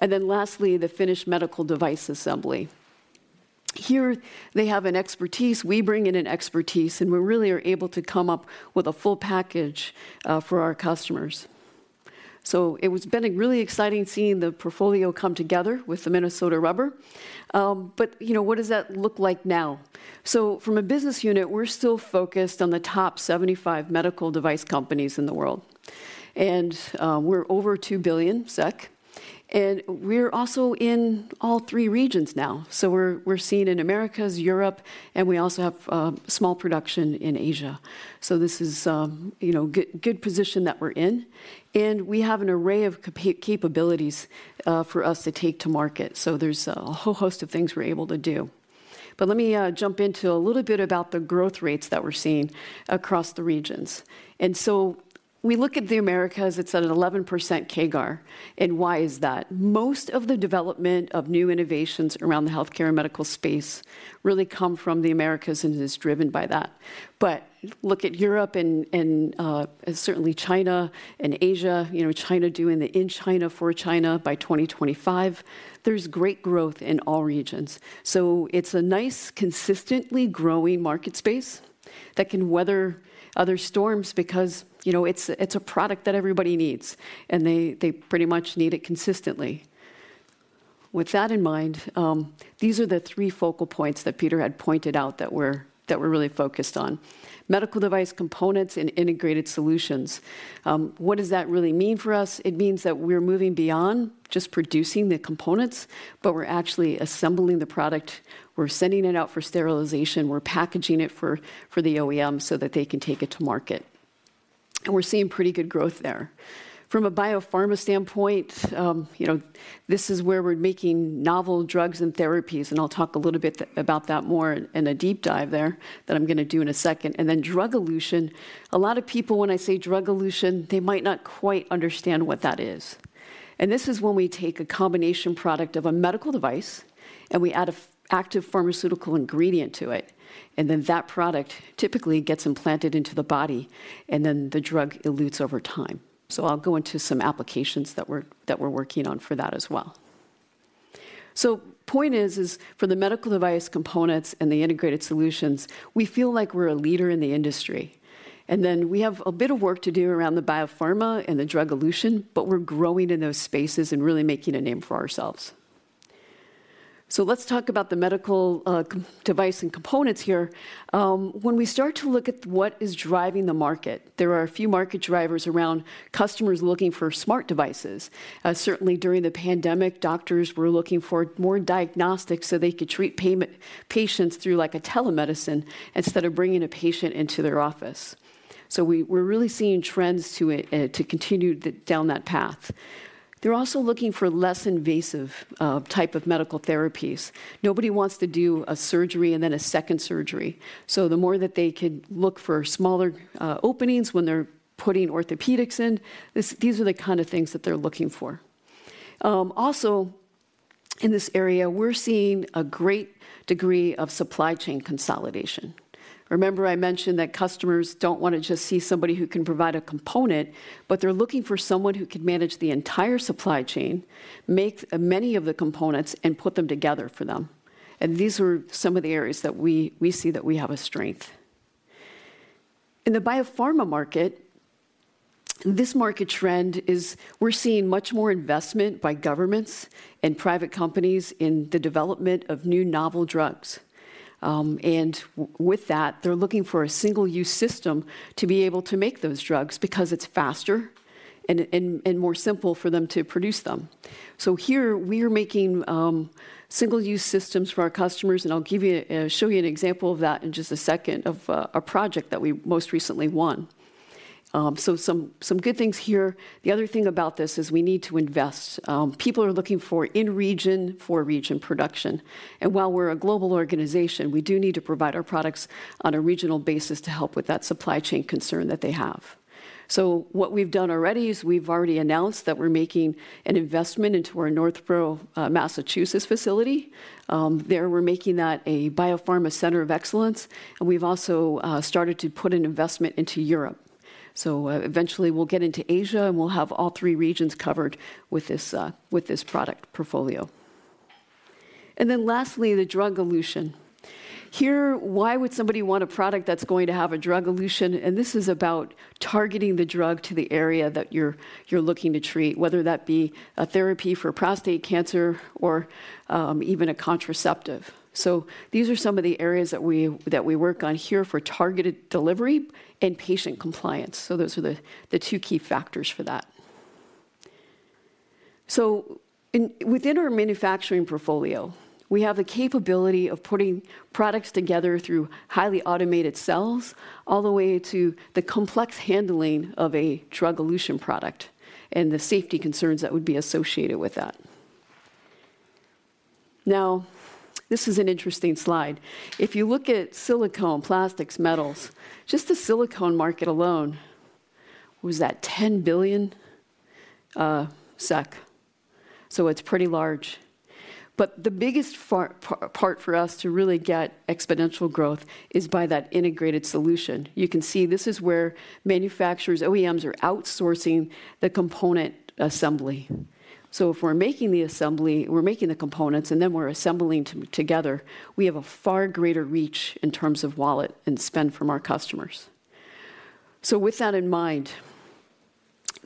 Speaker 8: Lastly, the finished medical device assembly. Here they have an expertise, we bring in an expertise, and we really are able to come up with a full package for our customers. It has been really exciting seeing the portfolio come together with the Minnesota Rubber. But, you know, what does that look like now? From a business unit, we're still focused on the top 75 medical device companies in the world. We're over 2 billion SEK, and we're also in all three regions now. We're seen in Americas, Europe, and we also have small production in Asia. This is, you know, good position that we're in, and we have an array of capabilities for us to take to market. There's a whole host of things we're able to do. Let me jump into a little bit about the growth rates that we're seeing across the regions. We look at the Americas, it's at an 11% CAGR. Why is that? Most of the development of new innovations around the healthcare and medical space really come from the Americas, and it is driven by that. Look at Europe and, certainly China and Asia, you know, China doing the in China for China by 2025. There's great growth in all regions. It's a nice, consistently growing market space that can weather other storms because, you know, it's a product that everybody needs, and they pretty much need it consistently. With that in mind, these are the three focal points that Peter had pointed out that we're really focused on. Medical device components and integrated solutions. What does that really mean for us? It means that we're moving beyond just producing the components, but we're actually assembling the product. We're sending it out for sterilization. We're packaging it for the OEM so that they can take it to market. We're seeing pretty good growth there. From a biopharma standpoint, you know, this is where we're making novel drugs and therapies, and I'll talk a little bit about that more in a deep dive there that I'm gonna do in a second. Drug elution, a lot of people, when I say drug elution, they might not quite understand what that is. This is when we take a combination product of a medical device, and we add an active pharmaceutical ingredient to it, and then that product typically gets implanted into the body, and then the drug elutes over time. I'll go into some applications that we're working on for that as well. Point is for the medical device components and the integrated solutions, we feel like we're a leader in the industry. We have a bit of work to do around the biopharma and the drug elution, but we're growing in those spaces and really making a name for ourselves. Let's talk about the medical device and components here. When we start to look at what is driving the market, there are a few market drivers around customers looking for smart devices. Certainly during the pandemic, doctors were looking for more diagnostics so they could treat patients through like a telemedicine instead of bringing a patient into their office. We're really seeing trends to continue down that path. They're also looking for less invasive type of medical therapies. Nobody wants to do a surgery and then a second surgery. The more that they can look for smaller openings when they're putting orthopedics in, these are the kind of things that they're looking for. Also in this area, we're seeing a great degree of supply chain consolidation. Remember I mentioned that customers don't wanna just see somebody who can provide a component, but they're looking for someone who can manage the entire supply chain, make many of the components, and put them together for them. These are some of the areas that we see that we have a strength. In the biopharma market, this market trend is we're seeing much more investment by governments and private companies in the development of new novel drugs. With that, they're looking for a single-use system to be able to make those drugs because it's faster and more simple for them to produce them. Here we are making single-use systems for our customers, and I'll show you an example of that in just a second of a project that we most recently won. Some good things here. The other thing about this is we need to invest. People are looking for in-region, for-region production. While we're a global organization, we do need to provide our products on a regional basis to help with that supply chain concern that they have. What we've done already is we've already announced that we're making an investment into our Northborough, Massachusetts facility. There we're making that a biopharma center of excellence, and we've also started to put an investment into Europe. Eventually we'll get into Asia, and we'll have all three regions covered with this product portfolio. Lastly, the drug elution. Here, why would somebody want a product that's going to have a drug elution? This is about targeting the drug to the area that you're looking to treat, whether that be a therapy for prostate cancer or even a contraceptive. These are some of the areas that we work on here for targeted delivery and patient compliance. Those are the 2 key factors for that. Within our manufacturing portfolio, we have the capability of putting products together through highly automated cells all the way to the complex handling of a drug elution product and the safety concerns that would be associated with that. This is an interesting slide. If you look at silicone, plastics, metals, just the silicone market alone was at SEK 10 billion, so it's pretty large. The biggest part for us to really get exponential growth is by that integrated solution. You can see this is where manufacturers, OEMs are outsourcing the component assembly. If we're making the assembly, we're making the components, and then we're assembling together, we have a far greater reach in terms of wallet and spend from our customers. With that in mind,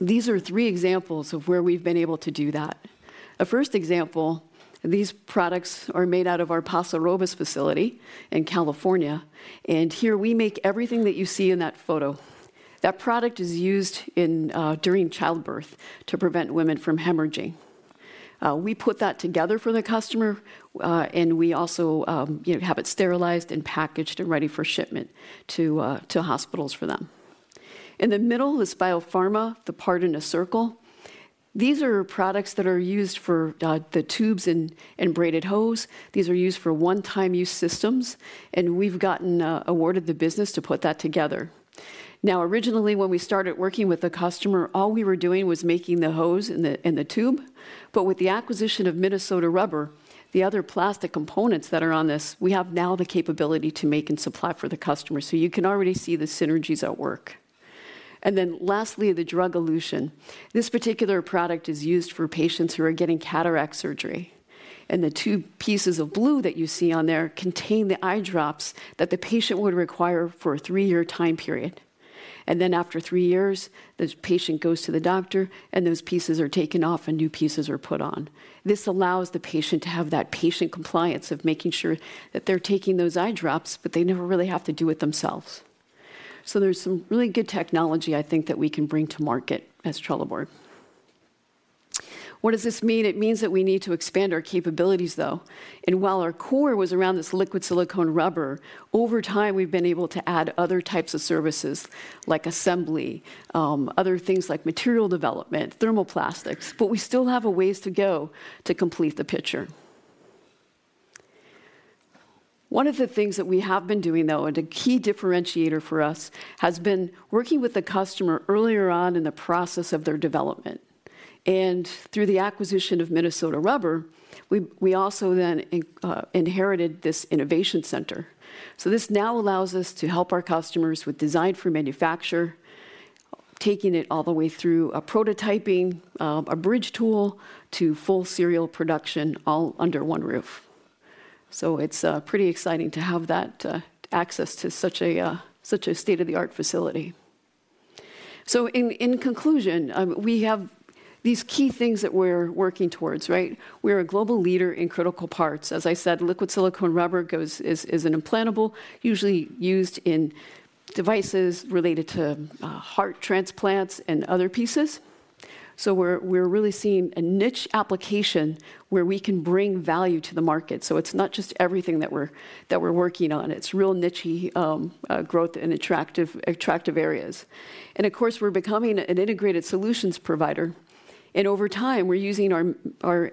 Speaker 8: these are 3 examples of where we've been able to do that. A first example, these products are made out of our Paso Robles facility in California, and here we make everything that you see in that photo. That product is used in during childbirth to prevent women from hemorrhaging. We put that together for the customer, and we also, you know, have it sterilized and packaged and ready for shipment to hospitals for them. In the middle is biopharma, the part in a circle. These are products that are used for the tubes and braided hose. These are used for one-time use systems. We've gotten awarded the business to put that together. Originally when we started working with the customer, all we were doing was making the hose and the tube. With the acquisition of Minnesota Rubber, the other plastic components that are on this, we have now the capability to make and supply for the customer, so you can already see the synergies at work. Lastly, the drug elution. This particular product is used for patients who are getting cataract surgery, and the two pieces of blue that you see on there contain the eye drops that the patient would require for a three-year time period. After three years, the patient goes to the doctor, and those pieces are taken off, and new pieces are put on. This allows the patient to have that patient compliance of making sure that they're taking those eye drops, but they never really have to do it themselves. There's some really good technology I think that we can bring to market as Trelleborg. What does this mean? It means that we need to expand our capabilities, though. While our core was around this liquid silicone rubber, over time we've been able to add other types of services like assembly, other things like material development, thermoplastics, but we still have a ways to go to complete the picture. One of the things that we have been doing, though, and a key differentiator for us, has been working with the customer earlier on in the process of their development. Through the acquisition of Minnesota Rubber, we also then inherited this innovation center. This now allows us to help our customers with design for manufacture, taking it all the way through a prototyping, a bridge tool to full serial production all under one roof. It's pretty exciting to have that access to such a state-of-the-art facility. In conclusion, we have these key things that we're working towards, right? We are a global leader in critical parts. As I said, liquid silicone rubber is an implantable usually used in devices related to heart transplants and other pieces. We're really seeing a niche application where we can bring value to the market. It's not just everything that we're working on. It's real niche-led growth in attractive areas. Of course, we're becoming an integrated solutions provider, and over time, we're using our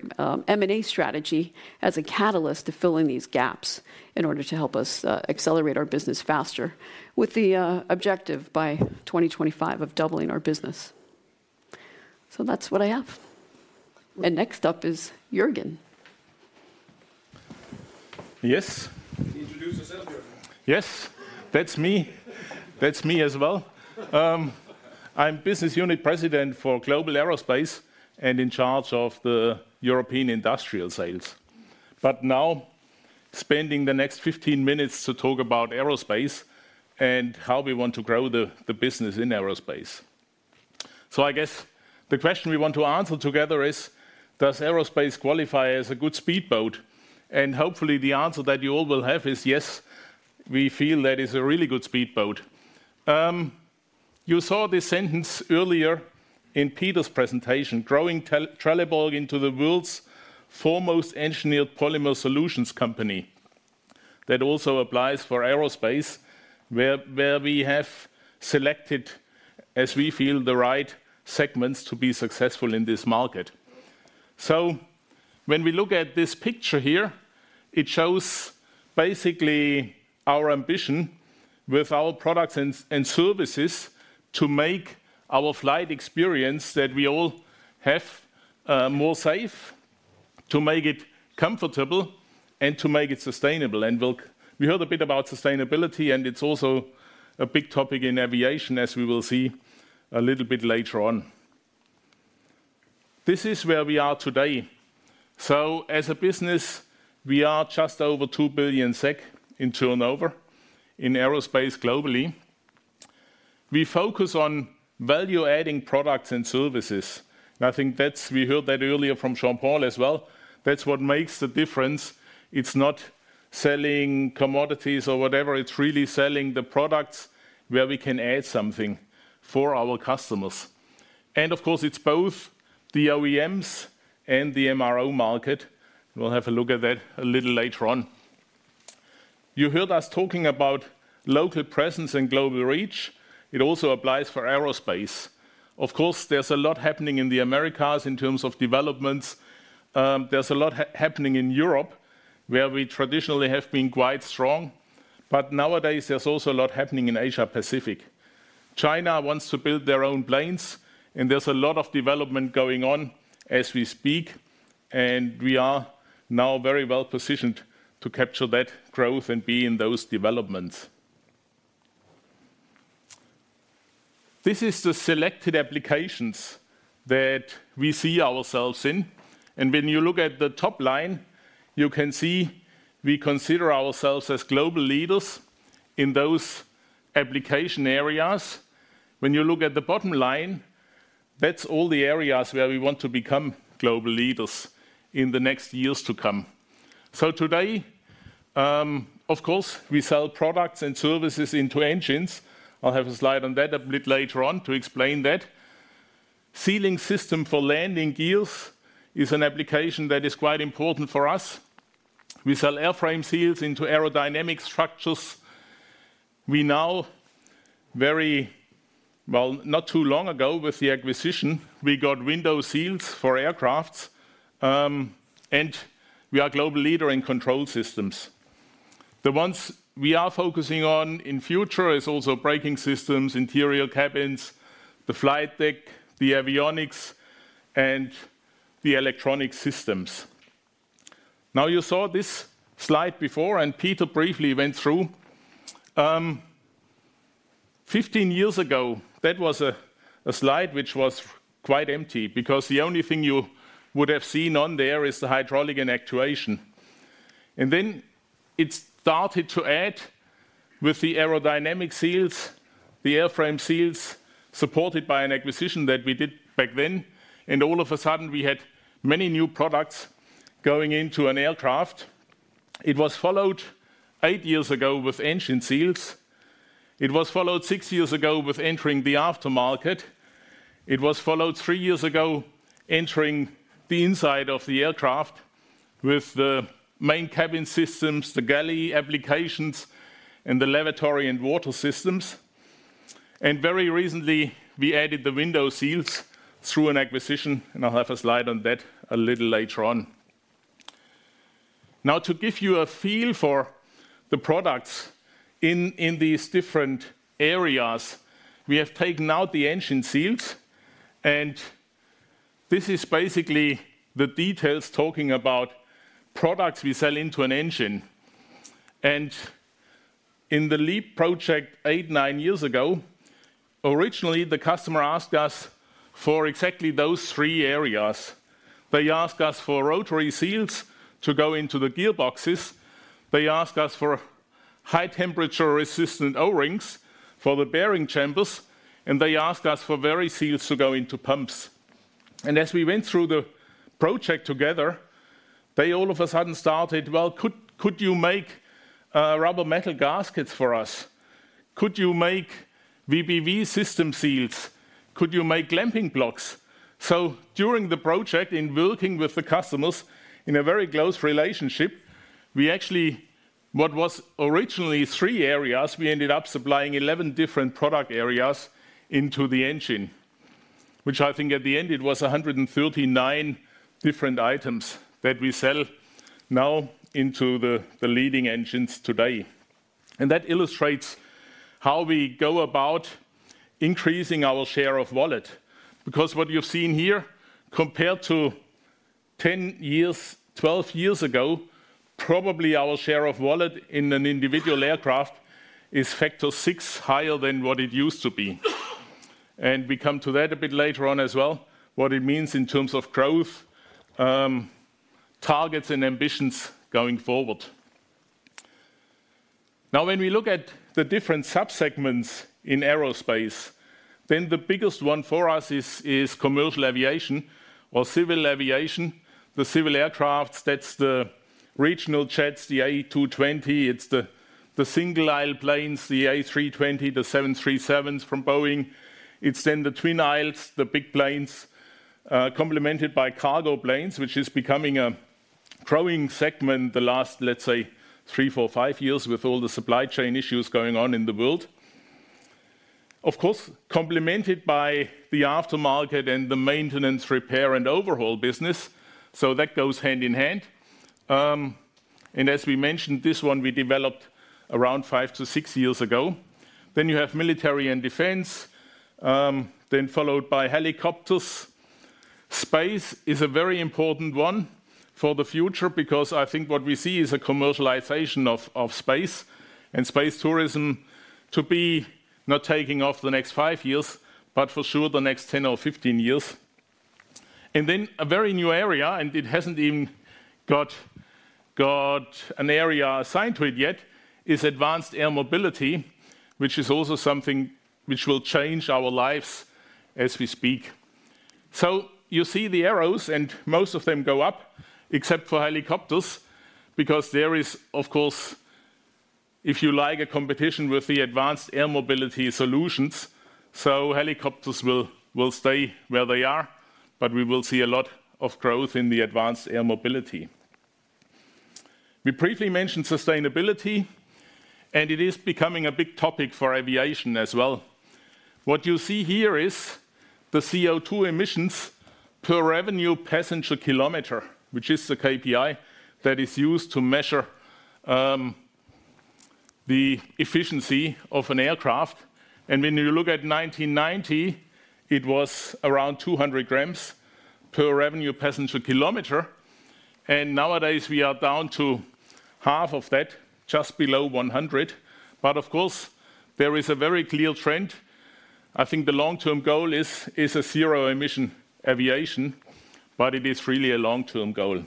Speaker 8: M&A strategy as a catalyst to fill in these gaps in order to help us accelerate our business faster with the objective by 2025 of doubling our business. That's what I have. Next up is Jürgen.
Speaker 9: Yes.
Speaker 1: Introduce yourself, Jürgen.
Speaker 9: Yes. That's me. That's me as well. I'm Business Unit President for Global Aerospace and in charge of the European industrial sales. Now spending the next 15 minutes to talk about aerospace and how we want to grow the business in aerospace. I guess the question we want to answer together is, does aerospace qualify as a good speedboat? Hopefully, the answer that you all will have is yes, we feel that is a really good speedboat. You saw this sentence earlier in Peter's presentation, growing Trelleborg into the world's foremost engineered polymer solutions company. That also applies for aerospace where we have selected, as we feel, the right segments to be successful in this market. When we look at this picture here, it shows basically our ambition with our products and services to make our flight experience that we all have, more safe, to make it comfortable, and to make it sustainable. We heard a bit about sustainability, and it's also a big topic in aviation, as we will see a little bit later on. This is where we are today. As a business, we are just over 2 billion SEK in turnover in aerospace globally. We focus on value-adding products and services. I think we heard that earlier from Jürgen Bosch as well. That's what makes the difference. It's not selling commodities or whatever. It's really selling the products where we can add something for our customers. Of course, it's both the OEMs and the MRO market, and we'll have a look at that a little later on. You heard us talking about local presence and global reach. It also applies for aerospace. There's a lot happening in Europe where we traditionally have been quite strong, but nowadays there's also a lot happening in Asia-Pacific. China wants to build their own planes, and there's a lot of development going on as we speak, and we are now very well positioned to capture that growth and be in those developments. This is the selected applications that we see ourselves in. When you look at the top line, you can see we consider ourselves as global leaders in those application areas. When you look at the bottom line, that's all the areas where we want to become global leaders in the next years to come. Today, of course, we sell products and services into engines. I'll have a slide on that a bit later on to explain that. Sealing system for landing gears is an application that is quite important for us. We sell airframe seals into aerodynamic structures. We now, not too long ago with the acquisition, we got window seals for aircraft, and we are global leader in control systems. The ones we are focusing on in future is also braking systems, interior cabins, the flight deck, the avionics, and the electronic systems. You saw this slide before, and Peter briefly went through. 15 years ago, that was a slide which was quite empty because the only thing you would have seen on there is the hydraulic and actuation. It started to add with the aerodynamic seals, the airframe seals, supported by an acquisition that we did back then. We had many new products going into an aircraft. It was followed 8 years ago with engine seals. It was followed 6 years ago with entering the aftermarket. It was followed 3 years ago entering the inside of the aircraft with the main cabin systems, the galley applications, and the lavatory and water systems. Very recently, we added the window seals through an acquisition, and I'll have a slide on that a little later on. To give you a feel for the products in these different areas, we have taken out the engine seals. This is basically the details talking about products we sell into an engine. In the LEAP project eight, nine years ago, originally, the customer asked us for exactly those three areas. They asked us for rotary seals to go into the gearboxes. They asked us for high temperature resistant O-rings for the bearing chambers. They asked us for various seals to go into pumps. As we went through the project together, they all of a sudden started, "Well, could you make rubber metal gaskets for us? Could you make VBV system seals? Could you make clamping blocks?" During the project, in working with the customers in a very close relationship, we actually, what was originally 3 areas, we ended up supplying 11 different product areas into the engine, which I think at the end it was 139 different items that we sell now into the leading engines today. That illustrates how we go about increasing our share of wallet. Because what you've seen here, compared to 10 years, 12 years ago, probably our share of wallet in an individual aircraft is factor 6 higher than what it used to be. We come to that a bit later on as well, what it means in terms of growth targets and ambitions going forward. When we look at the different subsegments in aerospace, then the biggest one for us is commercial aviation or civil aviation. The civil aircraft, that's the regional jets, the A220. It's the single aisle planes, the A320, the 737s from Boeing. It's then the twin aisles, the big planes, complemented by cargo planes, which is becoming a growing segment the last, let's say, three, four, five years with all the supply chain issues going on in the world. Of course, complemented by the aftermarket and the maintenance, repair, and overhaul business, so that goes hand in hand. As we mentioned, this one we developed around five to six years ago. You have military and defense, then followed by helicopters. Space is a very important one for the future because I think what we see is a commercialization of space and space tourism to be not taking off for the next 5 years, but for sure the next 10 or 15 years. A very new area, and it hasn't even got an area assigned to it yet, is Advanced Air Mobility, which is also something which will change our lives as we speak. You see the arrows, and most of them go up, except for helicopters, because there is, of course, if you like, a competition with the Advanced Air Mobility solutions. Helicopters will stay where they are, but we will see a lot of growth in the Advanced Air Mobility. We briefly mentioned sustainability, it is becoming a big topic for aviation as well. What you see here is the CO₂ emissions per revenue passenger kilometer, which is the KPI that is used to measure the efficiency of an aircraft. When you look at 1990, it was around 200 grams per revenue passenger kilometer. Nowadays, we are down to half of that, just below 100. Of course, there is a very clear trend. I think the long-term goal is a zero emission aviation, but it is really a long-term goal.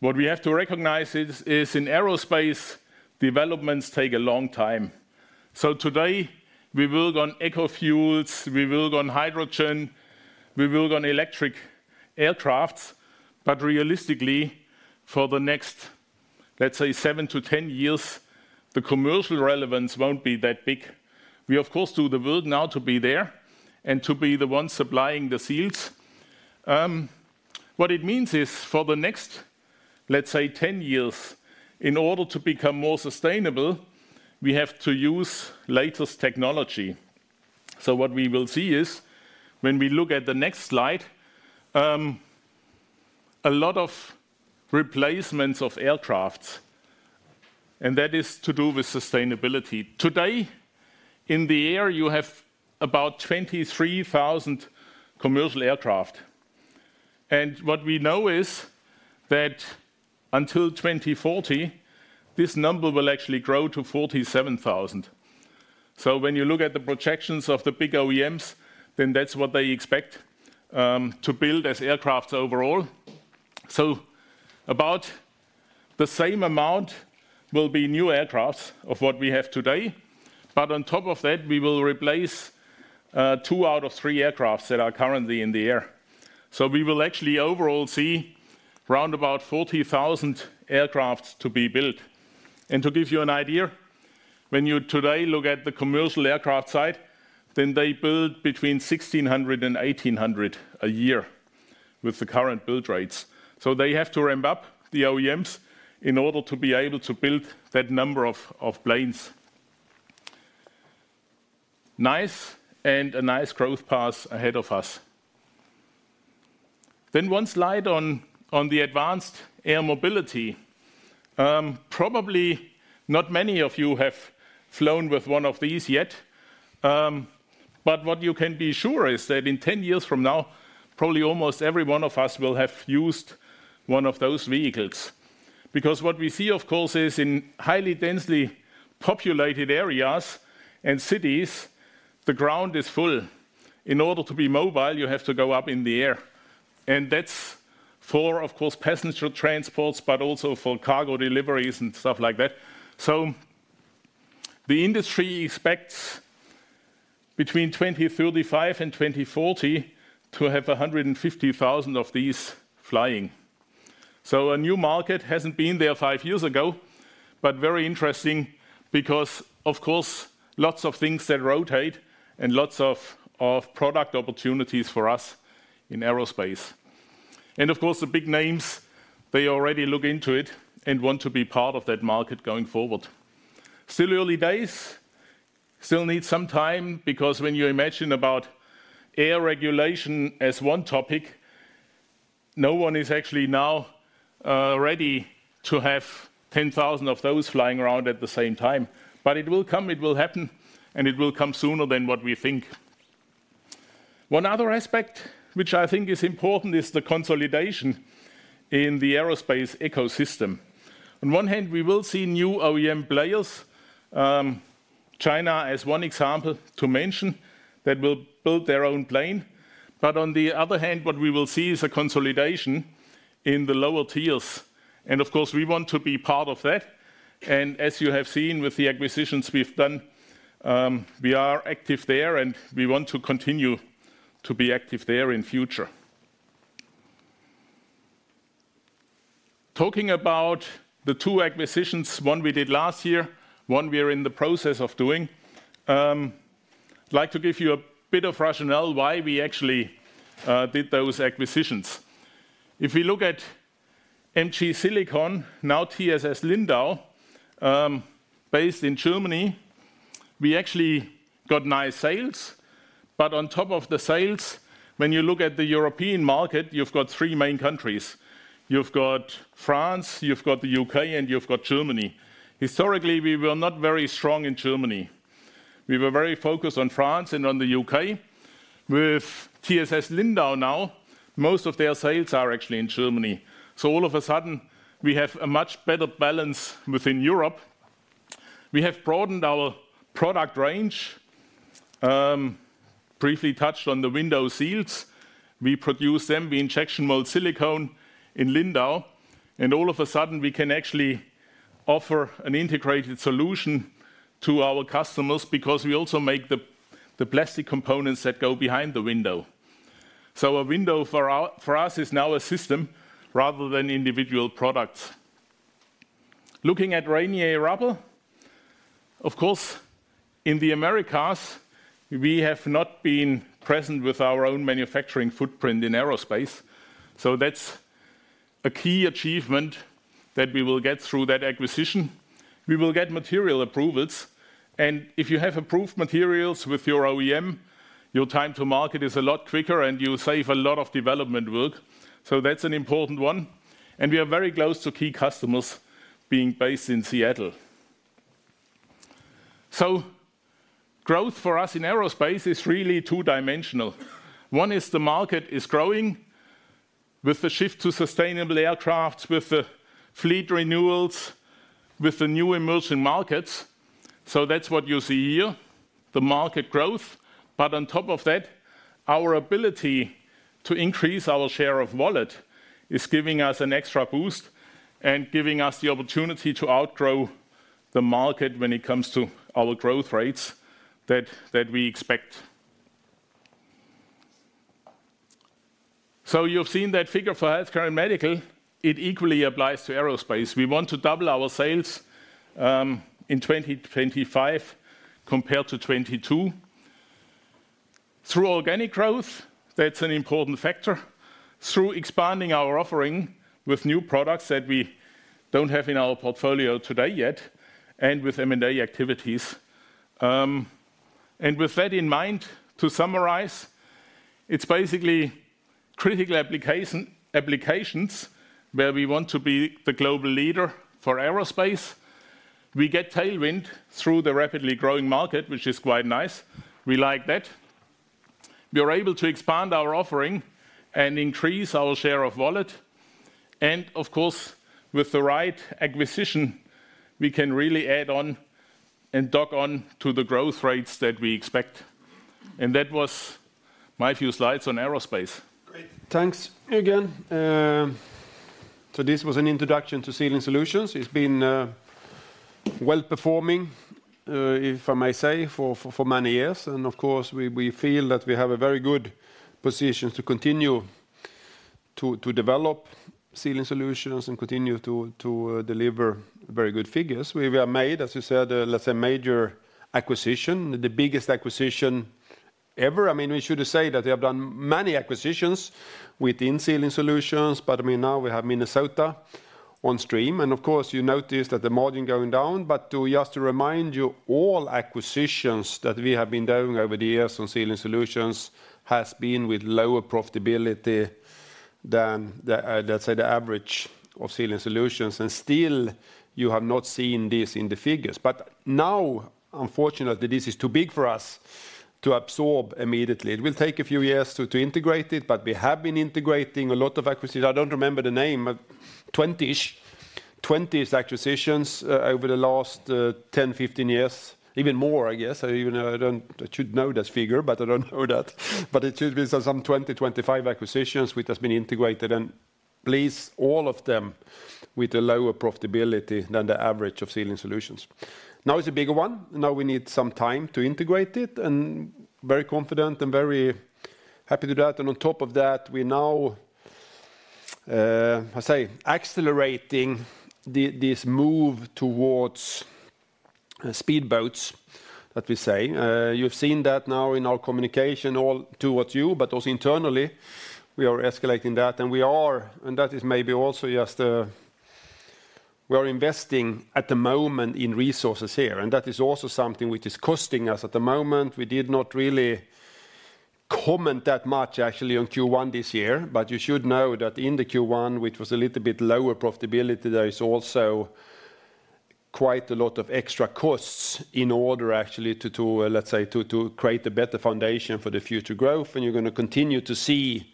Speaker 9: What we have to recognize is in aerospace, developments take a long time. Today, we work on eco fuels, we work on hydrogen, we work on electric aircrafts. Realistically, for the next, let's say, 7-10 years, the commercial relevance won't be that big. We of course do the work now to be there and to be the one supplying the seats. What it means is for the next, let's say, 10 years, in order to become more sustainable, we have to use latest technology. What we will see is when we look at the next slide, a lot of replacements of aircraft, and that is to do with sustainability. Today, in the air, you have about 23,000 commercial aircraft. What we know is that until 2040, this number will actually grow to 47,000. When you look at the projections of the big OEMs, then that's what they expect to build as aircraft overall. About the same amount will be new aircraft of what we have today. On top of that, we will replace 2 out of 3 aircraft that are currently in the air. We will actually overall see around about 40,000 aircraft to be built. To give you an idea, when you today look at the commercial aircraft side, then they build between 1,600 and 1,800 a year with the current build rates. They have to ramp up the OEMs in order to be able to build that number of planes. Nice and a nice growth path ahead of us. One slide on the Advanced Air Mobility. Probably not many of you have flown with one of these yet, but what you can be sure is that in 10 years from now, probably almost every one of us will have used one of those vehicles. Because what we see, of course, is in highly densely populated areas and cities, the ground is full. In order to be mobile, you have to go up in the air. That's for, of course, passenger transports, but also for cargo deliveries and stuff like that. The industry expects between 2035 and 2040 to have 150,000 of these flying. A new market hasn't been there 5 years ago, but very interesting because of course, lots of things that rotate and lots of product opportunities for us in aerospace. Of course, the big names, they already look into it and want to be part of that market going forward. Still early days, still need some time because when you imagine about air regulation as one topic, no one is actually now ready to have 10,000 of those flying around at the same time. It will come, it will happen, and it will come sooner than what we think. One other aspect which I think is important is the consolidation in the aerospace ecosystem. On one hand, we will see new OEM players, China as one example to mention, that will build their own plane. On the other hand, what we will see is a consolidation in the lower tiers. Of course, we want to be part of that. As you have seen with the acquisitions we've done, we are active there, and we want to continue to be active there in future. Talking about the two acquisitions, one we did last year, one we are in the process of doing, I'd like to give you a bit of rationale why we actually did those acquisitions. If we look at MG Silikon, now TSS Lindau, based in Germany, we actually got nice sales. On top of the sales, when you look at the European market, you've got three main countries. You've got France, you've got the U.K., and you've got Germany. Historically, we were not very strong in Germany. We were very focused on France and on the U.K. With TSS Lindau now, most of their sales are actually in Germany. All of a sudden, we have a much better balance within Europe. We have broadened our product range, briefly touched on the window seals. We produce them, we injection mold silicone in Lindau, all of a sudden, we can actually offer an integrated solution to our customers because we also make the plastic components that go behind the window. A window for us is now a system rather than individual products. Looking at Rainier Rubber, of course, in the Americas, we have not been present with our own manufacturing footprint in aerospace. That's a key achievement that we will get through that acquisition, we will get material approvals. If you have approved materials with your OEM, your time to market is a lot quicker and you save a lot of development work. That's an important one, and we are very close to key customers being based in Seattle. Growth for us in aerospace is really two-dimensional. One is the market is growing with the shift to sustainable aircraft, with the fleet renewals, with the new emerging markets. That is what you see here, the market growth. On top of that, our ability to increase our share of wallet is giving us an extra boost and giving us the opportunity to outgrow the market when it comes to our growth rates that we expect. You've seen that figure for health care and medical, it equally applies to aerospace. We want to double our sales in 2025 compared to 2022. Through organic growth, that's an important factor, through expanding our offering with new products that we don't have in our portfolio today yet, and with M&A activities. With that in mind, to summarize, it is basically critical applications where we want to be the global leader for aerospace. We get tailwind through the rapidly growing market, which is quite nice. We like that. We are able to expand our offering and increase our share of wallet. Of course, with the right acquisition, we can really add on and dock on to the growth rates that we expect. That was my few slides on aerospace.
Speaker 2: Great. Thanks, Jürgen. This was an introduction to Sealing Solutions. It's been well-performing, if I may say, for many years. Of course, we feel that we have a very good position to continue to develop Sealing Solutions and continue to deliver very good figures. We have made, as you said, let's say, major acquisition, the biggest acquisition ever. I mean, we should say that we have done many acquisitions within Sealing Solutions, but I mean, now we have Minnesota on stream. Of course, you notice that the margin going down. To just to remind you, all acquisitions that we have been doing over the years on Sealing Solutions has been with lower profitability than the, let's say, the average of Sealing Solutions. Still, you have not seen this in the figures. Now, unfortunately, this is too big for us to absorb immediately. It will take a few years to integrate it, but we have been integrating a lot of acquisitions. I don't remember the name, but 20-ish acquisitions over the last 10, 15 years. Even more, I guess. Even though I should know this figure, but I don't know that. It should be some 20, 25 acquisitions which has been integrated. Please, all of them with a lower profitability than the average of Sealing Solutions. Now it's a bigger one. Now we need some time to integrate it, and very confident and very happy to do that. On top of that, we now, I say, accelerating this move towards speedboats, that we say. You've seen that now in our communication all towards you, but also internally, we are escalating that. That is maybe also just, we are investing at the moment in resources here, and that is also something which is costing us at the moment. We did not really comment that much actually on Q1 this year, but you should know that in the Q1, which was a little bit lower profitability, there is also quite a lot of extra costs in order actually to, let's say, to create a better foundation for the future growth. You're gonna continue to see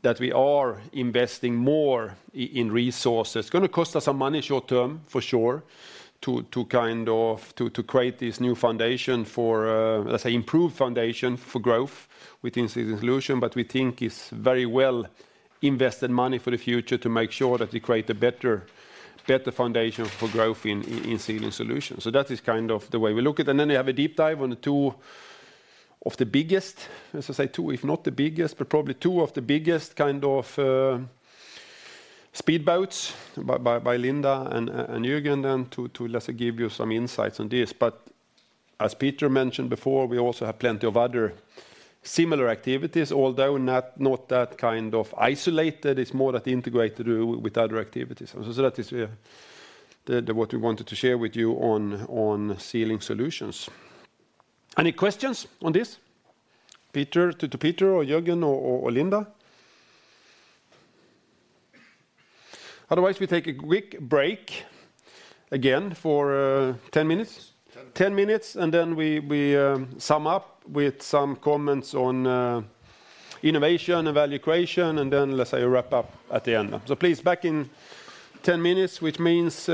Speaker 2: that we are investing more in resources. It's gonna cost us some money short term, for sure, to kind of, to create this new foundation for, let's say, improved foundation for growth within Sealing Solutions.
Speaker 1: We think it's very well-invested money for the future to make sure that we create a better foundation for growth in Sealing Solutions. That is kind of the way we look at it. You have a deep dive on the two of the biggest, as I say, two, if not the biggest, but probably two of the biggest kind of speedboats by Linda and Jürgen then to, let's say, give you some insights on this. As Peter mentioned before, we also have plenty of other similar activities, although not that kind of isolated. It's more that integrated with other activities. That is what we wanted to share with you on Sealing Solutions. Any questions on this? Peter, to Peter or Jürgen or Linda? Otherwise, we take a quick break again for, 10 minutes?
Speaker 9: 10 minutes.
Speaker 2: 10 minutes, we sum up with some comments on innovation and value creation, let's say, wrap up at the end. Please, back in 10 minutes, which means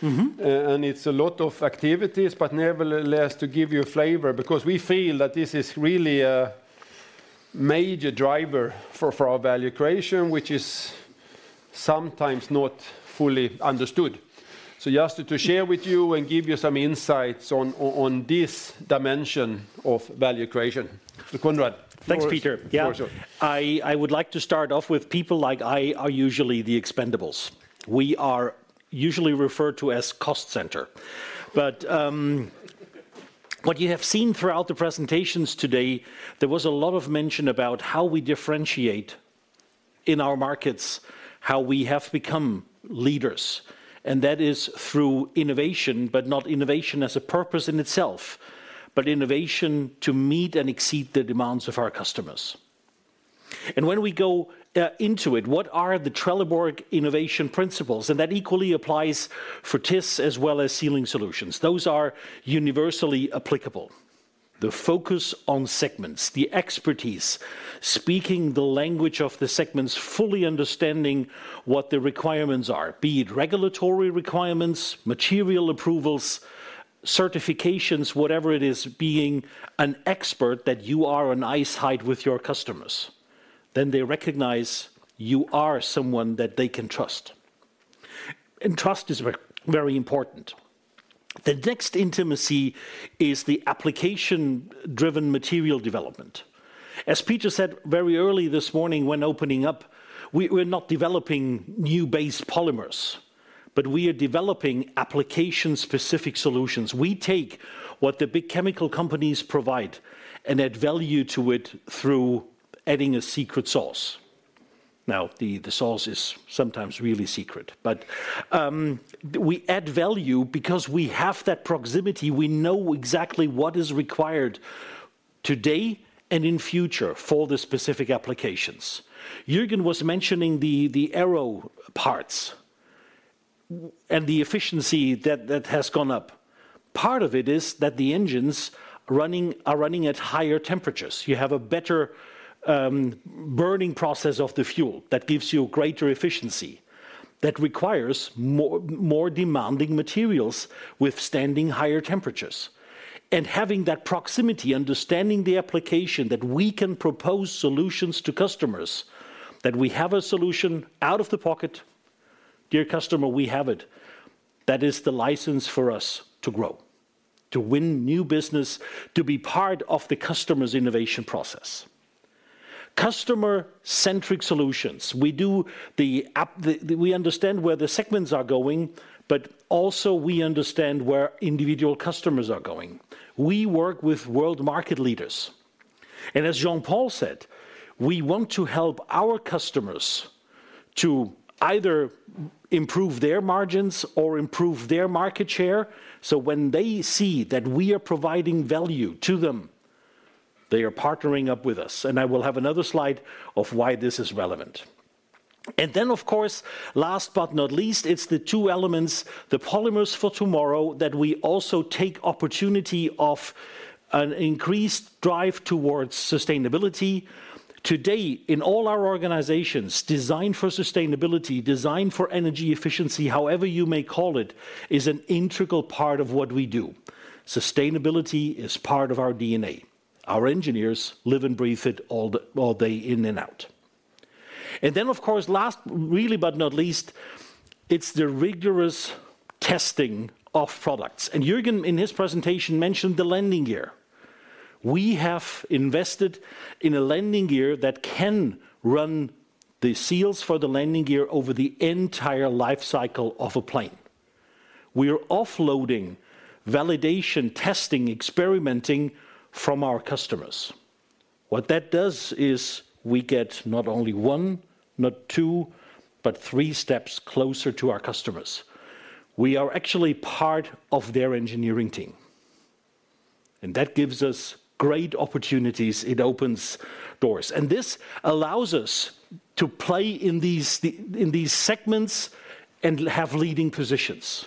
Speaker 2: 4:00 P.M. Area. It's a lot of activities, but nevertheless, to give you a flavor because we feel that this is really a major driver for our value creation, which is sometimes not fully understood. Just to share with you and give you some insights on, on this dimension of value creation. Konrad.
Speaker 10: Thanks, Peter.
Speaker 2: Yeah, sure.
Speaker 10: I would like to start off with people like I are usually the expendables. We are usually referred to as cost center. What you have seen throughout the presentations today, there was a lot of mention about how we differentiate in our markets, how we have become leaders, and that is through innovation, but not innovation as a purpose in itself, but innovation to meet and exceed the demands of our customers. When we go, into it, what are the Trelleborg innovation principles? That equally applies for TIS as well as Sealing Solutions. Those are universally applicable. The focus on segments, the expertise, speaking the language of the segments, fully understanding what the requirements are, be it regulatory requirements, material approvals, certifications, whatever it is, being an expert that you are on eye-side with your customers, then they recognize you are someone that they can trust. Trust is very important. The next intimacy is the application-driven material development. As Peter said very early this morning when opening up, we're not developing new base polymers, but we are developing application-specific solutions. We take what the big chemical companies provide and add value to it through adding a secret sauce. The, the sauce is sometimes really secret. We add value because we have that proximity, we know exactly what is required today and in future for the specific applications. Jürgen was mentioning the aero parts and the efficiency that has gone up. Part of it is that the engines running are running at higher temperatures. You have a better burning process of the fuel that gives you greater efficiency that requires more, more demanding materials withstanding higher temperatures. Having that proximity, understanding the application that we can propose solutions to customers, that we have a solution out of the pocket, dear customer, we have it, that is the license for us to grow, to win new business, to be part of the customer's innovation process. Customer-centric solutions. We understand where the segments are going, but also we understand where individual customers are going. We work with world market leaders. As Jean-Paul said, we want to help our customers to either improve their margins or improve their market share, so when they see that we are providing value to them, they are partnering up with us. I will have another slide of why this is relevant. Then, of course, last but not least, it's the two elements, the Polymers for Tomorrow that we also take opportunity of an increased drive towards sustainability. Today, in all our organizations, design for sustainability, design for energy efficiency, however you may call it, is an integral part of what we do. Sustainability is part of our DNA. Our engineers live and breathe it all day in and out. Then, of course, last really, but not least, it's the rigorous testing of products. Jürgen, in his presentation, mentioned the landing gear. We have invested in a landing gear that can run the seals for the landing gear over the entire life cycle of a plane. We are offloading validation, testing, experimenting from our customers. What that does is we get not only one, not two, but three steps closer to our customers. We are actually part of their engineering team. That gives us great opportunities. It opens doors. This allows us to play in these segments and have leading positions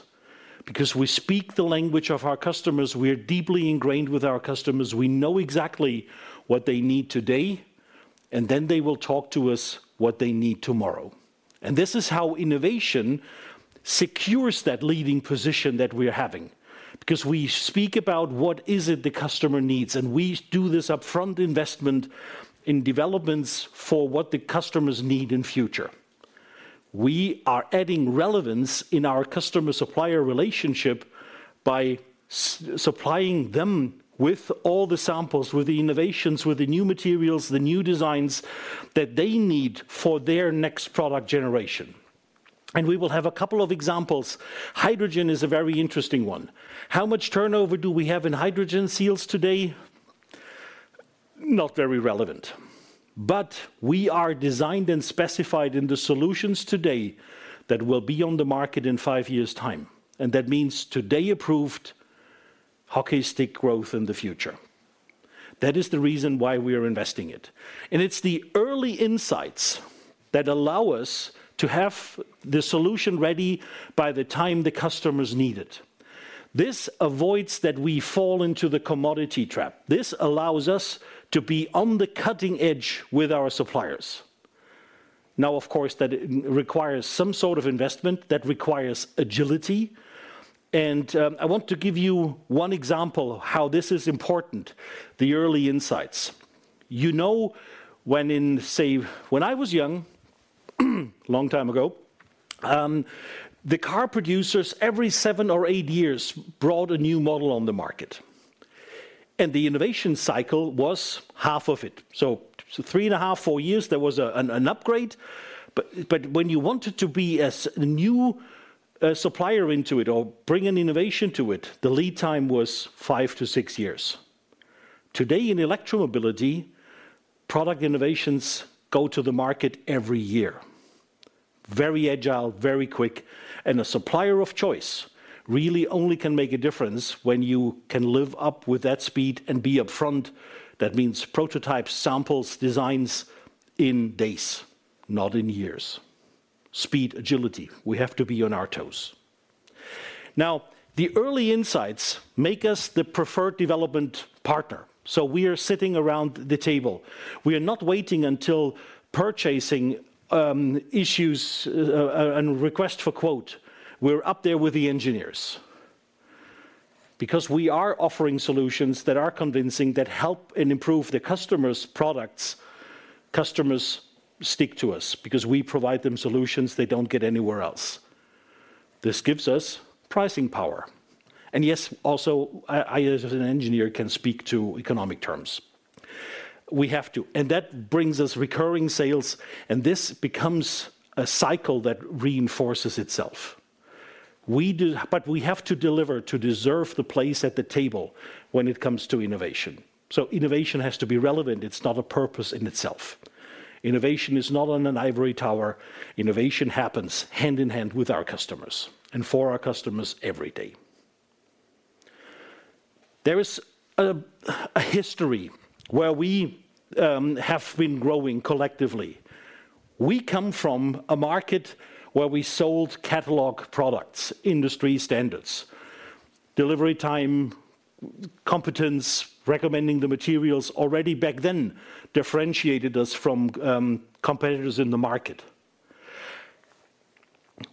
Speaker 10: because we speak the language of our customers, we are deeply ingrained with our customers, we know exactly what they need today. They will talk to us what they need tomorrow. This is how innovation secures that leading position that we're having, because we speak about what is it the customer needs, and we do this upfront investment in developments for what the customers need in future. We are adding relevance in our customer-supplier relationship by supplying them with all the samples, with the innovations, with the new materials, the new designs that they need for their next product generation. We will have a couple of examples. Hydrogen is a very interesting one. How much turnover do we have in hydrogen seals today? Not very relevant. We are designed and specified in the solutions today that will be on the market in five years' time. That means today approved, hockey stick growth in the future. That is the reason why we are investing it. It's the early insights that allow us to have the solution ready by the time the customers need it. This avoids that we fall into the commodity trap. This allows us to be on the cutting edge with our suppliers. Of course, that requires some sort of investment, that requires agility, and I want to give you one example how this is important, the early insights. You know, when in, say, when I was young, long time ago, the car producers, every seven or eight years, brought a new model on the market. The innovation cycle was half of it. Three and a half, four years, there was an upgrade, but when you wanted to be a new supplier into it or bring an innovation to it, the lead time was five to nine years. Today in electro mobility, product innovations go to the market every year. Very agile, very quick, and a supplier of choice really only can make a difference when you can live up with that speed and be upfront. That means prototype samples, designs in days, not in years. Speed, agility, we have to be on our toes. The early insights make us the preferred development partner, so we are sitting around the table. We are not waiting until purchasing issues and request for quote. We're up there with the engineers. We are offering solutions that are convincing, that help and improve the customer's products, customers stick to us because we provide them solutions they don't get anywhere else. This gives us pricing power. Yes, also, I as an engineer can speak to economic terms. We have to. That brings us recurring sales, and this becomes a cycle that reinforces itself. We have to deliver to deserve the place at the table when it comes to innovation. Innovation has to be relevant, it's not a purpose in itself. Innovation is not on an ivory tower. Innovation happens hand-in-hand with our customers and for our customers every day. There is a history where we have been growing collectively. We come from a market where we sold catalog products, industry standards. Delivery time, competence, recommending the materials already back then differentiated us from competitors in the market.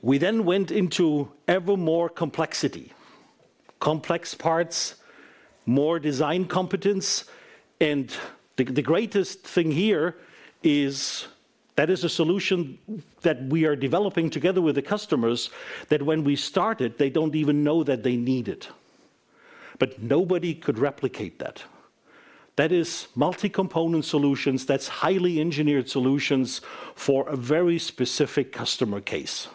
Speaker 10: We then went into ever more complexity. Complex parts, more design competence. The greatest thing here is that is a solution that we are developing together with the customers that when we start it, they don't even know that they need it. Nobody could replicate that. That is multi-component solutions, that's highly engineered solutions for a very specific customer case.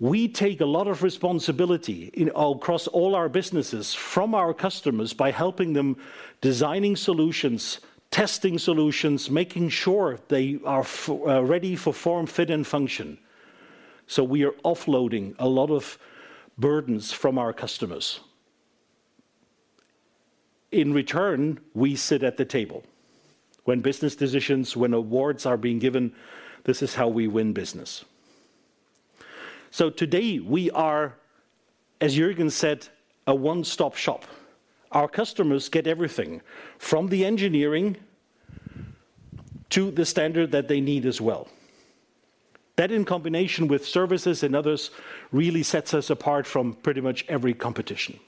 Speaker 10: We take a lot of responsibility across all our businesses from our customers by helping them designing solutions, testing solutions, making sure they are ready for form, fit, and function. We are offloading a lot of burdens from our customers. In return, we sit at the table. When business decisions, when awards are being given, this is how we win business. Today we are, as Jürgen said, a one-stop shop. Our customers get everything from the engineering to the standard that they need as well. That in combination with services and others really sets us apart from pretty much every competition.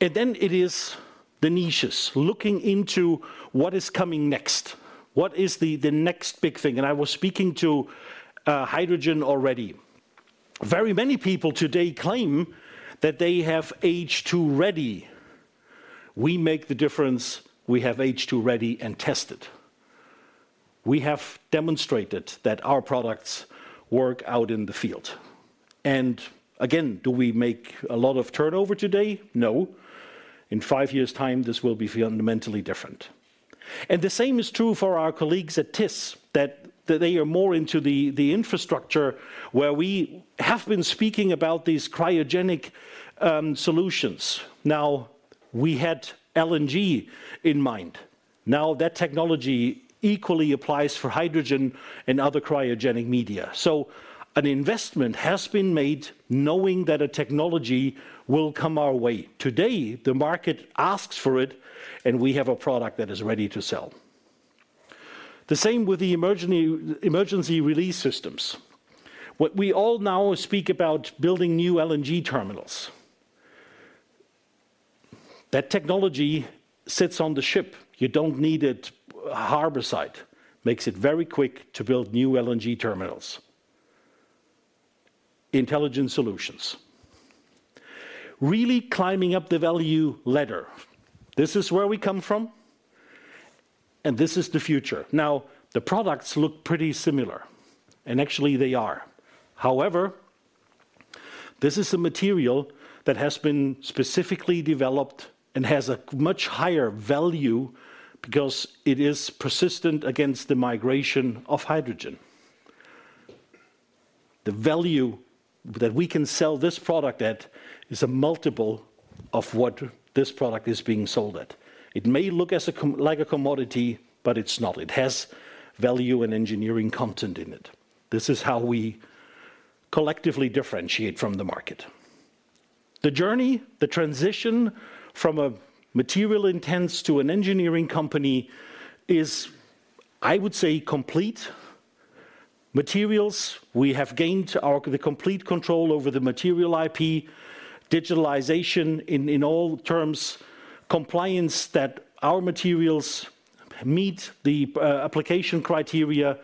Speaker 10: It is the niches, looking into what is coming next. What is the next big thing? I was speaking to hydrogen already. Very many people today claim that they have H2 ready. We make the difference, we have H2 ready & tested. We have demonstrated that our products work out in the field. Again, do we make a lot of turnover today? No. In 5 years' time, this will be fundamentally different. The same is true for our colleagues at TIS, that they are more into the infrastructure where we have been speaking about these cryogenic solutions. We had LNG in mind. That technology equally applies for hydrogen and other cryogenic media. An investment has been made knowing that a technology will come our way. Today, the market asks for it, we have a product that is ready to sell. The same with the emergency release systems. What we all now speak about building new LNG terminals, that technology sits on the ship. You don't need it harbor site. Makes it very quick to build new LNG terminals. Intelligent solutions. Really climbing up the value ladder. This is where we come from, and this is the future. Now, the products look pretty similar, and actually they are. However, this is a material that has been specifically developed and has a much higher value because it is persistent against the migration of hydrogen. The value that we can sell this product at is a multiple of what this product is being sold at. It may look like a commodity, but it's not. It has value and engineering content in it. This is how we collectively differentiate from the market. The journey, the transition from a material intense to an engineering company is, I would say, complete. Materials, we have gained the complete control over the material IP, digitalization in all terms, compliance that our materials meet the application criteria.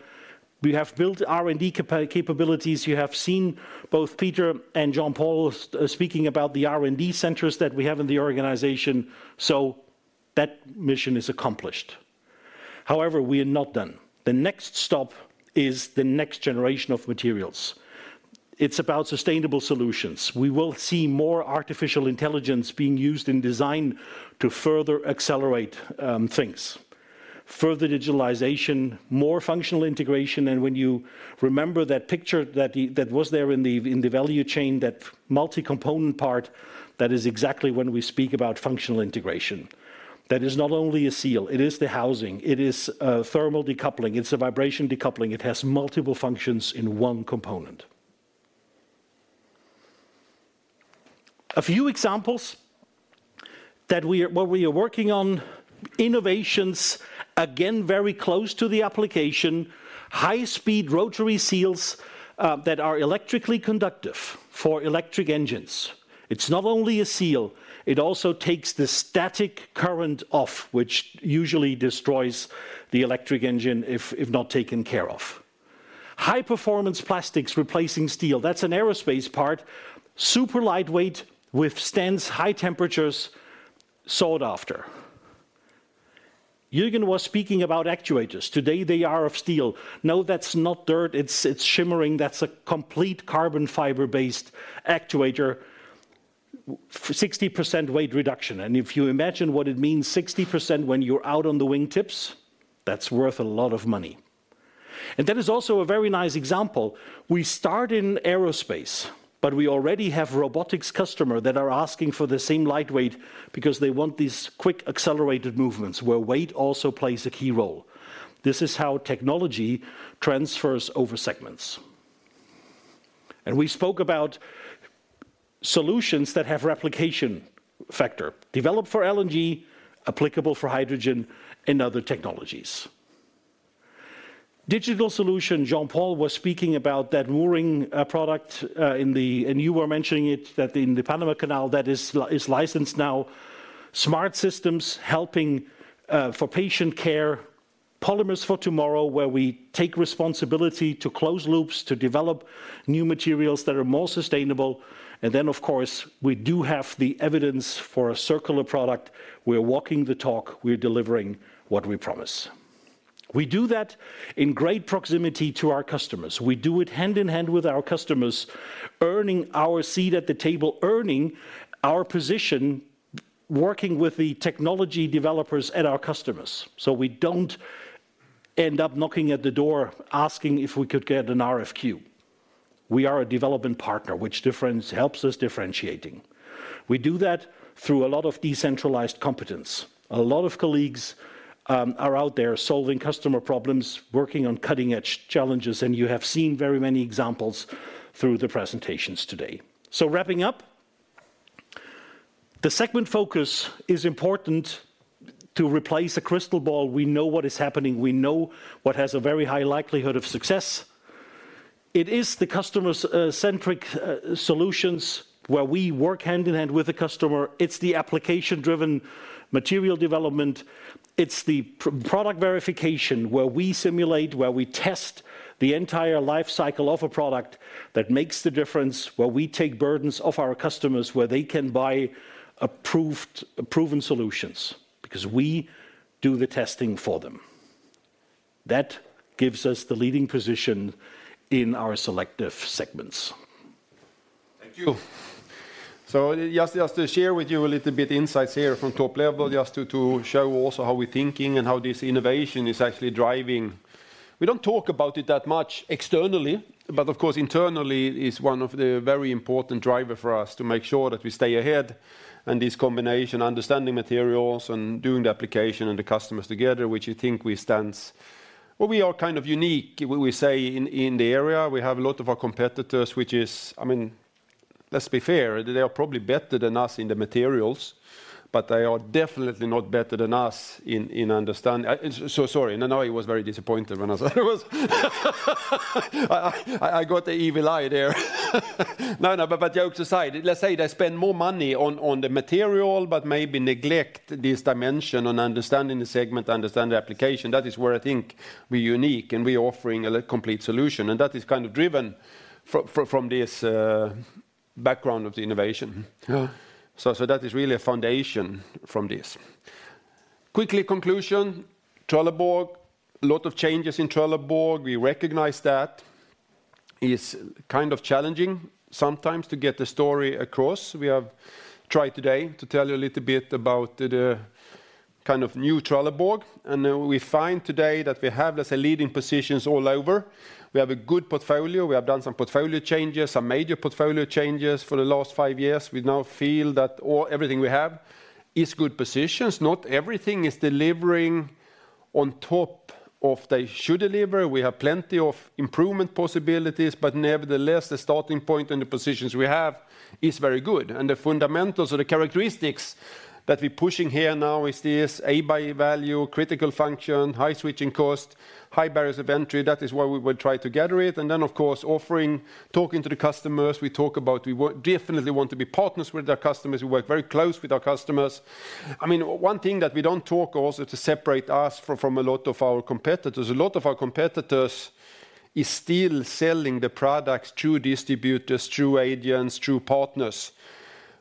Speaker 10: We have built R&D capabilities. You have seen both Peter and Jürgen Bosch speaking about the R&D centers that we have in the organization. That mission is accomplished. However, we are not done. The next stop is the next generation of materials. It's about sustainable solutions. We will see more Artificial Intelligence being used in design to further accelerate things. Further digitalization, more functional integration. When you remember that picture that was there in the value chain, that multi-component part, that is exactly when we speak about functional integration. That is not only a seal, it is the housing, it is a thermal decoupling, it's a vibration decoupling, it has multiple functions in one component. A few examples what we are working on, innovations, again, very close to the application, high-speed rotary seals that are electrically conductive for electric engines. It's not only a seal, it also takes the static current off, which usually destroys the electric engine if not taken care of. High-performance plastics replacing steel. That's an aerospace part, super lightweight, withstands high temperatures, sought after. Jürgen was speaking about actuators. Today they are of steel. No, that's not dirt, it's shimmering. That's a complete carbon fiber-based actuator, 60% weight reduction. If you imagine what it means, 60% when you're out on the wing tips, that's worth a lot of money. That is also a very nice example. We start in aerospace, but we already have robotics customer that are asking for the same lightweight because they want these quick accelerated movements where weight also plays a key role. This is how technology transfers over segments. We spoke about solutions that have replication factor, developed for LNG, applicable for hydrogen and other technologies. Digital solution, Jean-Paul was speaking about that mooring product and you were mentioning it, that in the Panama Canal that is licensed now. Smart systems helping for patient care, Polymers for Tomorrow, where we take responsibility to close loops to develop new materials that are more sustainable. Of course, we do have the evidence for a circular product. We're walking the talk, we're delivering what we promise. We do that in great proximity to our customers. We do it hand-in-hand with our customers, earning our seat at the table, earning our position working with the technology developers and our customers. We don't end up knocking at the door asking if we could get an RFQ. We are a development partner, which helps us differentiating. We do that through a lot of decentralized competence. A lot of colleagues are out there solving customer problems, working on cutting-edge challenges, and you have seen very many examples through the presentations today. Wrapping up, the segment focus is important to replace a crystal ball. We know what is happening. We know what has a very high likelihood of success. It is the customer's centric solutions where we work hand-in-hand with the customer. It's the application-driven material development. It's the product verification where we simulate, where we test the entire life cycle of a product that makes the difference, where we take burdens off our customers, where they can buy approved, proven solutions because we do the testing for them. That gives us the leading position in our selective segments.
Speaker 2: Thank you. Just to share with you a little bit insights here from top level, just to show also how we're thinking and how this innovation is actually driving. We don't talk about it that much externally, but of course, internally is one of the very important driver for us to make sure that we stay ahead and this combination, understanding materials and doing the application and the customers together, which I think, well, we are kind of unique, we say, in the area. We have a lot of our competitors, which is, I mean, let's be fair, they are probably better than us in the materials, but they are definitely not better than us in understanding. Sorry. Nanoi was very disappointed when I said it was I got the evil eye there. Jokes aside, let's say they spend more money on the material, but maybe neglect this dimension on understanding the segment, understand the application. That is where I think we're unique, and we're offering a complete solution, and that is kind of driven from this background of the innovation. That is really a foundation from this. Quickly, conclusion. Trelleborg, a lot of changes in Trelleborg. We recognize that. It's kind of challenging sometimes to get the story across. We have tried today to tell you a little bit about the kind of new Trelleborg, and we find today that we have, let's say, leading positions all over. We have a good portfolio. We have done some portfolio changes, some major portfolio changes for the last 5 years. We now feel that all, everything we have is good positions. Not everything is delivering on top of they should deliver. We have plenty of improvement possibilities, but nevertheless, the starting point and the positions we have is very good. The fundamentals or the characteristics that we're pushing here now is this buy value, critical function, high switching cost, high barriers of entry. That is why we would try to gather it. Of course, offering, talking to the customers. We talk about we definitely want to be partners with our customers. We work very close with our customers. I mean, one thing that we don't talk also to separate us from a lot of our competitors, a lot of our competitors is still selling the products to distributors, to agents, to partners.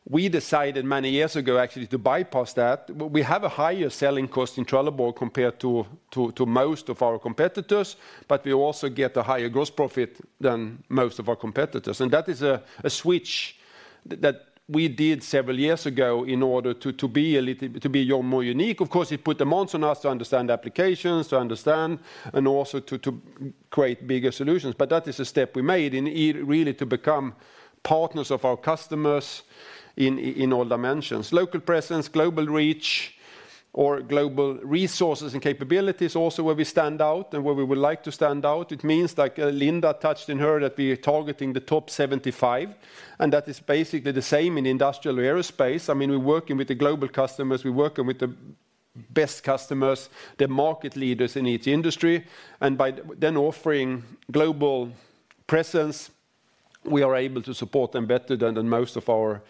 Speaker 2: We decided many years ago actually to bypass that. We have a higher selling cost in Trelleborg compared to most of our competitors, but we also get a higher gross profit than most of our competitors. That is a switch that we did several years ago in order to be, you know, more unique. Of course, it put demands on us to understand applications, to understand, and also to create bigger solutions. That is a step we made in really to become partners of our customers in all dimensions. Local presence, global reach, or global resources and capabilities also where we stand out and where we would like to stand out, it means, like, Linda touched in her, that we are targeting the top 75, and that is basically the same in industrial aerospace. I mean, we're working with the global customers, we're working with the best customers, the market leaders in each industry. By then offering global presence, we are able to support them better than most of our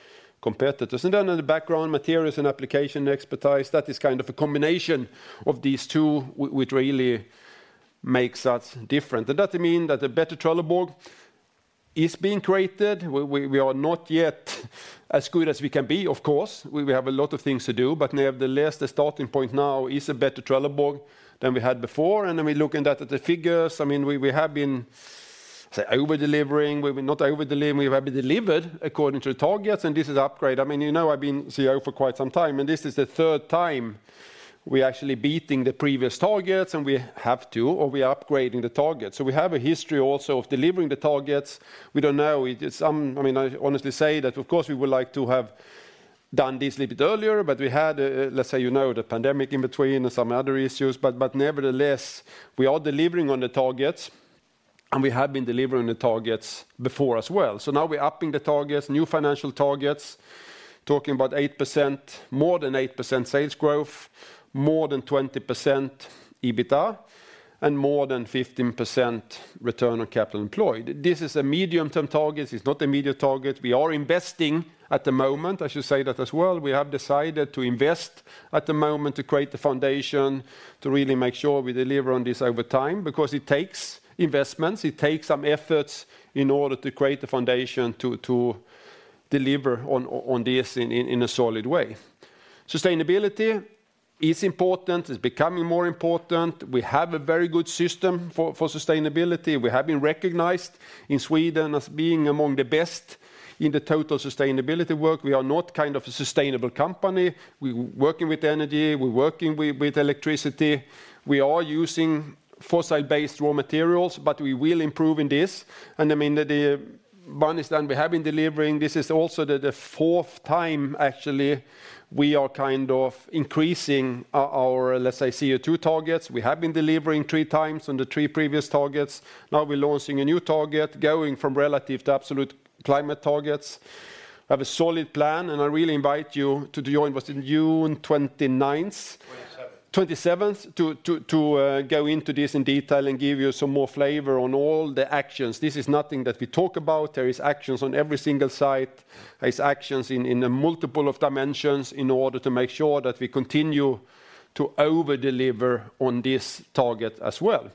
Speaker 2: competitors. Then in the background, materials and application expertise, that is kind of a combination of these two which really makes us different. That mean that a better Trelleborg is being created. We are not yet as good as we can be, of course. We have a lot of things to do, nevertheless, the starting point now is a better Trelleborg than we had before, we look at that, at the figures. I mean, we have been, say, over-delivering. We've been not over-delivering, we have been delivered according to the targets, this is upgrade. I mean, you know, I've been CEO for quite some time, this is the third time we're actually beating the previous targets, we have to, or we are upgrading the target. We have a history also of delivering the targets. We don't know. I mean, I honestly say that of course, we would like to have done this a little bit earlier, but we had, let's say, you know, the pandemic in between and some other issues. Nevertheless, we are delivering on the targets, and we have been delivering the targets before as well. Now we're upping the targets, new financial targets, talking about 8%, more than 8% sales growth, more than 20% EBITDA, and more than 15% Return on Capital Employed. This is a medium-term target. It's not immediate target. We are investing at the moment. I should say that as well. We have decided to invest at the moment to create the foundation to really make sure we deliver on this over time, because it takes investments, it takes some efforts in order to create the foundation to deliver on this in a solid way. Sustainability is important. It's becoming more important. We have a very good system for sustainability. We have been recognized in Sweden as being among the best in the total sustainability work. We are not kind of a sustainable company. We working with energy, we working with electricity. We are using fossil-based raw materials, but we will improve in this. I mean, the one is done, we have been delivering. This is also the fourth time, actually, we are kind of increasing our, let's say, CO2 targets. We have been delivering three times on the three previous targets. Now we're launching a new target, going from relative to absolute climate targets. Have a solid plan. I really invite you to join us in June 29th.
Speaker 5: 27
Speaker 2: 27th to go into this in detail and give you some more flavor on all the actions. This is nothing that we talk about. There is actions on every single site. There's actions in a multiple of dimensions in order to make sure that we continue to over-deliver on this target as well.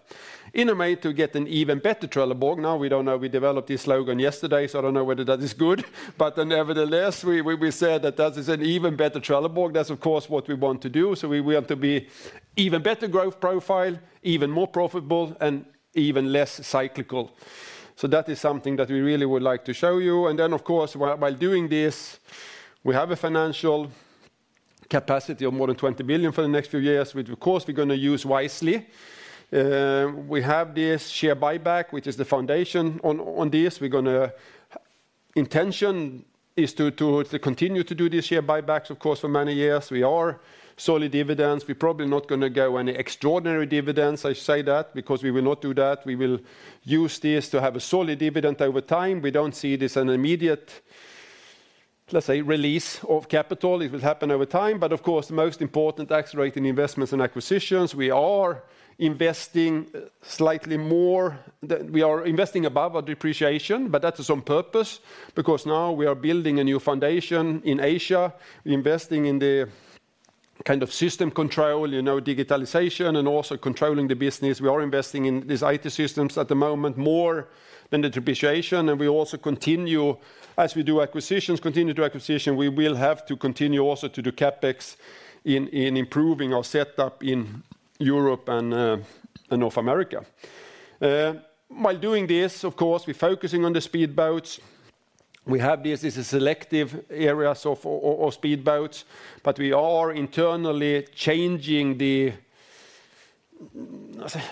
Speaker 2: Innovate to get an even better Trelleborg. We don't know, we developed this slogan yesterday, so I don't know whether that is good. Nevertheless, we said that that is an even better Trelleborg. That's of course what we want to do. We want to be even better growth profile, even more profitable, and even less cyclical. That is something that we really would like to show you. Of course, by doing this, we have a financial capacity of more than 20 billion for the next few years, which of course, we're gonna use wisely. We have this share buyback, which is the foundation on this. We're gonna intention is to continue to do this share buybacks, of course, for many years. We are solid dividends. We're probably not gonna go any extraordinary dividends. I say that because we will not do that. We will use this to have a solid dividend over time. We don't see this an immediate, let's say, release of capital. It will happen over time. Of course, the most important accelerating investments and acquisitions, we are investing slightly more. We are investing above our depreciation, but that is on purpose because now we are building a new foundation in Asia, investing in the kind of system control, you know, digitalization and also controlling the business. We are investing in these IT systems at the moment, more than the depreciation. We also continue as we do acquisitions, continue to acquisition, we will have to continue also to do CapEx in improving our setup in Europe and North America. While doing this, of course, we're focusing on the speedboats. We have this as a selective area of speedboats, but we are internally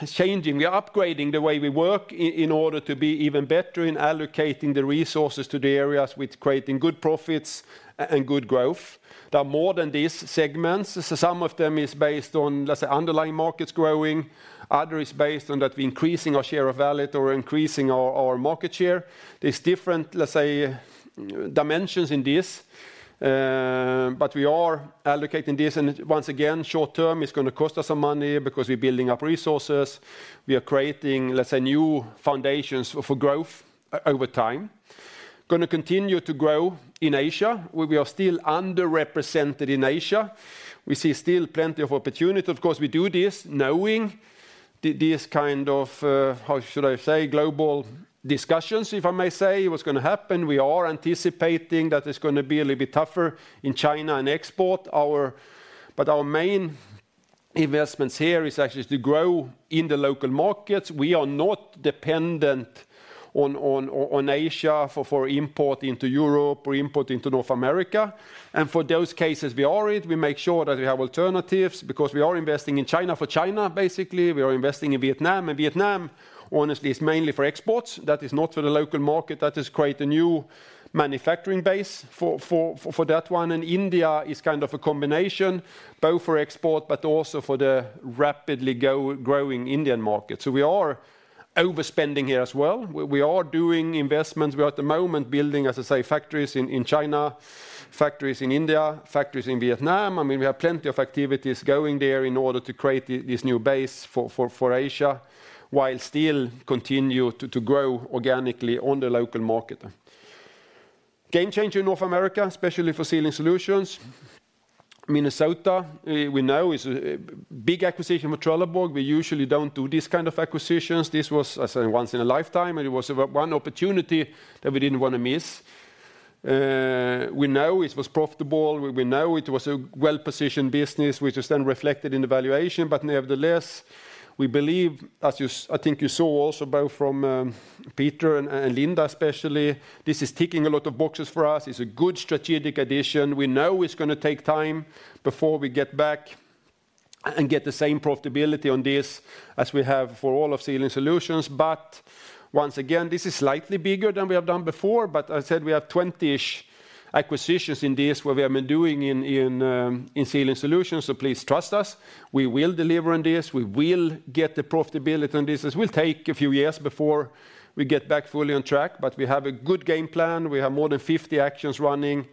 Speaker 2: Changing. We are upgrading the way we work in order to be even better in allocating the resources to the areas with creating good profits and good growth. There are more than these segments. Some of them is based on, let's say, underlying markets growing. Other is based on that we're increasing our share of wallet or increasing our market share. There's different, let's say, dimensions in this, but we are allocating this. Once again, short term, it's gonna cost us some money because we're building up resources. We are creating, let's say, new foundations for growth over time. Gonna continue to grow in Asia. We are still underrepresented in Asia. We see still plenty of opportunity. Of course, we do this knowing this kind of, how should I say, global discussions, if I may say, what's gonna happen. We are anticipating that it's gonna be a little bit tougher in China on export. Our main investments here is actually to grow in the local markets. We are not dependent on Asia for import into Europe or import into North America. For those cases we are in, we make sure that we have alternatives because we are investing in China for China, basically. We are investing in Vietnam. Vietnam honestly is mainly for exports. That is not for the local market. That is create a new manufacturing base for that one. India is kind of a combination, both for export, but also for the rapidly growing Indian market. We are overspending here as well. We are doing investments. We are at the moment building, as I say, factories in China, factories in India, factories in Vietnam. I mean, we have plenty of activities going there in order to create this new base for Asia, while still continue to grow organically on the local market. Game changer in North America, especially for Sealing Solutions. Minnesota, we know is big acquisition for Trelleborg. We usually don't do these kind of acquisitions. This was, I say, once in a lifetime, and it was a one opportunity that we didn't want to miss. We know it was profitable. We know it was a well-positioned business, which is then reflected in the valuation. Nevertheless, we believe, as I think you saw also both from Peter and Linda especially, this is ticking a lot of boxes for us. It's a good strategic addition. We know it's gonna take time before we get back and get the same profitability on this as we have for all of Sealing Solutions. Once again, this is slightly bigger than we have done before, but I said we have 20-ish acquisitions in this, what we have been doing in Sealing Solutions, so please trust us. We will deliver on this. We will get the profitability on this. It will take a few years before we get back fully on track, we have a good game plan. We have more than 50 actions running,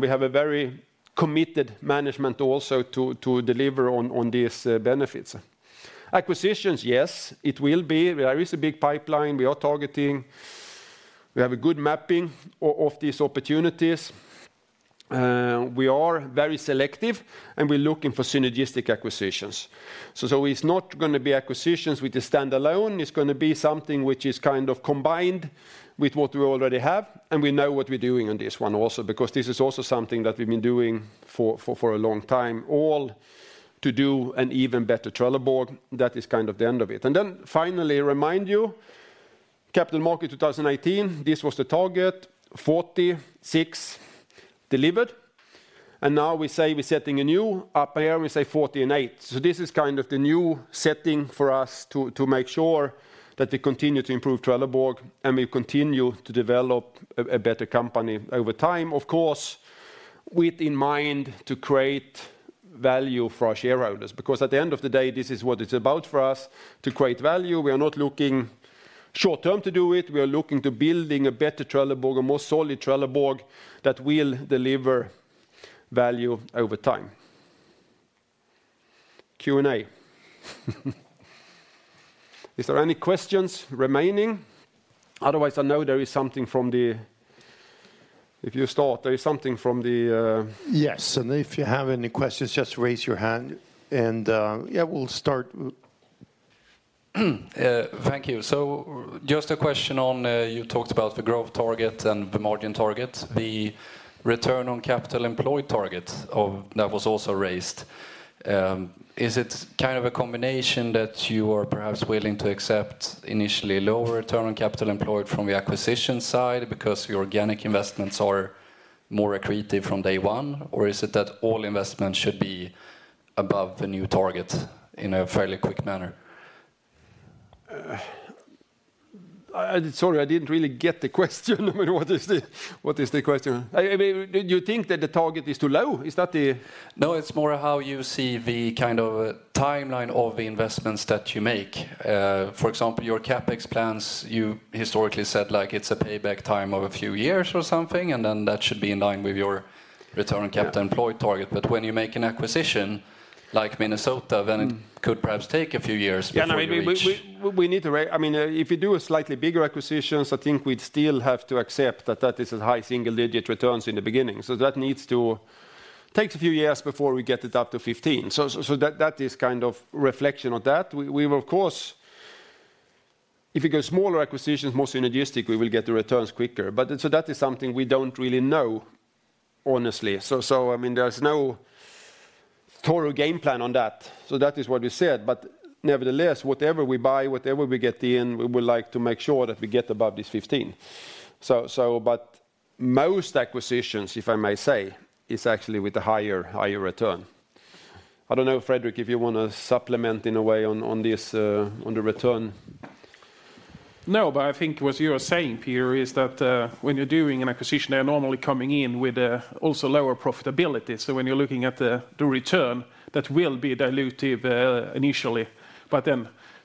Speaker 2: We have a very committed management also to deliver on these benefits. Acquisitions, yes, it will be. There is a big pipeline we are targeting. We have a good mapping of these opportunities. We are very selective, We're looking for synergistic acquisitions. It's not gonna be acquisitions with the stand-alone. It's gonna be something which is kind of combined with what we already have, and we know what we're doing on this one also, because this is also something that we've been doing for a long time, all to do an even better Trelleborg. That is kind of the end of it. Finally, remind you, Capital Markets Day 2018, this was the target, 46 delivered. Now we say we're setting a new up here, we say 48. This is kind of the new setting for us to make sure that we continue to improve Trelleborg, and we continue to develop a better company over time, of course, with in mind to create value for our shareholders. At the end of the day, this is what it's about for us, to create value. We are not looking short-term to do it. We are looking to building a better Trelleborg, a more solid Trelleborg that will deliver value over time. Q&A. Is there any questions remaining? I know there is something. If you start, there is something from the.
Speaker 1: Yes. If you have any questions, just raise your hand and, yeah, we'll start.
Speaker 5: Thank you. Just a question on, you talked about the growth target and the margin target. The Return on Capital Employed target that was also raised. Is it kind of a combination that you are perhaps willing to accept initially lower Return on Capital Employed from the acquisition side because your organic investments are more accretive from day one? Is it that all investments should be above the new target in a fairly quick manner?
Speaker 2: I, sorry, I didn't really get the question. What is the, what is the question? I mean, do you think that the target is too low? Is that the?
Speaker 5: No, it's more how you see the kind of timeline of the investments that you make. For example, your CapEx plans, you historically said, like, it's a payback time of a few years or something, and then that should be in line with your Return on Capital Employed target. When you make an acquisition, like Minnesota, then it could perhaps take a few years before you.
Speaker 2: No, we need to I mean, if you do a slightly bigger acquisitions, I think we'd still have to accept that that is a high single-digit returns in the beginning. That needs to take a few years before we get it up to 15. So that is kind of reflection of that. We of course. If you go smaller acquisitions, more synergistically, we will get the returns quicker. That is something we don't really know, honestly. So I mean, there's no total game plan on that. That is what we said. Nevertheless, whatever we buy, whatever we get in, we would like to make sure that we get above this 15. Most acquisitions, if I may say, is actually with a higher return. I don't know, Fredrik, if you wanna supplement in a way on this, on the return.
Speaker 3: I think what you are saying, Peter, is that, when you're doing an acquisition, they are normally coming in with, also lower profitability. When you're looking at the return, that will be dilutive, initially.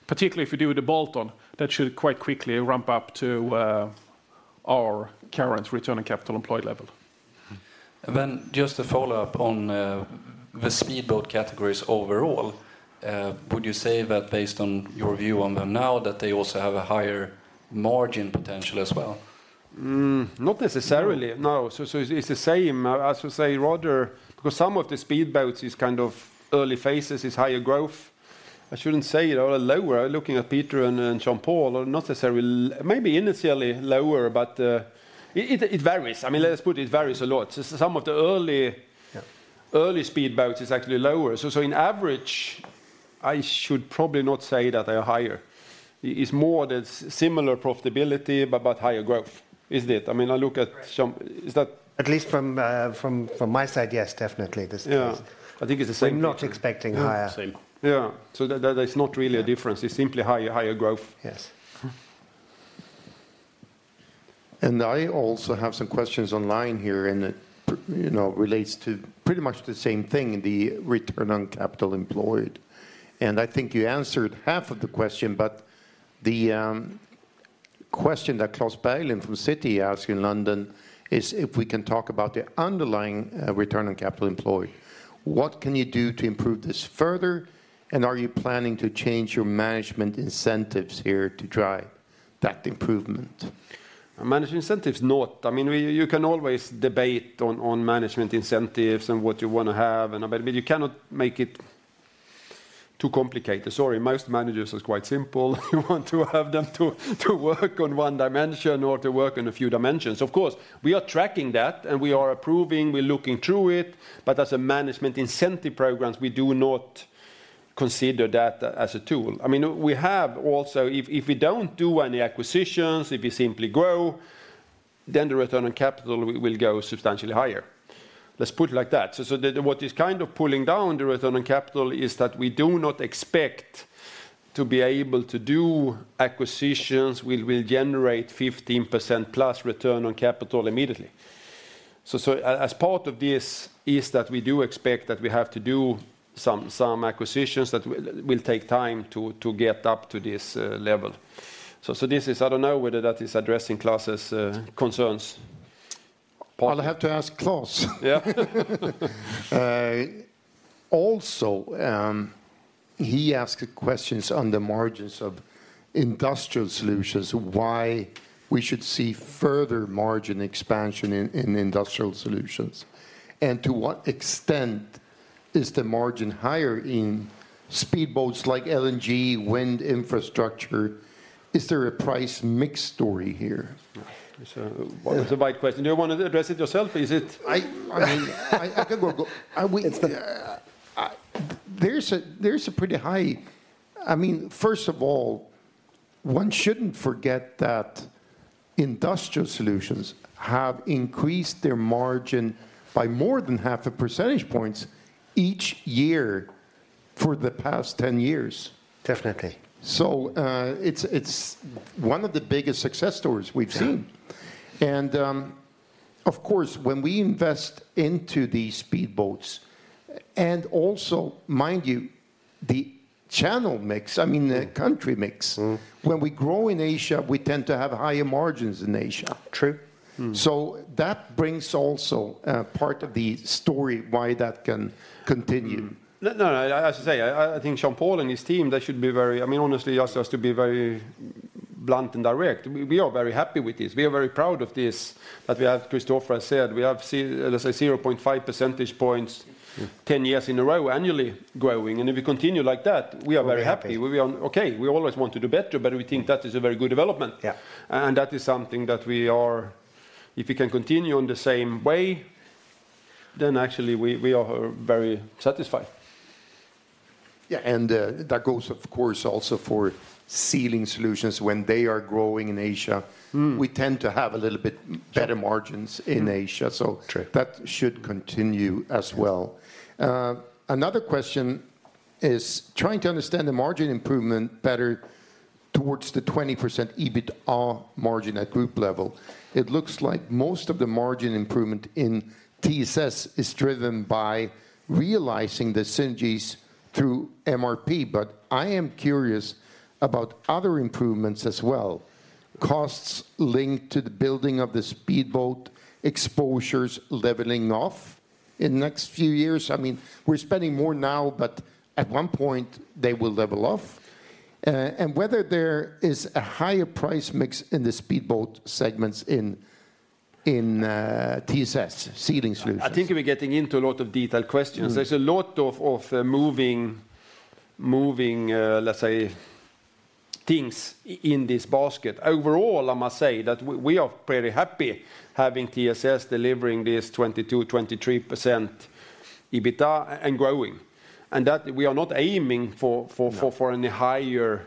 Speaker 3: Particularly if you do the bolt-on, that should quite quickly ramp up to, our current Return on Capital Employed level. Just to follow up on, the speedboat categories overall, would you say that based on your view on them now, that they also have a higher margin potential as well?
Speaker 2: not necessarily, no. It's the same. I should say rather, because some of the speedboats is kind of early phases, is higher growth. I shouldn't say it all are lower. Looking at Peter and Jean-Paul, not necessarily maybe initially lower, but, it varies. I mean, let's put it varies a lot. some of the early speedboats is actually lower. In average, I should probably not say that they are higher. It's more that similar profitability but higher growth. Isn't it? I mean, I look at some. Is that?
Speaker 6: At least from my side, yes, definitely.
Speaker 2: Yeah. I think it's the same picture.
Speaker 6: I'm not expecting higher.
Speaker 2: Yeah, same. Yeah. There's not really a difference. It's simply higher growth.
Speaker 6: Yes.
Speaker 1: I also have some questions online here, you know, relates to pretty much the same thing, the Return on Capital Employed. I think you answered half of the question, but the question that Klas Olsson from Citi asked in London is if we can talk about the underlying Return on Capital Employed. What can you do to improve this further, and are you planning to change your management incentives here to drive that improvement?
Speaker 2: Management incentives, not. I mean, you can always debate on management incentives and what you want to have and about, but you cannot make it too complicated. Sorry, most managers is quite simple. You want to have them to work on one dimension or to work on a few dimensions. Of course, we are tracking that, and we are approving, we're looking through it, but as a management incentive programs, we do not consider that as a tool. I mean, if we don't do any acquisitions, if we simply grow, then the return on capital will go substantially higher. Let's put it like that. The what is kind of pulling down the return on capital is that we do not expect to be able to do acquisitions. We will generate 15% plus return on capital immediately. As part of this is that we do expect that we have to do some acquisitions that will take time to get up to this level. I don't know whether that is addressing Clas' concerns.
Speaker 1: I'll have to ask Clas. Also, he asked questions on the margins of Industrial Solutions, why we should see further margin expansion in Industrial Solutions, and to what extent is the margin higher in speedboats like LNG, wind infrastructure? Is there a price mix story here?
Speaker 2: That's a wide question. Do you wanna address it yourself?
Speaker 1: I can go.
Speaker 6: It's.
Speaker 1: There's a pretty high. I mean, first of all, one shouldn't forget that Industrial Solutions have increased their margin by more than half a percentage points each year for the past 10 years.
Speaker 6: Definitely.
Speaker 1: It's one of the biggest success stories we've seen. Of course, when we invest into these speedboats, and also, mind you, the channel mix, I mean the country mix. When we grow in Asia, we tend to have higher margins in Asia.
Speaker 2: True.
Speaker 1: That brings also part of the story why that can continue.
Speaker 2: No, no, as you say, I think Jean-Paul and his team, they should be very. I mean, honestly, just to be very blunt and direct, we are very happy with this. We are very proud of this, that we have, Christopher said, we have let's say 0.5 percentage points 10 years in a row annually growing. If we continue like that, we are very happy.
Speaker 1: Happy.
Speaker 2: We are okay. We always want to do better. We think that is a very good development. That is something that If we can continue in the same way, then actually we are very satisfied.
Speaker 1: Yeah, that goes of course also for Sealing Solutions. When they are growing in Asia we tend to have a little bit better margins in Asia.
Speaker 2: True.
Speaker 1: That should continue as well. Another question is trying to understand the margin improvement better towards the 20% EBITA margin at group level. It looks like most of the margin improvement in TSS is driven by realizing the synergies through MRP, I am curious about other improvements as well, costs linked to the building of the speedboat exposures leveling off in the next few years. I mean, we're spending more now, but at one point, they will level off. Whether there is a higher price mix in the speedboat segments in TSS, Sealing Solutions.
Speaker 2: I think we're getting into a lot of detailed questions. There's a lot of moving, let's say things in this basket. Overall, I must say that we are pretty happy having TSS delivering this 22%-23% EBITA and growing, and that we are not aiming for.
Speaker 1: No.
Speaker 2: For any higher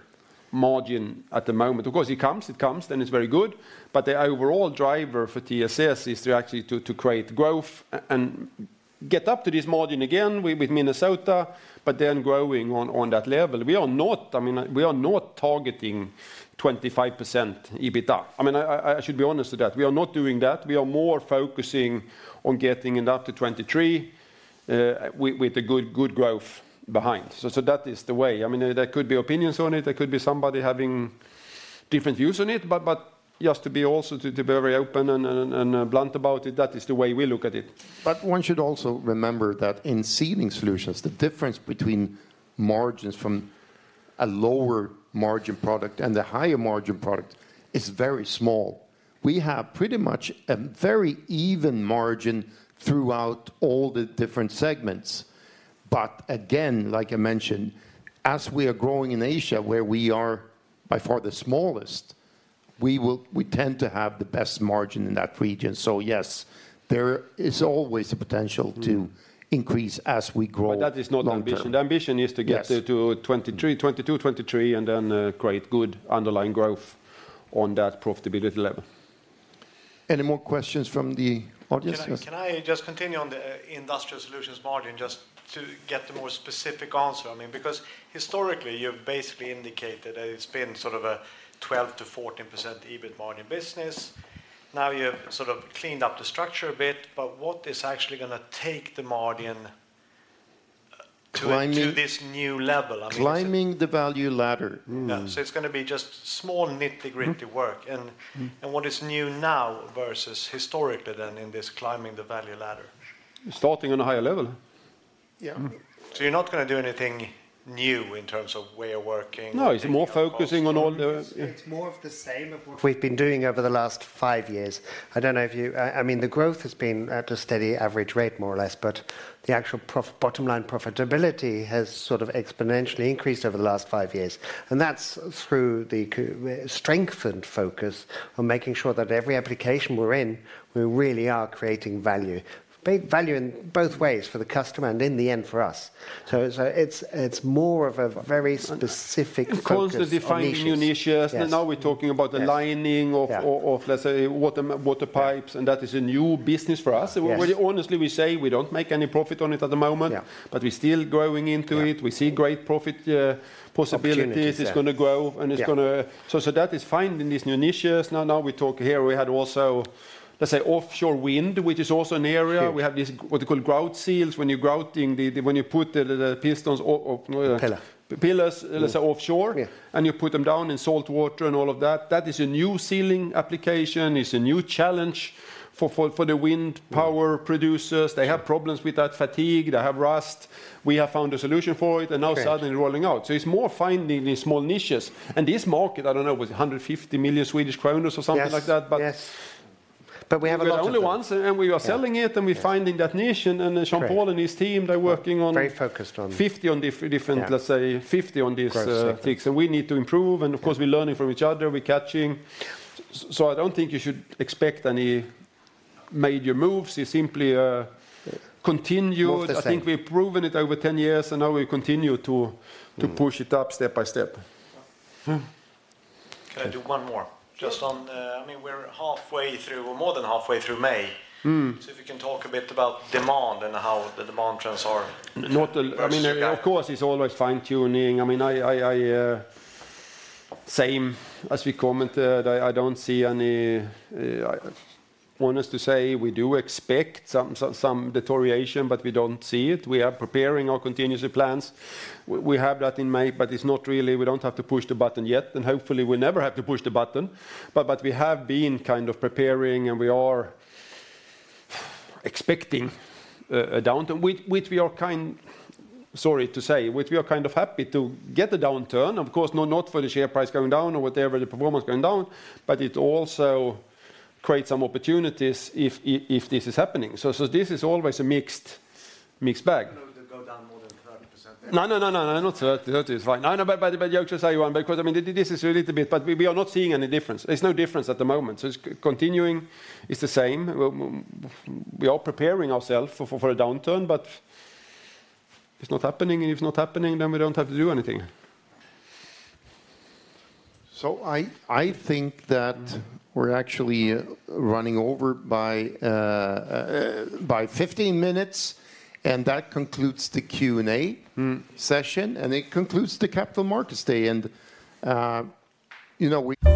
Speaker 2: margin at the moment. Of course, it comes, then it's very good, but the overall driver for TSS is actually to create growth and get up to this margin again with Minnesota, but then growing on that level. We are not, I mean, we are not targeting 25% EBITA. I mean, I should be honest with that. We are not doing that. We are more focusing on getting it up to 23% with a good growth behind. That is the way. I mean, there could be opinions on it. There could be somebody having different views on it, but just to be also to be very open and blunt about it, that is the way we look at it.
Speaker 1: One should also remember that in Sealing Solutions, the difference between margins from a lower margin product and a higher margin product is very small. We have pretty much a very even margin throughout all the different segments. Again, like I mentioned, as we are growing in Asia, where we are by far the smallest, we tend to have the best margin in that region. Yes, there is always the potential to increase as we grow long term.
Speaker 2: That is not the ambition. The ambition is.
Speaker 1: Yes.
Speaker 2: Get to 23, 22, 23, and then create good underlying growth on that profitability level.
Speaker 1: Any more questions from the audience? Yes.
Speaker 5: Can I just continue on the Industrial Solutions margin, just to get a more specific answer? I mean, because historically, you've basically indicated that it's been sort of a 12%-14% EBIT margin business. Now you've sort of cleaned up the structure a bit, but what is actually gonna take the margin.
Speaker 2: Climbing.
Speaker 5: To this new level? I mean, is it?
Speaker 2: Climbing the value ladder.
Speaker 5: Yeah. It's gonna be just small, nitty-gritty work. What is new now versus historically then in this climbing the value ladder?
Speaker 2: Starting on a higher level.
Speaker 5: You're not gonna do anything new in terms of way of working.
Speaker 2: No, it's more focusing on all the.
Speaker 5: It's more of the same of what-
Speaker 6: We've been doing over the last five years. I don't know if you, I mean, the growth has been at a steady average rate, more or less, but the actual bottom line profitability has sort of exponentially increased over the last five years, and that's through the strength and focus on making sure that every application we're in, we really are creating value. Create value in both ways, for the customer and in the end, for us. It's, it's more of a very specific focus on issues.
Speaker 2: Constantly finding new niches.
Speaker 6: Yes.
Speaker 2: Now we're talking about the lining of let's say, water pipes, and that is a new business for us.
Speaker 6: Yes.
Speaker 2: Honestly, we say we don't make any profit on it at the moment. We're still growing into it. We see great profit possibilities.
Speaker 6: Opportunities, yeah.
Speaker 2: It's gonna grow and it's gonna. That is finding these new niches. Now we talk here, we had also, let's say, offshore wind, which is also an area.
Speaker 6: Sure.
Speaker 2: We have these, what you call grout seals. When you're grouting the, when you put the pistons.
Speaker 6: Pillar.
Speaker 2: Pillar, let's say, offshore. You put them down in salt water and all of that. That is a new sealing application. It's a new challenge for the wind power producers. They have problems with that fatigue. They have rust. We have found a solution for it, and now suddenly rolling out.
Speaker 6: Great.
Speaker 2: It's more finding these small niches. This market, I don't know, it was 150 million Swedish kronor or something like that.
Speaker 6: Yes, yes. We have a lot of them.
Speaker 2: We're not the only ones, and we are selling it, and we're finding that niche. Jean-Paul and his team, they're working.
Speaker 6: Very focused.
Speaker 2: 50 on different let's say 50 on these things.
Speaker 6: Growth sectors.
Speaker 2: We need to improve, and of course, we're learning from each other, we're catching. I don't think you should expect any major moves. You simply continue.
Speaker 6: More of the same.
Speaker 2: I think we've proven it over 10 years, and now we continue to push it up step by step.
Speaker 5: Can I do one more?
Speaker 1: Sure.
Speaker 5: Just on, I mean, we're halfway through, or more than halfway through May. If you can talk a bit about demand and how the demand trends are.
Speaker 2: Not, I mean, of course, it's always fine-tuning. I mean, I, same as we commented, I don't see any, honest to say. We do expect some deterioration, but we don't see it. We are preparing our contingency plans. We have that in mind, but it's not really, we don't have to push the button yet. Hopefully, we never have to push the button. We have been kind of preparing, and we are expecting a downturn, which we are, sorry to say, kind of happy to get the downturn. Of course, no, not for the share price going down or whatever, the performance going down, but it also creates some opportunities if this is happening. This is always a mixed bag.
Speaker 5: You don't know if it'll go down more than 30% then?
Speaker 2: No, no, no, not 30. 30 is fine. No, no, you actually say one, because I mean, this is a little bit, but we are not seeing any difference. There's no difference at the moment. it's continuing. It's the same. We are preparing ourselves for a downturn, it's not happening, and if it's not happening, then we don't have to do anything.
Speaker 1: I think that we're actually running over by 15 minutes, and that concludes the Q&A session, and it concludes the Capital Markets Day. you know, we